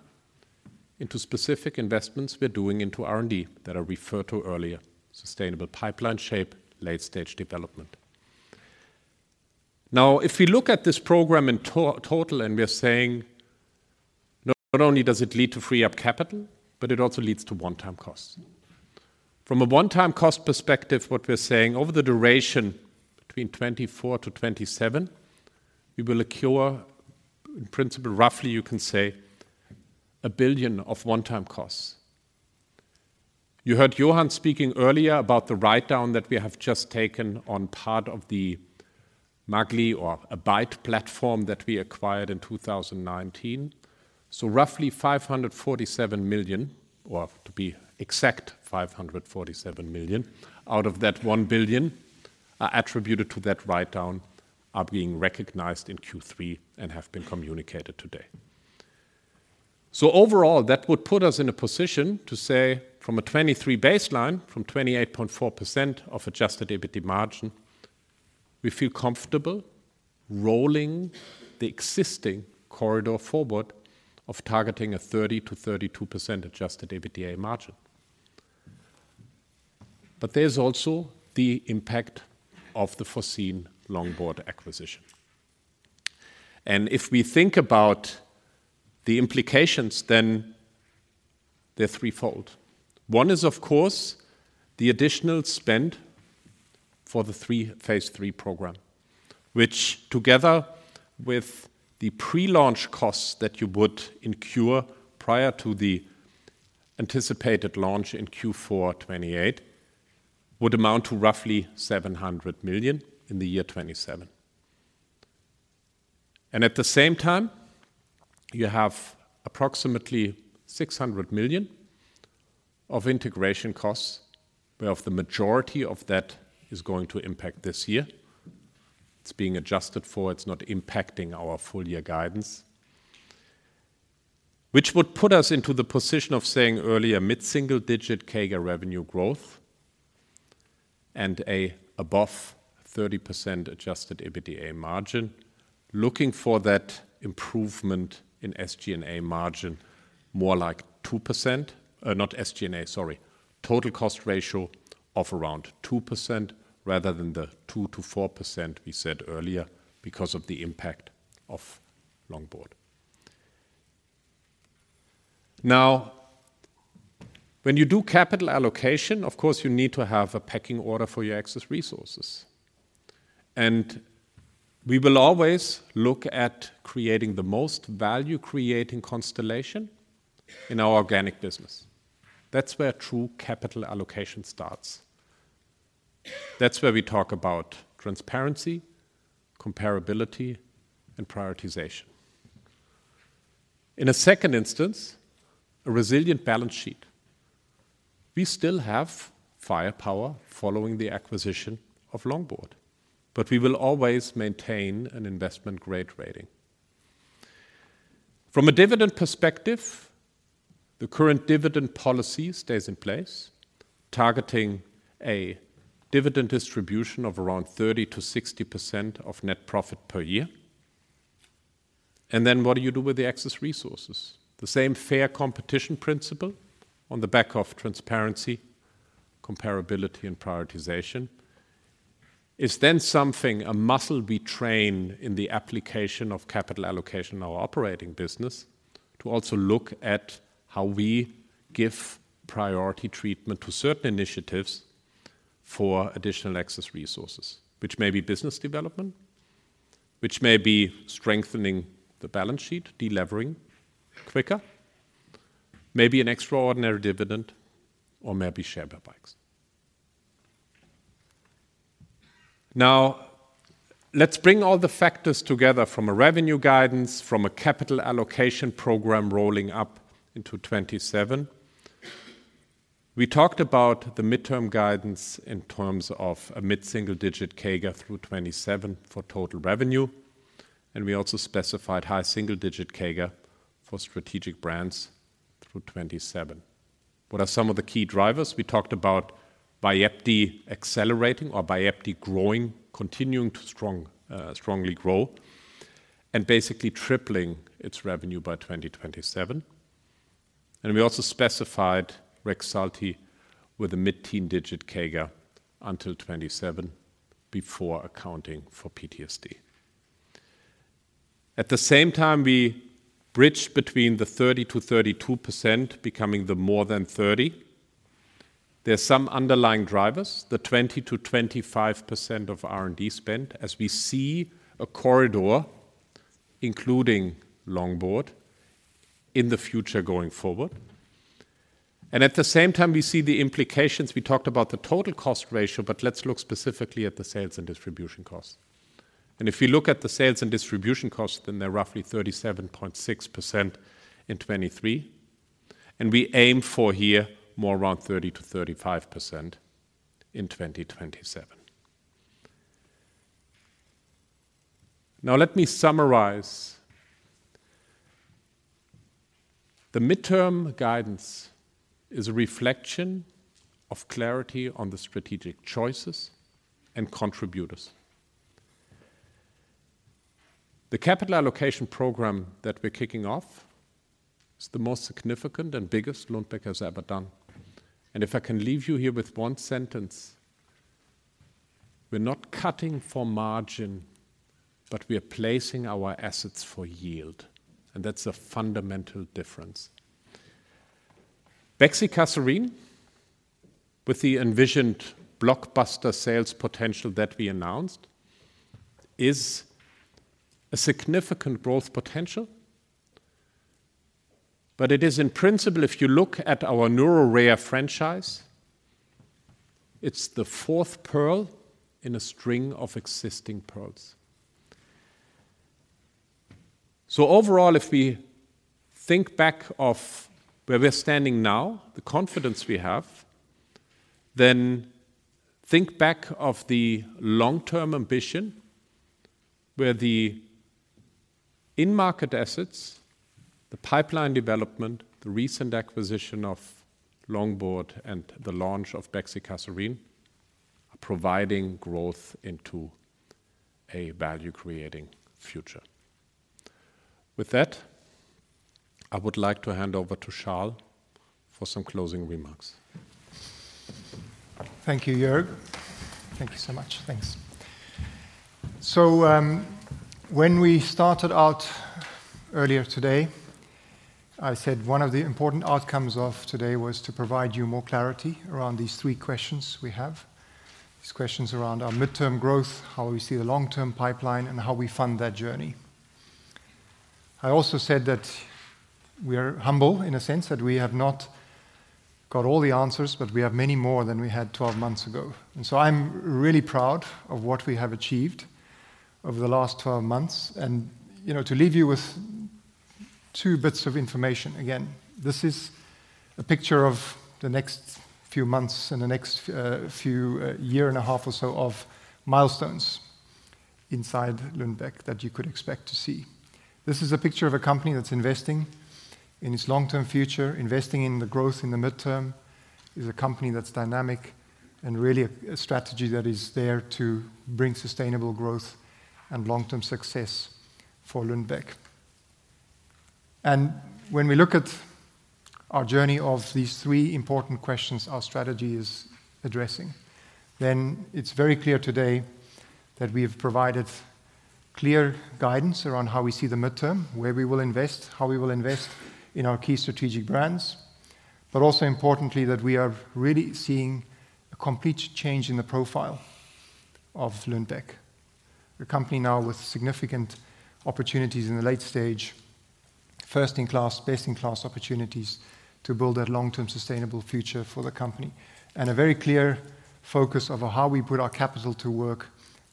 L: into specific investments we're doing into R&D that I referred to earlier: sustainable pipeline shape, late-stage development. Now, if we look at this program in total, and we are saying, "Not only does it lead to free up capital, but it also leads to one-time costs." From a one-time cost perspective, what we're saying over the duration between 2024-2027, we will accrue, in principle, roughly you can say, 1 billion of one-time costs. You heard Johan speaking earlier about the write-down that we have just taken on part of the MAGL or Abide platform that we acquired in 2019. So roughly 547 million, or to be exact, 547 million, out of that 1 billion are attributed to that write-down, are being recognized in Q3 and have been communicated today. So overall, that would put us in a position to say from a 2023 baseline, from 28.4% of adjusted EBITDA margin, we feel comfortable rolling the existing corridor forward of targeting a 30%-32% adjusted EBITDA margin. But there's also the impact of the foreseen Longboard acquisition. And if we think about the implications, then they're threefold. One is, of course, the additional spend for the three phase III program, which together with the pre-launch costs that you would incur prior to the anticipated launch in Q4 2028, would amount to roughly 700 million in the year 2027. And at the same time, you have approximately 600 million of integration costs, where of the majority of that is going to impact this year. It's being adjusted for. It's not impacting our full year guidance, which would put us into the position of saying earlier, mid-single-digit CAGR revenue growth and a above 30% adjusted EBITDA margin, looking for that improvement in SG&A margin, more like 2%... not SG&A, sorry, total cost ratio of around 2% rather than the 2%-4% we said earlier because of the impact of Longboard. Now, when you do capital allocation, of course, you need to have a pecking order for your excess resources, and we will always look at creating the most value-creating constellation in our organic business. That's where true capital allocation starts. That's where we talk about transparency, comparability, and prioritization. In a second instance, a resilient balance sheet.... We still have firepower following the acquisition of Longboard, but we will always maintain an investment-grade rating. From a dividend perspective, the current dividend policy stays in place, targeting a dividend distribution of around 30%-60% of net profit per year, and then what do you do with the excess resources? The same fair competition principle on the back of transparency, comparability, and prioritization is then something, a muscle we train in the application of capital allocation in our operating business, to also look at how we give priority treatment to certain initiatives for additional excess resources, which may be business development, which may be strengthening the balance sheet, de-levering quicker, maybe an extraordinary dividend, or maybe share buybacks. Now, let's bring all the factors together from a revenue guidance, from a capital allocation program rolling up into 2027. We talked about the midterm guidance in terms of a mid-single-digit CAGR through 2027 for total revenue, and we also specified high single-digit CAGR for strategic brands through 2027. What are some of the key drivers? We talked about VYEPTI accelerating or VYEPTI growing, continuing to strongly grow, and basically tripling its revenue by 2027. We also specified REXULTI with a mid-teen digit CAGR until 2027, before accounting for PTSD. At the same time, we bridge between the 30%-32% becoming the more than 30%. There are some underlying drivers, the 20%-25% of R&D spend, as we see a corridor, including Longboard, in the future going forward. At the same time, we see the implications. We talked about the total cost ratio, but let's look specifically at the sales and distribution costs. And if we look at the sales and distribution costs, then they're roughly 37.6% in 2023, and we aim for here more around 30%-35% in 2027. Now, let me summarize. The midterm guidance is a reflection of clarity on the strategic choices and contributors. The capital allocation program that we're kicking off is the most significant and biggest Lundbeck has ever done. And if I can leave you here with one sentence: We're not cutting for margin, but we are placing our assets for yield, and that's a fundamental difference. bexicaserin, with the envisioned blockbuster sales potential that we announced, is a significant growth potential. But it is in principle, if you look at our neuro rare franchise, it's the fourth pearl in a string of existing pearls. So overall, if we think back of where we're standing now, the confidence we have, then think back of the long-term ambition, where the in-market assets, the pipeline development, the recent acquisition of Longboard, and the launch of bexicaserin are providing growth into a value-creating future. With that, I would like to hand over to Charl for some closing remarks.
A: Thank you, Joerg. Thank you so much. Thanks. So, when we started out earlier today, I said one of the important outcomes of today was to provide you more clarity around these three questions we have. These questions around our midterm growth, how we see the long-term pipeline, and how we fund that journey. I also said that we are humble in a sense that we have not got all the answers, but we have many more than we had 12 months ago. And, you know, to leave you with two bits of information, again, this is a picture of the next few months and the next few year and a half or so of milestones inside Lundbeck that you could expect to see. This is a picture of a company that's investing in its long-term future, investing in the growth in the midterm. It's a company that's dynamic and really a strategy that is there to bring sustainable growth and long-term success for Lundbeck. And when we look at our journey of these three important questions our strategy is addressing, then it's very clear today that we have provided clear guidance around how we see the midterm, where we will invest, how we will invest in our key strategic brands, but also importantly, that we are really seeing a complete change in the profile of Lundbeck. A company now with significant opportunities in the late stage, first-in-class, best-in-class opportunities to build a long-term, sustainable future for the company. And a very clear focus of how we put our capital to work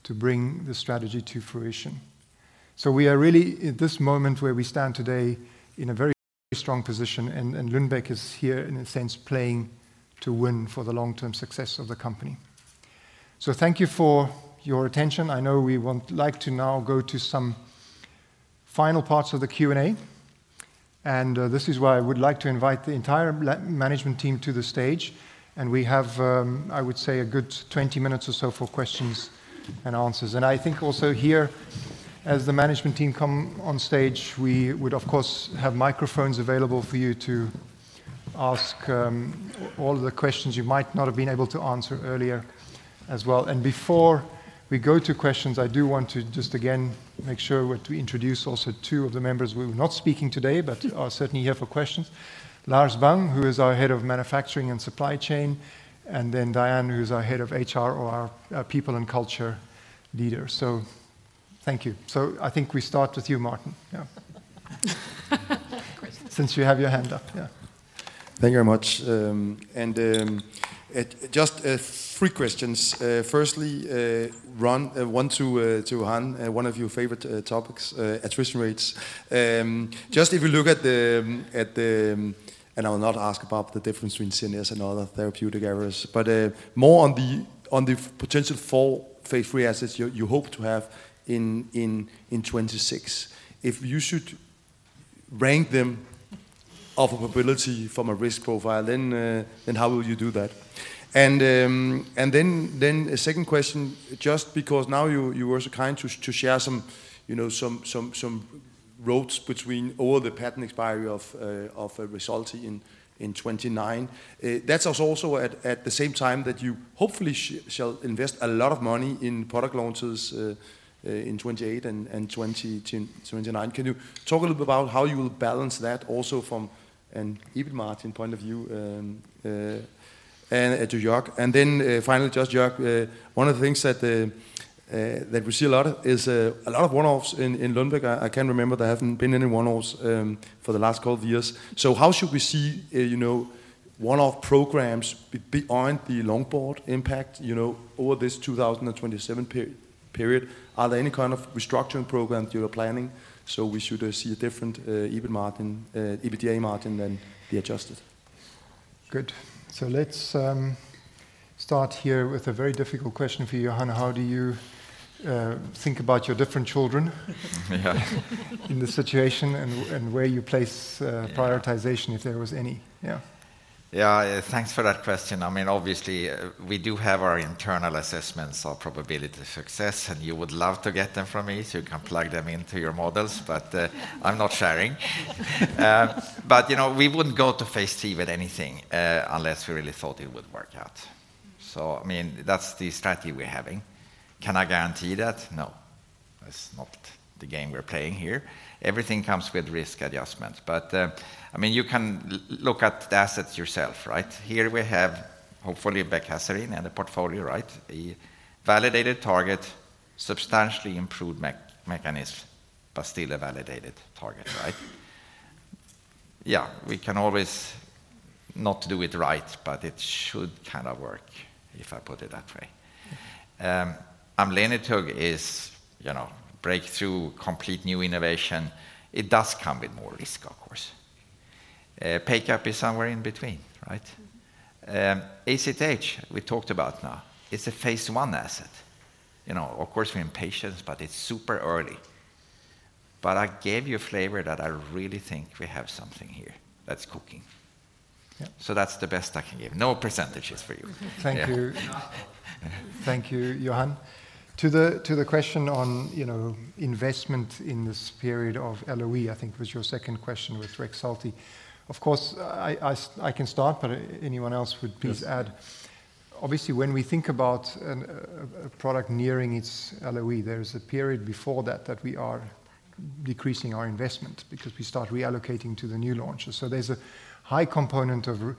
A: to bring the strategy to fruition... So we are really, at this moment where we stand today, in a very strong position, and Lundbeck is here, in a sense, playing to win for the long-term success of the company. Thank you for your attention. I know we would like to now go to some final parts of the Q&A, and this is where I would like to invite the entire management team to the stage. We have, I would say, a good 20 minutes or so for questions and answers. I think also here, as the management team come on stage, we would, of course, have microphones available for you to ask all the questions you might not have been able to answer earlier as well. And before we go to questions, I do want to just again make sure we introduce also two of the members who are not speaking today, but are certainly here for questions. Lars Bang, who is our head of manufacturing and supply chain, and then Dianne, who is our head of HR or our people and culture leader. So thank you. So I think we start with you, Martin. Yeah.
G: Of course.
A: Since you have your hand up. Yeah.
G: Thank you very much. And just three questions. Firstly, Ron, one to Johan, one of your favorite topics, attrition rates. Just if you look at the. I will not ask about the difference between CNS and other therapeutic areas, but more on the potential for phase III assets you hope to have in 2026. If you should rank them of probability from a risk profile, then how will you do that? And then a second question, just because now you were so kind to share some, you know, some roadmaps between all the patent expiry of REXULTI in 2029. That's also at the same time that you hopefully shall invest a lot of money in product launches in 2028 and 2029. Can you talk a little bit about how you will balance that also from an EBITDA margin point of view, and to Joerg? And then, finally, just Joerg, one of the things that we see a lot of is a lot of one-offs in Lundbeck. I can't remember there having been any one-offs for the last couple of years. So how should we see, you know, one-off programs beyond the Longboard impact, you know, over this 2027 period? Are there any kind of restructuring programs you are planning, so we should see a different EBITDA margin than the adjusted?
A: Good. So let's start here with a very difficult question for you, Johan. How do you think about your different children-
E: Yeah.
A: -in this situation, and where you place, prioritization-
E: Yeah...
A: if there was any? Yeah.
E: Yeah, thanks for that question. I mean, obviously, we do have our internal assessments of probability of success, and you would love to get them from me, so you can plug them into your models, but, I'm not sharing. But, you know, we wouldn't go to phase III with anything, unless we really thought it would work out. So, I mean, that's the strategy we're having. Can I guarantee that? No, that's not the game we're playing here. Everything comes with risk adjustments, but, I mean, you can look at the assets yourself, right? Here we have, hopefully, bexicaserin in the portfolio, right? A validated target, substantially improved mechanism, but still a validated target, right? Yeah, we can always not do it right, but it should kind of work, if I put it that way. amlenetug is, you know, breakthrough, complete new innovation. It does come with more risk, of course. PACAP is somewhere in between, right? ACTH, we talked about now, it's a phase I asset. You know, of course, we're impatient, but it's super early. But I gave you a flavor that I really think we have something here that's cooking.
A: Yeah.
E: So that's the best I can give. No percentages for you.
A: Thank you.
G: Yeah.
A: Thank you, Johan. To the question on, you know, investment in this period of LOE, I think was your second question with REXULTI. Of course, I can start, but anyone else would please add.
L: Yes.
A: Obviously, when we think about a product nearing its LOE, there is a period before that that we are decreasing our investment because we start reallocating to the new launches. So there's a high component of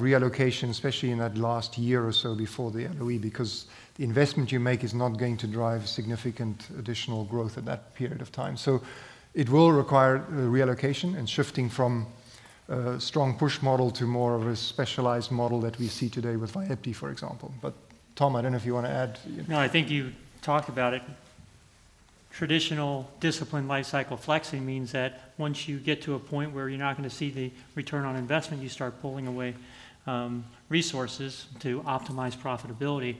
A: reallocation, especially in that last year or so before the LOE, because the investment you make is not going to drive significant additional growth in that period of time. So it will require reallocation and shifting from a strong push model to more of a specialized model that we see today with VYEPTI, for example. But Tom, I don't know if you want to add?
C: No, I think you talked about it. Traditional disciplined life cycle flexing means that once you get to a point where you're not going to see the return on investment, you start pulling away resources to optimize profitability.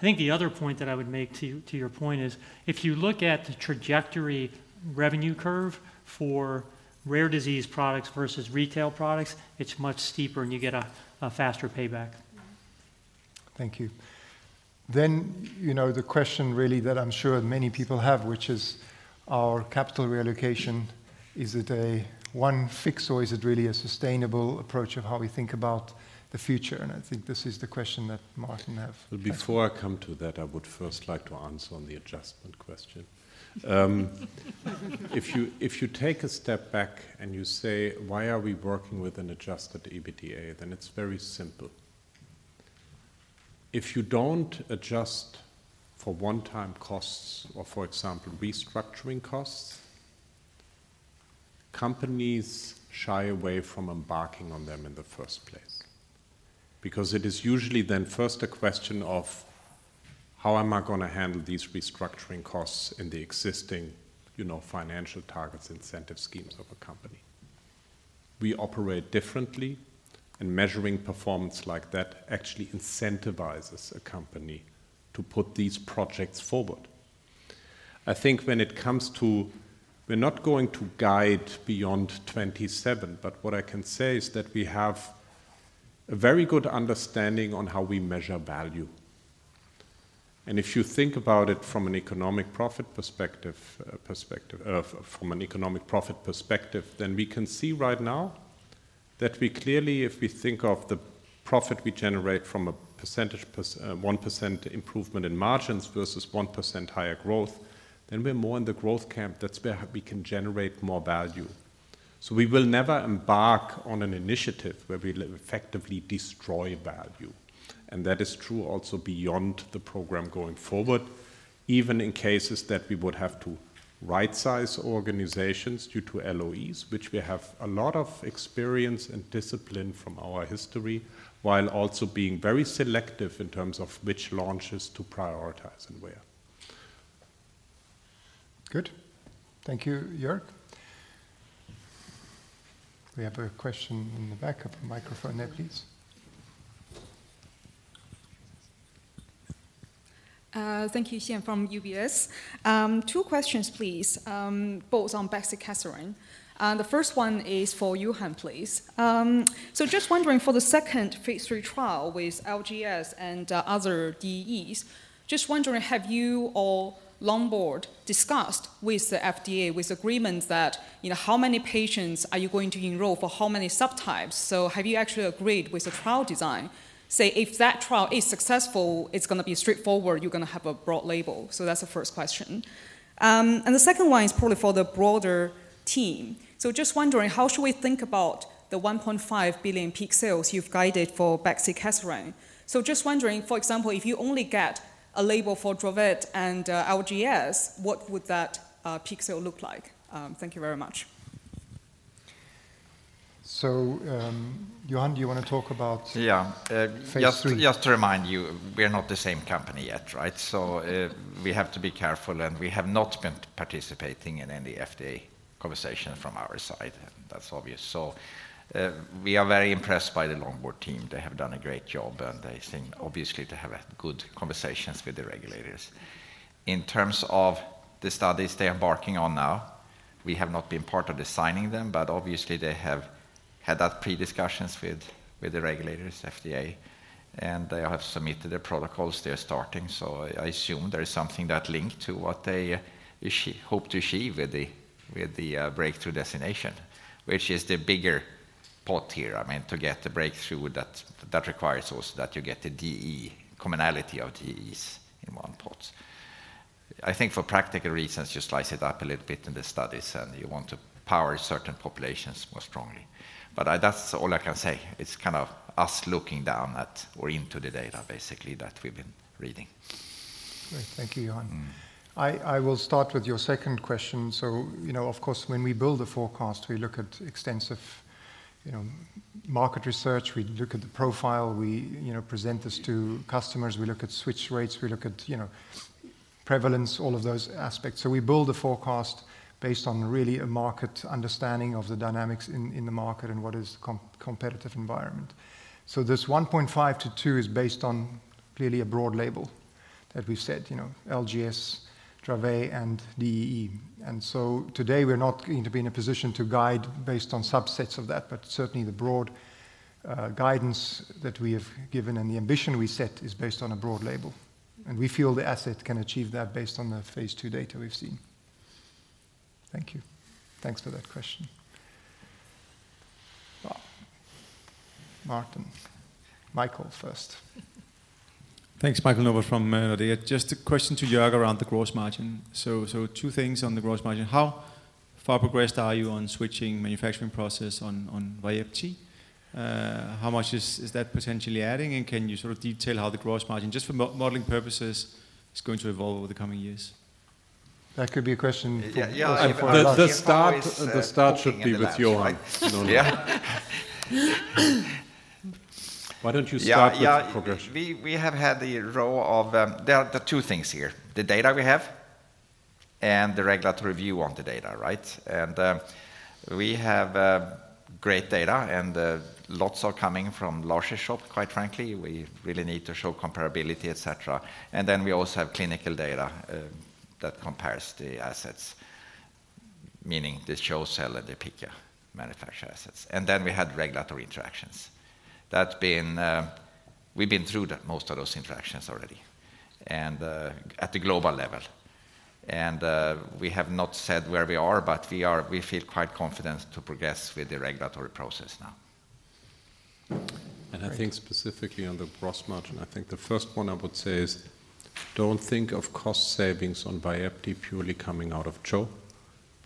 C: I think the other point that I would make to your point is, if you look at the trajectory revenue curve for rare disease products versus retail products, it's much steeper, and you get a faster payback.
A: Thank you. Then, you know, the question really that I'm sure many people have, which is our capital reallocation, is it a one fix, or is it really a sustainable approach of how we think about the future? And I think this is the question that Martin have.
L: Before I come to that, I would first like to answer on the adjustment question. If you take a step back and you say: Why are we working with an adjusted EBITDA? Then it's very simple. If you don't adjust for one-time costs or, for example, restructuring costs, companies shy away from embarking on them in the first place. Because it is usually then first a question of, how am I gonna handle these restructuring costs in the existing, you know, financial targets incentive schemes of a company? We operate differently, and measuring performance like that actually incentivizes a company to put these projects forward. I think when it comes to, we're not going to guide beyond 2027, but what I can say is that we have a very good understanding on how we measure value. And if you think about it from an economic profit perspective, then we can see right now that we clearly, if we think of the profit we generate from a percentage, per 1% improvement in margins versus 1% higher growth, then we're more in the growth camp. That's where we can generate more value. So we will never embark on an initiative where we effectively destroy value, and that is true also beyond the program going forward, even in cases that we would have to rightsize organizations due to LOEs, which we have a lot of experience and discipline from our history, while also being very selective in terms of which launches to prioritize and where.
A: Good. Thank you, Joerg. We have a question in the back. A microphone there, please.
M: Thank you. Xian from UBS. Two questions, please, both on bexicaserin. The first one is for Johan, please. So just wondering, for the second phase III trial with LGS and other DEEs, just wondering, have you or Longboard discussed with the FDA, with agreements that, you know, how many patients are you going to enroll for how many subtypes? So have you actually agreed with the trial design, say, if that trial is successful, it's gonna be straightforward, you're gonna have a broad label? So that's the first question. And the second one is probably for the broader team. So just wondering, how should we think about the $1.5 billion peak sales you've guided for bexicaserin? So just wondering, for example, if you only get a label for Dravet and LGS, what would that peak sale look like? Thank you very much.
A: Johan, do you want to talk about?
E: Yeah-
A: Phase III?
E: Just to remind you, we are not the same company yet, right? So, we have to be careful, and we have not been participating in any FDA conversation from our side. That's obvious. So, we are very impressed by the Longboard team. They have done a great job, and they seem obviously to have good conversations with the regulators. In terms of the studies they are embarking on now, we have not been part of designing them, but obviously, they have had that pre-discussions with the regulators, FDA, and they have submitted their protocols. They are starting, so I assume there is something that linked to what they hope to achieve with the breakthrough designation, which is the bigger pot here. I mean, to get the breakthrough that requires also that you get the DE commonality of DEs in one pot. I think for practical reasons, you slice it up a little bit in the studies, and you want to power certain populations more strongly. But that's all I can say. It's kind of us looking down at or into the data, basically, that we've been reading.
A: Great. Thank you, Johan.
E: Mm.
A: I will start with your second question. So, you know, of course, when we build a forecast, we look at extensive, you know, market research. We look at the profile. We, you know, present this to customers. We look at switch rates. We look at, you know, prevalence, all of those aspects. So we build a forecast based on really a market understanding of the dynamics in the market and what is the competitive environment. So this 1.5-2 is based on clearly a broad label that we've said, you know, LGS, Dravet, and DEE. And so today, we're not going to be in a position to guide based on subsets of that, but certainly the broad guidance that we have given and the ambition we set is based on a broad label, and we feel the asset can achieve that based on the phase II data we've seen. Thank you. Thanks for that question. Well, Martin. Michael first.
I: Thanks. Michael Novod from Nordea. Just a question to Joerg around the gross margin. So two things on the gross margin. How far progressed are you on switching manufacturing process on VYEPTI? How much is that potentially adding, and can you sort of detail how the gross margin, just for modeling purposes, is going to evolve over the coming years?
A: That could be a question-
E: Yeah, yeah.
A: The start should be with Johan.
E: Yeah.
A: Why don't you start with the progression?
E: Yeah, yeah. We have had the role of. There are two things here: the data we have and the regulatory view on the data, right? And we have great data, and lots are coming from larger scale. Quite frankly, we really need to show comparability, et cetera. And then we also have clinical data that compares the assets, meaning the CHO cell and the Pichia manufactured assets. And then we had regulatory interactions. That's been. We've been through most of those interactions already, and at the global level. And we have not said where we are, but we are. We feel quite confident to progress with the regulatory process now. I think specifically on the gross margin, I think the first one I would say is, don't think of cost savings on VYEPTI purely coming out of CHO.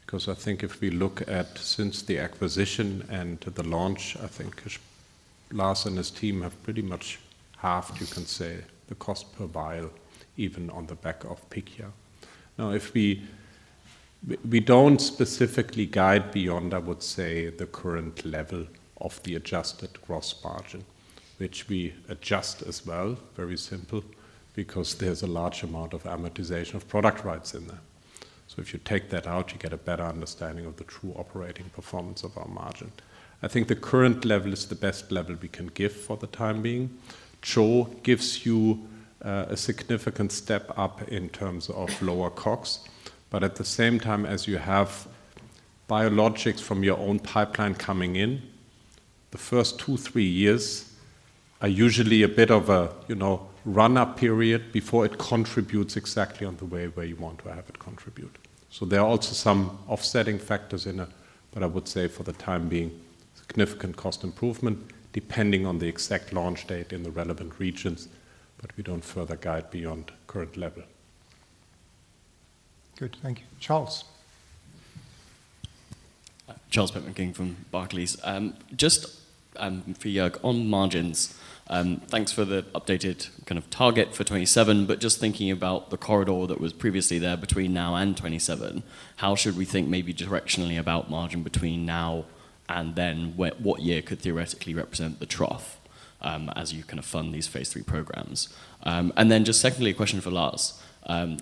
E: 'Cause I think if we look at since the acquisition and the launch, I think Lars and his team have pretty much halved, you can say, the cost per vial, even on the back of Pichia. Now, we don't specifically guide beyond, I would say, the current level of the adjusted gross margin, which we adjust as well, very simple, because there's a large amount of amortization of product rights in there. So if you take that out, you get a better understanding of the true operating performance of our margin. I think the current level is the best level we can give for the time being. CHO gives you a significant step up in terms of lower costs. But at the same time, as you have biologics from your own pipeline coming in, the first two, three years are usually a bit of a, you know, run-up period before it contributes exactly on the way where you want to have it contribute. So there are also some offsetting factors in it, but I would say for the time being, significant cost improvement, depending on the exact launch date in the relevant regions, but we don't further guide beyond current level.
A: Good. Thank you. Charles?
H: Charles Pitman-King from Barclays. Just, for Joerg, on margins, thanks for the updated kind of target for 2027, but just thinking about the corridor that was previously there between now and 2027, how should we think maybe directionally about margin between now and then? Where, what year could theoretically represent the trough, as you kind of fund these phase III programs? And then just secondly, a question for Lars.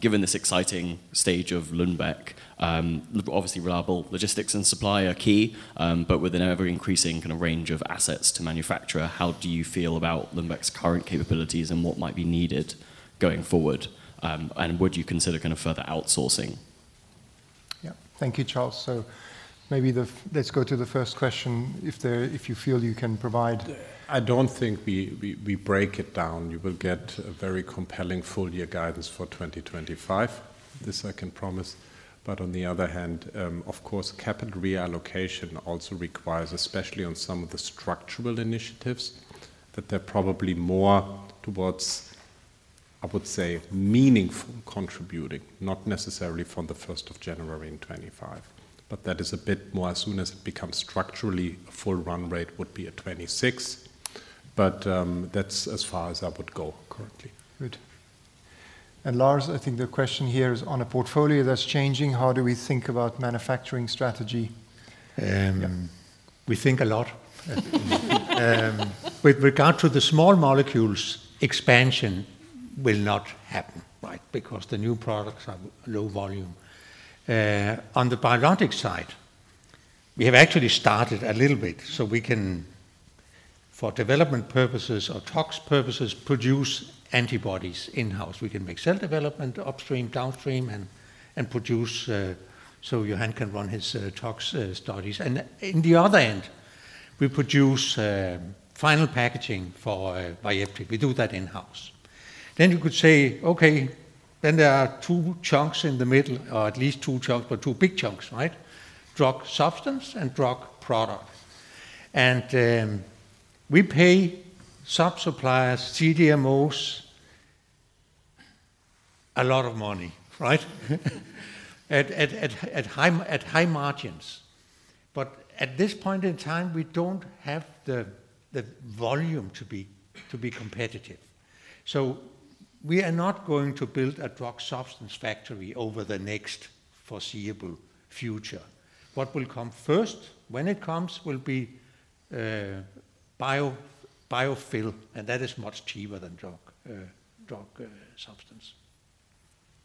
H: Given this exciting stage of Lundbeck, obviously reliable logistics and supply are key, but with an ever-increasing kind of range of assets to manufacture, how do you feel about Lundbeck's current capabilities and what might be needed going forward? And would you consider kind of further outsourcing?
A: Yeah. Thank you, Charl. So maybe the, let's go to the first question, if you feel you can provide.
L: I don't think we break it down. You will get a very compelling full year guidance for 2025. This I can promise. But on the other hand, of course, capital reallocation also requires, especially on some of the structural initiatives, that they're probably more towards, I would say, meaningful contributing, not necessarily from the first of January in 2025. But that is a bit more as soon as it becomes structurally, a full run rate would be at 2026. But, that's as far as I would go currently.
A: Good. And Lars, I think the question here is on a portfolio that's changing, how do we think about manufacturing strategy?
N: Um-
A: Yeah.
N: We think a lot. With regard to the small molecules, expansion will not happen, right? Because the new products are low volume. On the biologic side, we have actually started a little bit, so we can, for development purposes or tox purposes, produce antibodies in-house. We can make cell development, upstream, downstream, and produce. So Johan can run his tox studies. And in the other end, we produce final packaging for VYEPTI. We do that in-house. Then you could say, "Okay, then there are two chunks in the middle, or at least two chunks, but two big chunks, right? Drug substance and drug product." And we pay sub-suppliers, CDMOs, a lot of money, right? At high margins. But at this point in time, we don't have the volume to be competitive. We are not going to build a drug substance factory over the next foreseeable future. What will come first, when it comes, will be biofill, and that is much cheaper than drug substance.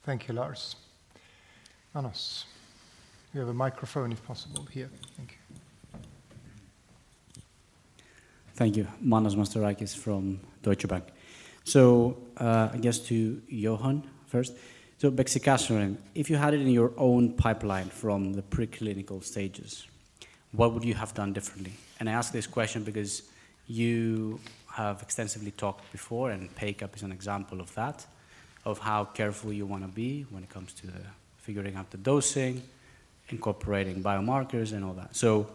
A: Thank you, Lars. Manos. We have a microphone, if possible, here. Thank you.
O: Thank you. Manos Mastorakis from Deutsche Bank. So, I guess to Johan first. So bexicaserin, if you had it in your own pipeline from the preclinical stages, what would you have done differently? And I ask this question because you have extensively talked before, and PACAP is an example of that, of how careful you want to be when it comes to figuring out the dosing, incorporating biomarkers, and all that. So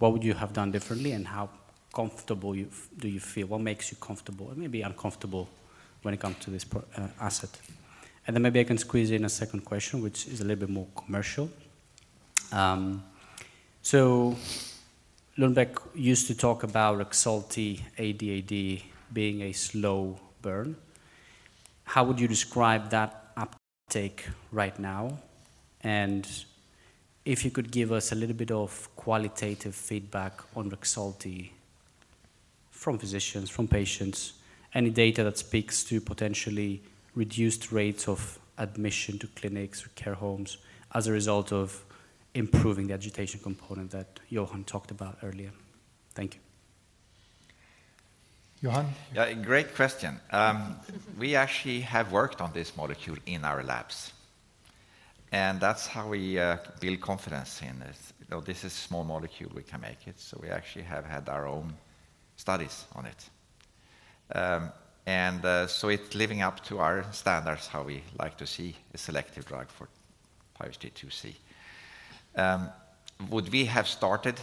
O: what would you have done differently, and how comfortable you-- do you feel? What makes you comfortable or maybe uncomfortable when it comes to this pro, asset? And then maybe I can squeeze in a second question, which is a little bit more commercial. So Lundbeck used to talk about REXULTI AADAD being a slow burn. How would you describe that uptake right now? If you could give us a little bit of qualitative feedback on REXULTI from physicians, from patients, any data that speaks to potentially reduced rates of admission to clinics or care homes as a result of improving the agitation component that Johan talked about earlier? Thank you.
A: Johan?
E: Yeah, great question. We actually have worked on this molecule in our labs, and that's how we build confidence in this. You know, this is small molecule, we can make it, so we actually have had our own studies on it. And so it's living up to our standards, how we like to see a selective drug for 5-HT2C. Would we have started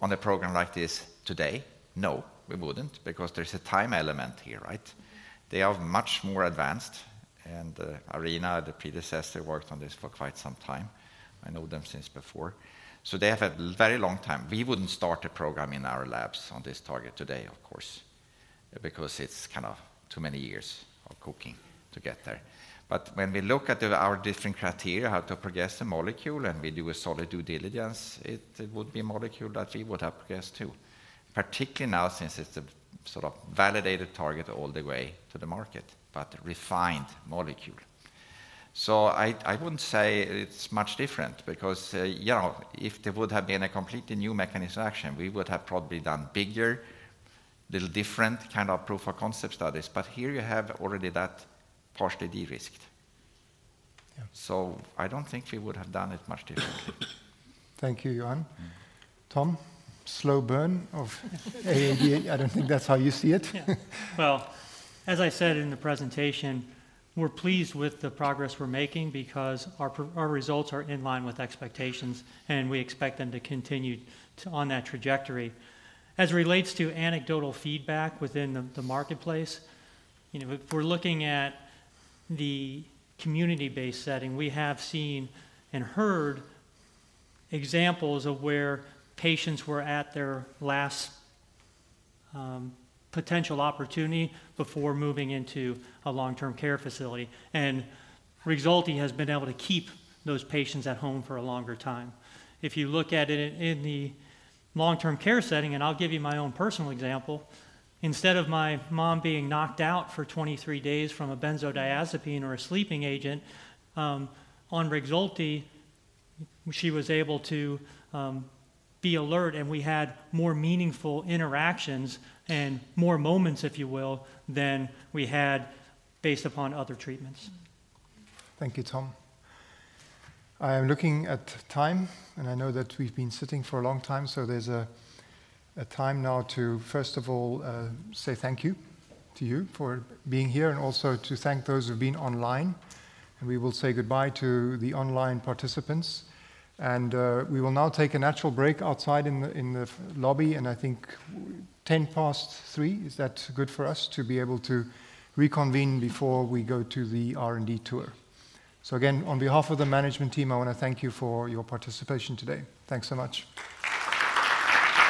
E: on a program like this today? No, we wouldn't, because there's a time element here, right? They are much more advanced... and Arena, the predecessor, worked on this for quite some time. I know them since before. So they have had very long time. We wouldn't start a program in our labs on this target today, of course, because it's kind of too many years of cooking to get there. But when we look at our different criteria, how to progress a molecule, and we do a solid due diligence, it would be a molecule that we would have progressed, too. Particularly now, since it's a sort of validated target all the way to the market, but refined molecule. So I wouldn't say it's much different because, you know, if there would have been a completely new mechanism of action, we would have probably done bigger, little different kind of proof of concept studies. But here you have already that partially de-risked.
A: Yeah.
E: So I don't think we would have done it much differently.
A: Thank you, Johan. Tom, slow burn of AAD, I don't think that's how you see it.
C: Yeah. Well, as I said in the presentation, we're pleased with the progress we're making because our results are in line with expectations, and we expect them to continue on that trajectory. As it relates to anecdotal feedback within the marketplace, you know, if we're looking at the community-based setting, we have seen and heard examples of where patients were at their last potential opportunity before moving into a long-term care facility, and REXULTI has been able to keep those patients at home for a longer time. If you look at it in the long-term care setting, and I'll give you my own personal example, instead of my mom being knocked out for 23 days from a benzodiazepine or a sleeping agent, on REXULTI, she was able to be alert, and we had more meaningful interactions and more moments, if you will, than we had based upon other treatments.
A: Thank you, Tom. I am looking at time, and I know that we've been sitting for a long time, so there's a time now to, first of all, say thank you to you for being here and also to thank those who've been online. And we will say goodbye to the online participants. And, we will now take an actual break outside in the, in the lobby, and I think 3:10 P.M., is that good for us to be able to reconvene before we go to the R&D tour? So again, on behalf of the management team, I want to thank you for your participation today. Thanks so much.